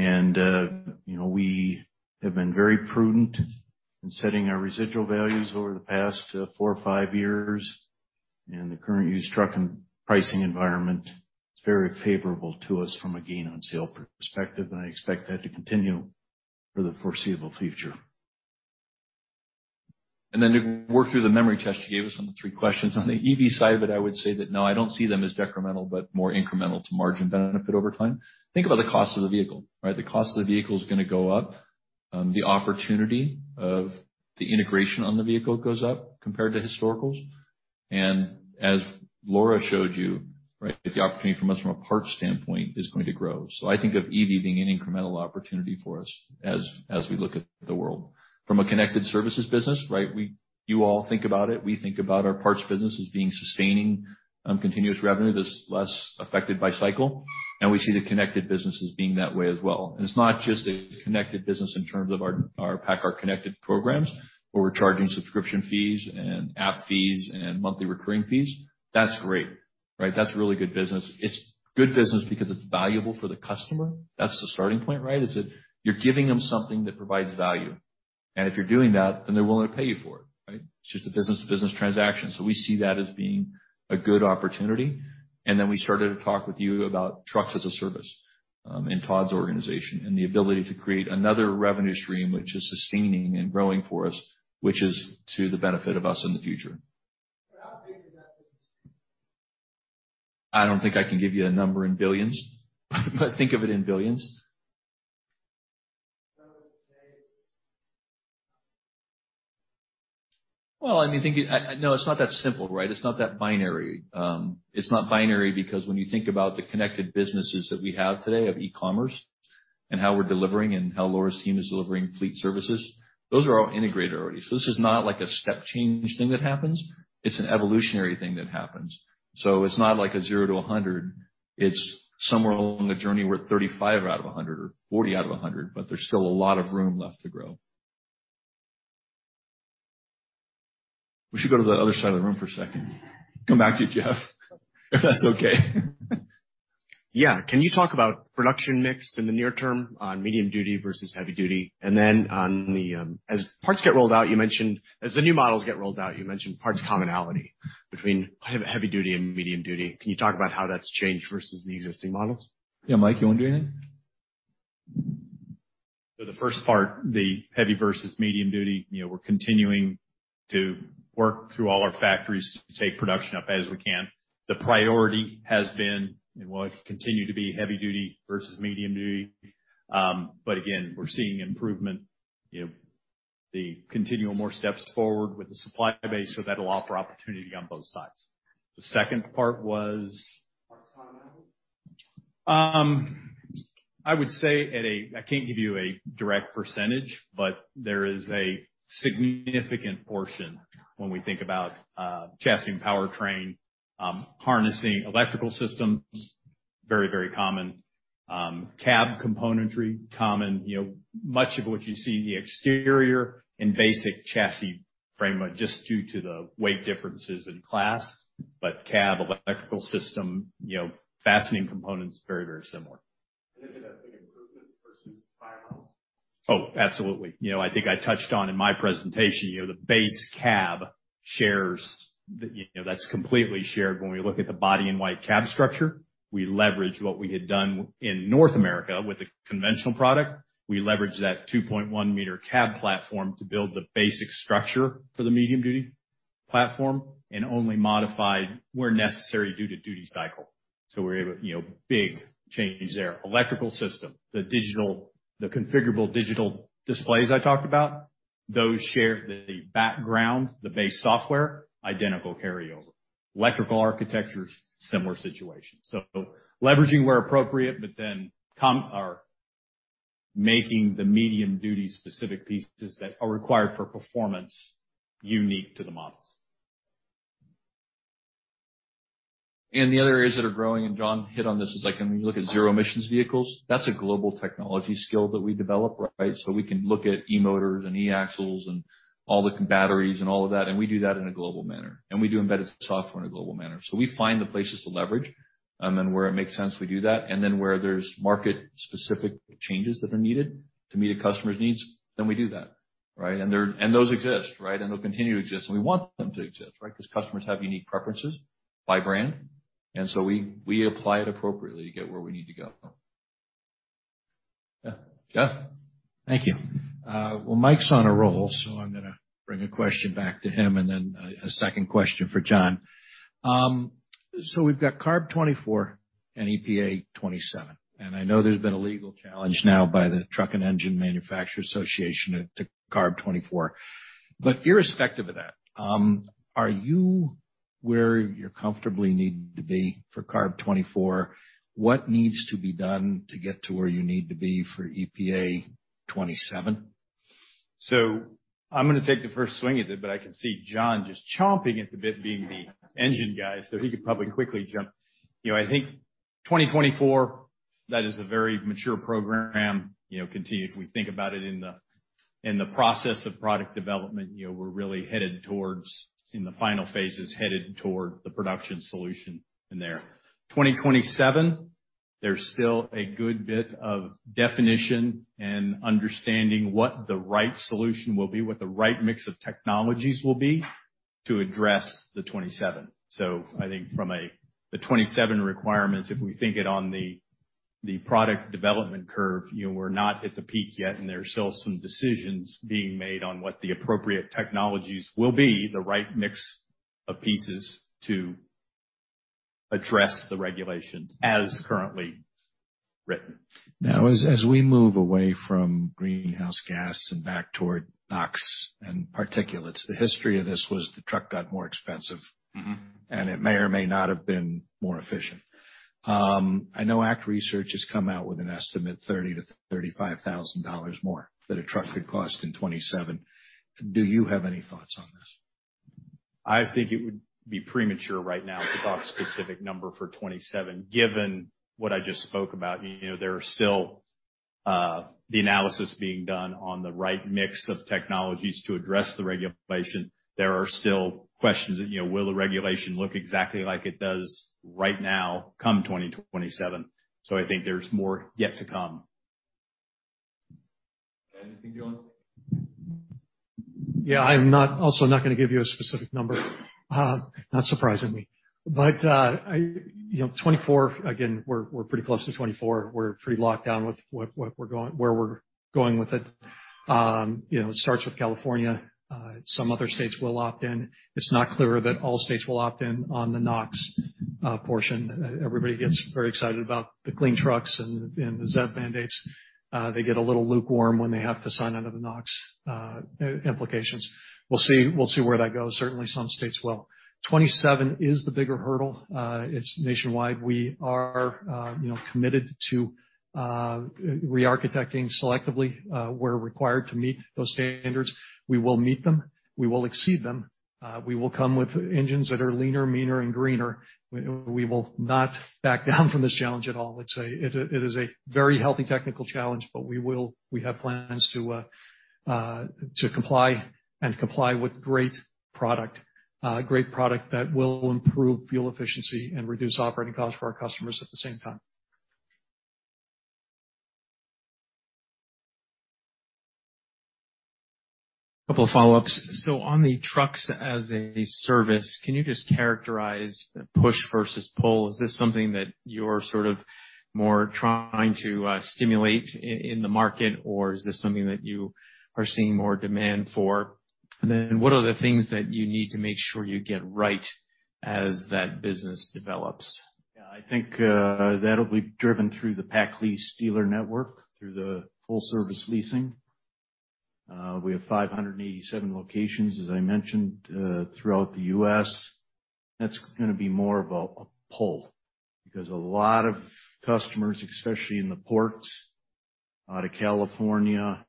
know, we have been very prudent in setting our residual values over the past four or five years. The current used truck pricing environment is very favorable to us from a gain on sale perspective, and I expect that to continue for the foreseeable future. Then to work through the memory test you gave us on the three questions. On the EV side of it, I would say that, no, I don't see them as decremental, but more incremental to margin benefit over time. Think about the cost of the vehicle, right? The cost of the vehicle is gonna go up. The opportunity of the integration on the vehicle goes up compared to historicals. As Laura showed you, right, the opportunity from us from a parts standpoint is going to grow. I think of EV being an incremental opportunity for us as we look at the world. From a Connected Services business, right, we think about our parts business as being sustaining, continuous revenue that's less affected by cycle, and we see the Connected businesses being that way as well. It's not just a Connected business in terms of our PACCAR Connect programs, where we're charging subscription fees and app fees and monthly recurring fees. That's great, right? That's really good business. It's good business because it's valuable for the customer. That's the starting point, right? Is that you're giving them something that provides value. If you're doing that, then they're willing to pay you for it, right? It's just a business-to-business transaction. We see that as being a good opportunity. Then we started to talk with you about trucks as a service, in Todd's organization, and the ability to create another revenue stream which is sustaining and growing for us, which is to the benefit of us in the future. How big is that business? I don't think I can give you a number in billions, but think of it in billions. Would you say it's? I mean, no, it's not that simple, right? It's not that binary. It's not binary because when you think about the Connected businesses that we have today of e-commerce and how we're delivering and how Laura's team is delivering fleet services, those are all integrated already. This is not like a step change thing that happens. It's an evolutionary thing that happens. It's not like a zero to 100. It's somewhere along the journey. We're at 35 out of 100 or 40 out of 100, but there's still a lot of room left to grow. We should go to the other side of the room for a second. Come back to you, Jeff, if that's okay. Yeah. Can you talk about production mix in the near term on medium-duty versus heavy-duty? As the new models get rolled out, you mentioned parts commonality between heavy-duty and medium-duty. Can you talk about how that's changed versus the existing models? Yeah. Mike, you wanna do that? The first part, the heavy versus medium-duty. You know, we're continuing to work through all our factories to take production up as we can. The priority has been and will continue to be heavy-duty versus medium-duty. But again, we're seeing improvement, you know, the continual more steps forward with the supply base, so that'll offer opportunity on both sides. The second part was? Parts commonality. I would say I can't give you a direct percentage, but there is a significant portion when we think about chassis and powertrain, harnessing electrical systems, very, very common. Cab componentry, common. You know, much of what you see in the exterior and basic chassis framework just due to the weight differences in class. Cab, electrical system, you know, fastening components, very, very similar. Is it a big improvement versus prior models? Oh, absolutely. You know, I think I touched on in my presentation, you know, the base cab shares, you know. That's completely shared when we look at the body-in-white cab structure. We leverage what we had done within North America with the conventional product. We leveraged that 2.1 meter cab platform to build the basic structure for the medium-duty platform and only modified where necessary due to duty cycle. You know, big changes there. Electrical system, the digital, the configurable digital displays I talked about, those share the background, the base software, identical carryover. Electrical architectures, similar situation. Leveraging where appropriate, but then or making the medium-duty specific pieces that are required for performance unique to the models. The other areas that are growing, and John hit on this, is like when you look at zero-emissions vehicles, that's a global technology skill that we develop, right? We can look at e-motors and e-axles and all the batteries and all of that, and we do that in a global manner. We do embedded software in a global manner. We find the places to leverage, and where it makes sense, we do that. Then where there's market-specific changes that are needed to meet a customer's needs, then we do that, right? Those exist, right? They'll continue to exist, and we want them to exist, right? 'Cause customers have unique preferences by brand, and so we apply it appropriately to get where we need to go. Yeah. Jeff. Thank you. Well, Mike's on a roll, so I'm gonna bring a question back to him and then a second question for John. We've got CARB 2024 and EPA 27, and I know there's been a legal challenge now by the Truck and Engine Manufacturers Association at the CARB 2024. Irrespective of that, are you- Where you comfortably need to be for CARB 2024, what needs to be done to get to where you need to be for EPA 2027? I'm gonna take the first swing at it, but I can see John just chomping at the bit, being the engine guy, so he could probably quickly jump. You know, I think 2024, that is a very mature program, you know, continue. If we think about it in the process of product development, you know, we're really headed towards, in the final phases, headed toward the production solution in there. 2027, there's still a good bit of definition and understanding what the right solution will be, what the right mix of technologies will be to address the 2027. I think from the 2027 requirements, if we think it on the product development curve, you know, we're not at the peak yet, and there's still some decisions being made on what the appropriate technologies will be, the right mix of pieces to address the regulation as currently written. Now, as we move away from greenhouse gas and back toward NOx and particulates, the history of this was the truck got more expensive. Mm-hmm. It may or may not have been more efficient. I know ACT Research has come out with an estimate $30,000 to $35,000 more than a truck could cost in 2027. Do you have any thoughts on this? I think it would be premature right now to talk specific number for 2027, given what I just spoke about. You know, there are still the analysis being done on the right mix of technologies to address the regulation. There are still questions that, you know, will the regulation look exactly like it does right now, come 2027. I think there's more yet to come. Anything, John? I'm also not gonna give you a specific number, not surprisingly. You know, 2024, again, we're pretty close to 2024. We're pretty locked down with where we're going with it. You know, it starts with California. Some other states will opt-in. It's not clear that all states will opt-in on the NOx portion. Everybody gets very excited about the clean trucks and the ZEV mandates. They get a little lukewarm when they have to sign onto the NOx implications. We'll see where that goes. Certainly, some states will. 2027 is the bigger hurdle. It's nationwide. We are, you know, committed to rearchitecting selectively where required to meet those standards. We will meet them. We will exceed them. We will come with engines that are leaner, meaner, and greener. We will not back down from this challenge at all. It is a very healthy technical challenge, but we have plans to comply with great product that will improve fuel efficiency and reduce operating costs for our customers at the same time. Couple of follow-ups. On the trucks as a service, can you just characterize the push versus pull? Is this something that you're sort of more trying to stimulate in the market, or is this something that you are seeing more demand for? What are the things that you need to make sure you get right as that business develops? Yeah. I think that'll be driven through the PacLease dealer network, through the full-service leasing. We have 587 locations, as I mentioned, throughout the U.S. That's gonna be more of a pull, because a lot of customers, especially in the ports out of California,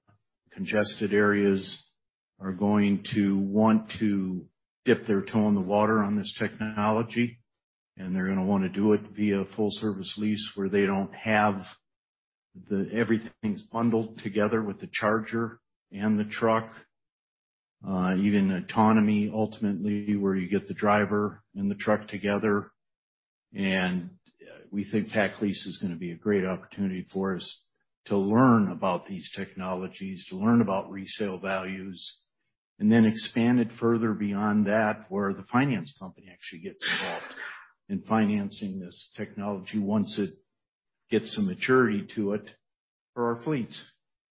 congested areas, are going to want to dip their toe in the water on this technology, and they're gonna wanna do it via full-service lease where everything's bundled together with the charger and the truck, even autonomy, ultimately, where you get the driver and the truck together. We think PacLease is gonna be a great opportunity for us to learn about these technologies, to learn about resale values, and then expand it further beyond that, where the finance company actually gets involved in financing this technology once it gets some maturity to it for our fleet.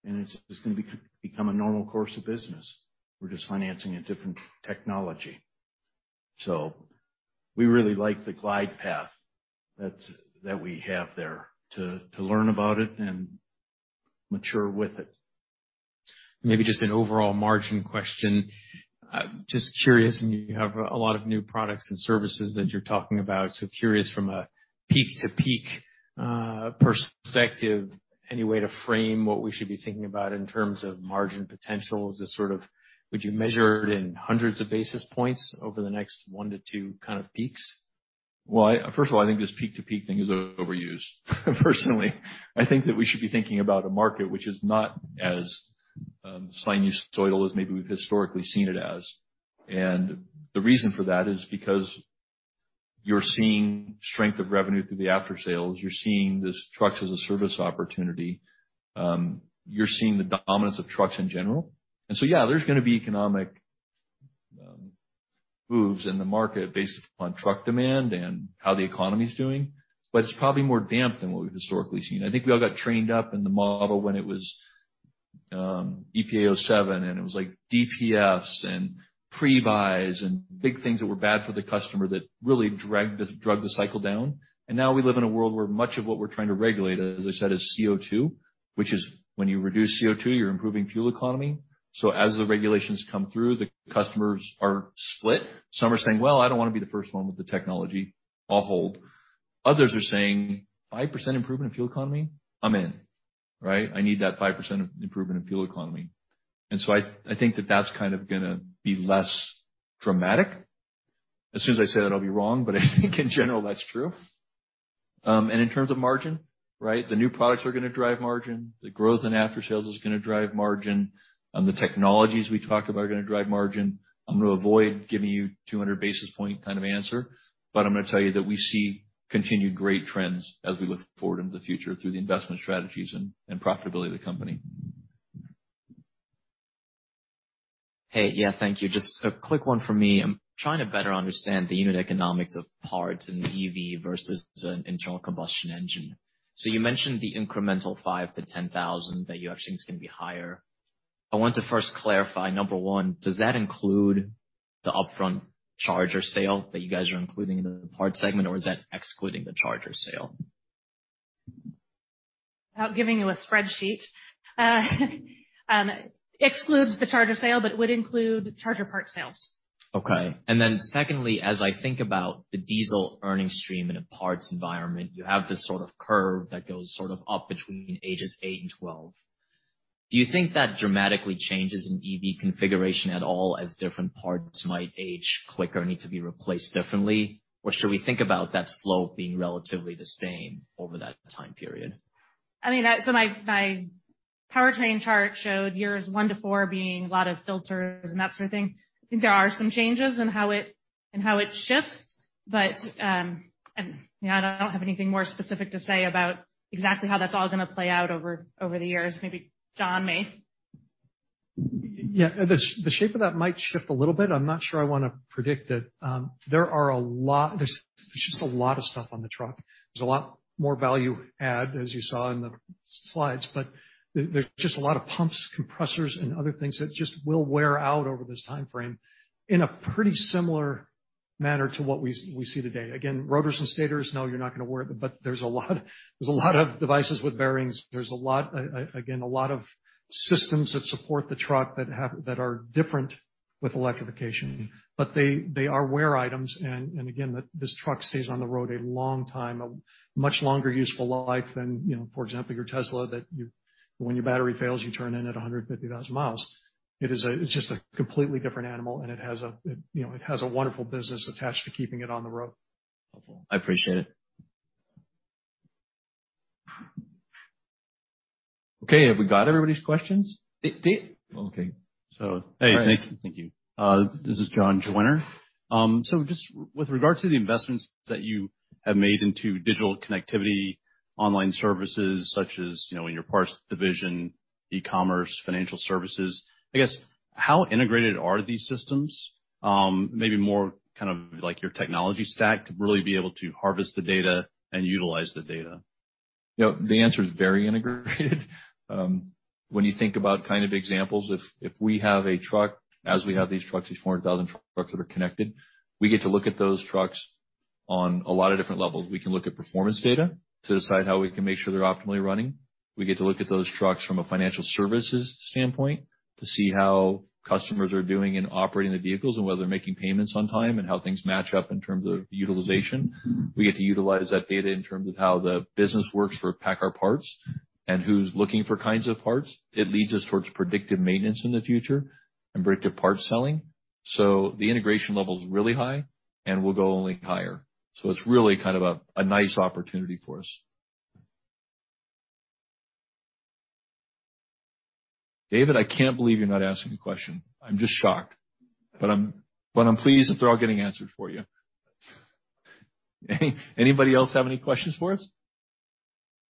It's gonna become a normal course of business. We're just financing a different technology. We really like the glide path that we have there to learn about it and mature with it. Maybe just an overall margin question. Just curious, and you have a lot of new products and services that you're talking about. Curious from a peak-to-peak perspective, any way to frame what we should be thinking about in terms of margin potential? Would you measure it in hundreds of basis points over the next 1 to 2 kind of peaks? Well, first of all, I think this peak-to-peak thing is overused, personally. I think that we should be thinking about a market which is not as sinusoidal as maybe we've historically seen it as. The reason for that is because you're seeing strength of revenue through the after-sales, you're seeing this trucks-as-a-service opportunity, you're seeing the dominance of trucks in general. So, yeah, there's gonna be economic moves in the market based upon truck demand and how the economy is doing, but it's probably more damped than what we've historically seen. I think we all got trained up in the model when it was EPA 07, and it was like DPF and pre-buys and big things that were bad for the customer that really dragged the cycle down. Now we live in a world where much of what we're trying to regulate, as I said, is CO₂, which is when you reduce CO₂, you're improving fuel economy. As the regulations come through, the customers are split. Some are saying, "Well, I don't wanna be the first one with the technology. I'll hold." Others are saying, "5% improvement in fuel economy? I'm in." Right? "I need that 5% of improvement in fuel economy." I think that that's kind of gonna be less dramatic. As soon as I say that, I'll be wrong. I think in general, that's true. In terms of margin, right, the new products are gonna drive margin, the growth in after sales is gonna drive margin, the technologies we talk about are gonna drive margin. I'm gonna avoid giving you 200 basis point kind of answer, but I'm gonna tell you that we see continued great trends as we look forward into the future through the investment strategies and profitability of the company. Hey. Yeah, thank you. Just a quick one from me. I'm trying to better understand the unit economics of parts in the EV versus an internal combustion engine. You mentioned the incremental $5,000 to $10,000 that you actually think is gonna be higher. I want to first clarify, number one, does that include the upfront charger sale that you guys are including in the parts segment, or is that excluding the charger sale? Without giving you a spreadsheet, excludes the charger sale, but would include charger parts sales. Okay. Secondly, as I think about the diesel earnings stream in a parts environment, you have this sort of curve that goes sort of up between ages eight and 12. Do you think that dramatically changes in EV configuration at all as different parts might age quicker or need to be replaced differently, or should we think about that slope being relatively the same over that time period? I mean, my powertrain chart showed years one to four being a lot of filters and that sort of thing. I think there are some changes in how it shifts. I don't have anything more specific to say about exactly how that's all gonna play out over the years. Maybe John. Yeah. The shape of that might shift a little bit. I'm not sure I wanna predict it. There's just a lot of stuff on the truck. There's a lot more value add, as you saw in the slides, but there's just a lot of pumps, compressors, and other things that just will wear out over this timeframe in a pretty similar manner to what we see today. Again, rotors and stators, no, you're not gonna wear them, but there's a lot of devices with bearings. There's a lot of systems that support the truck that are different with electrification. They are wear items and again, this truck stays on the road a long time, a much longer useful life than, you know, for example, your Tesla that you, when your battery fails, you turn in at 150,000 miles. It's just a completely different animal, and it has a, you know, it has a wonderful business attached to keeping it on the road. Wonderful. I appreciate it. Okay. Have we got everybody's questions? Okay. Hey. Thank you. Thank you. This is John Joiner. Just with regard to the investments that you have made into digital connectivity, online services such as, you know, in your parts division, e-commerce, financial services, I guess, how integrated are these systems, maybe more kind of like your technology stack to really be able to harvest the data and utilize the data? You know, the answer is very integrated. When you think about kind of examples, if we have a truck as we have these trucks, these 400,000 trucks that are connected, we get to look at those trucks on a lot of different levels. We can look at performance data to decide how we can make sure they're optimally running. We get to look at those trucks from a financial services standpoint to see how customers are doing in operating the vehicles and whether they're making payments on time and how things match up in terms of utilization. We get to utilize that data in terms of how the business works for PACCAR Parts and who's looking for kinds of parts. It leads us towards predictive maintenance in the future and predictive parts selling. The integration level is really high, and we'll go only higher. It's really kind of a nice opportunity for us. David, I can't believe you're not asking a question. I'm just shocked, but I'm pleased that they're all getting answered for you. Anybody else have any questions for us?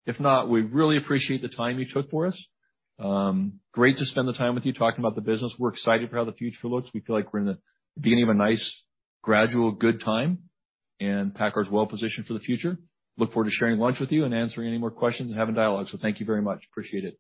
If not, we really appreciate the time you took for us. Great to spend the time with you talking about the business. We're excited for how the future looks. We feel like we're in the beginning of a nice, gradual, good time, and PACCAR is well positioned for the future. Look forward to sharing lunch with you and answering any more questions and having dialogue. Thank you very much. Appreciate it.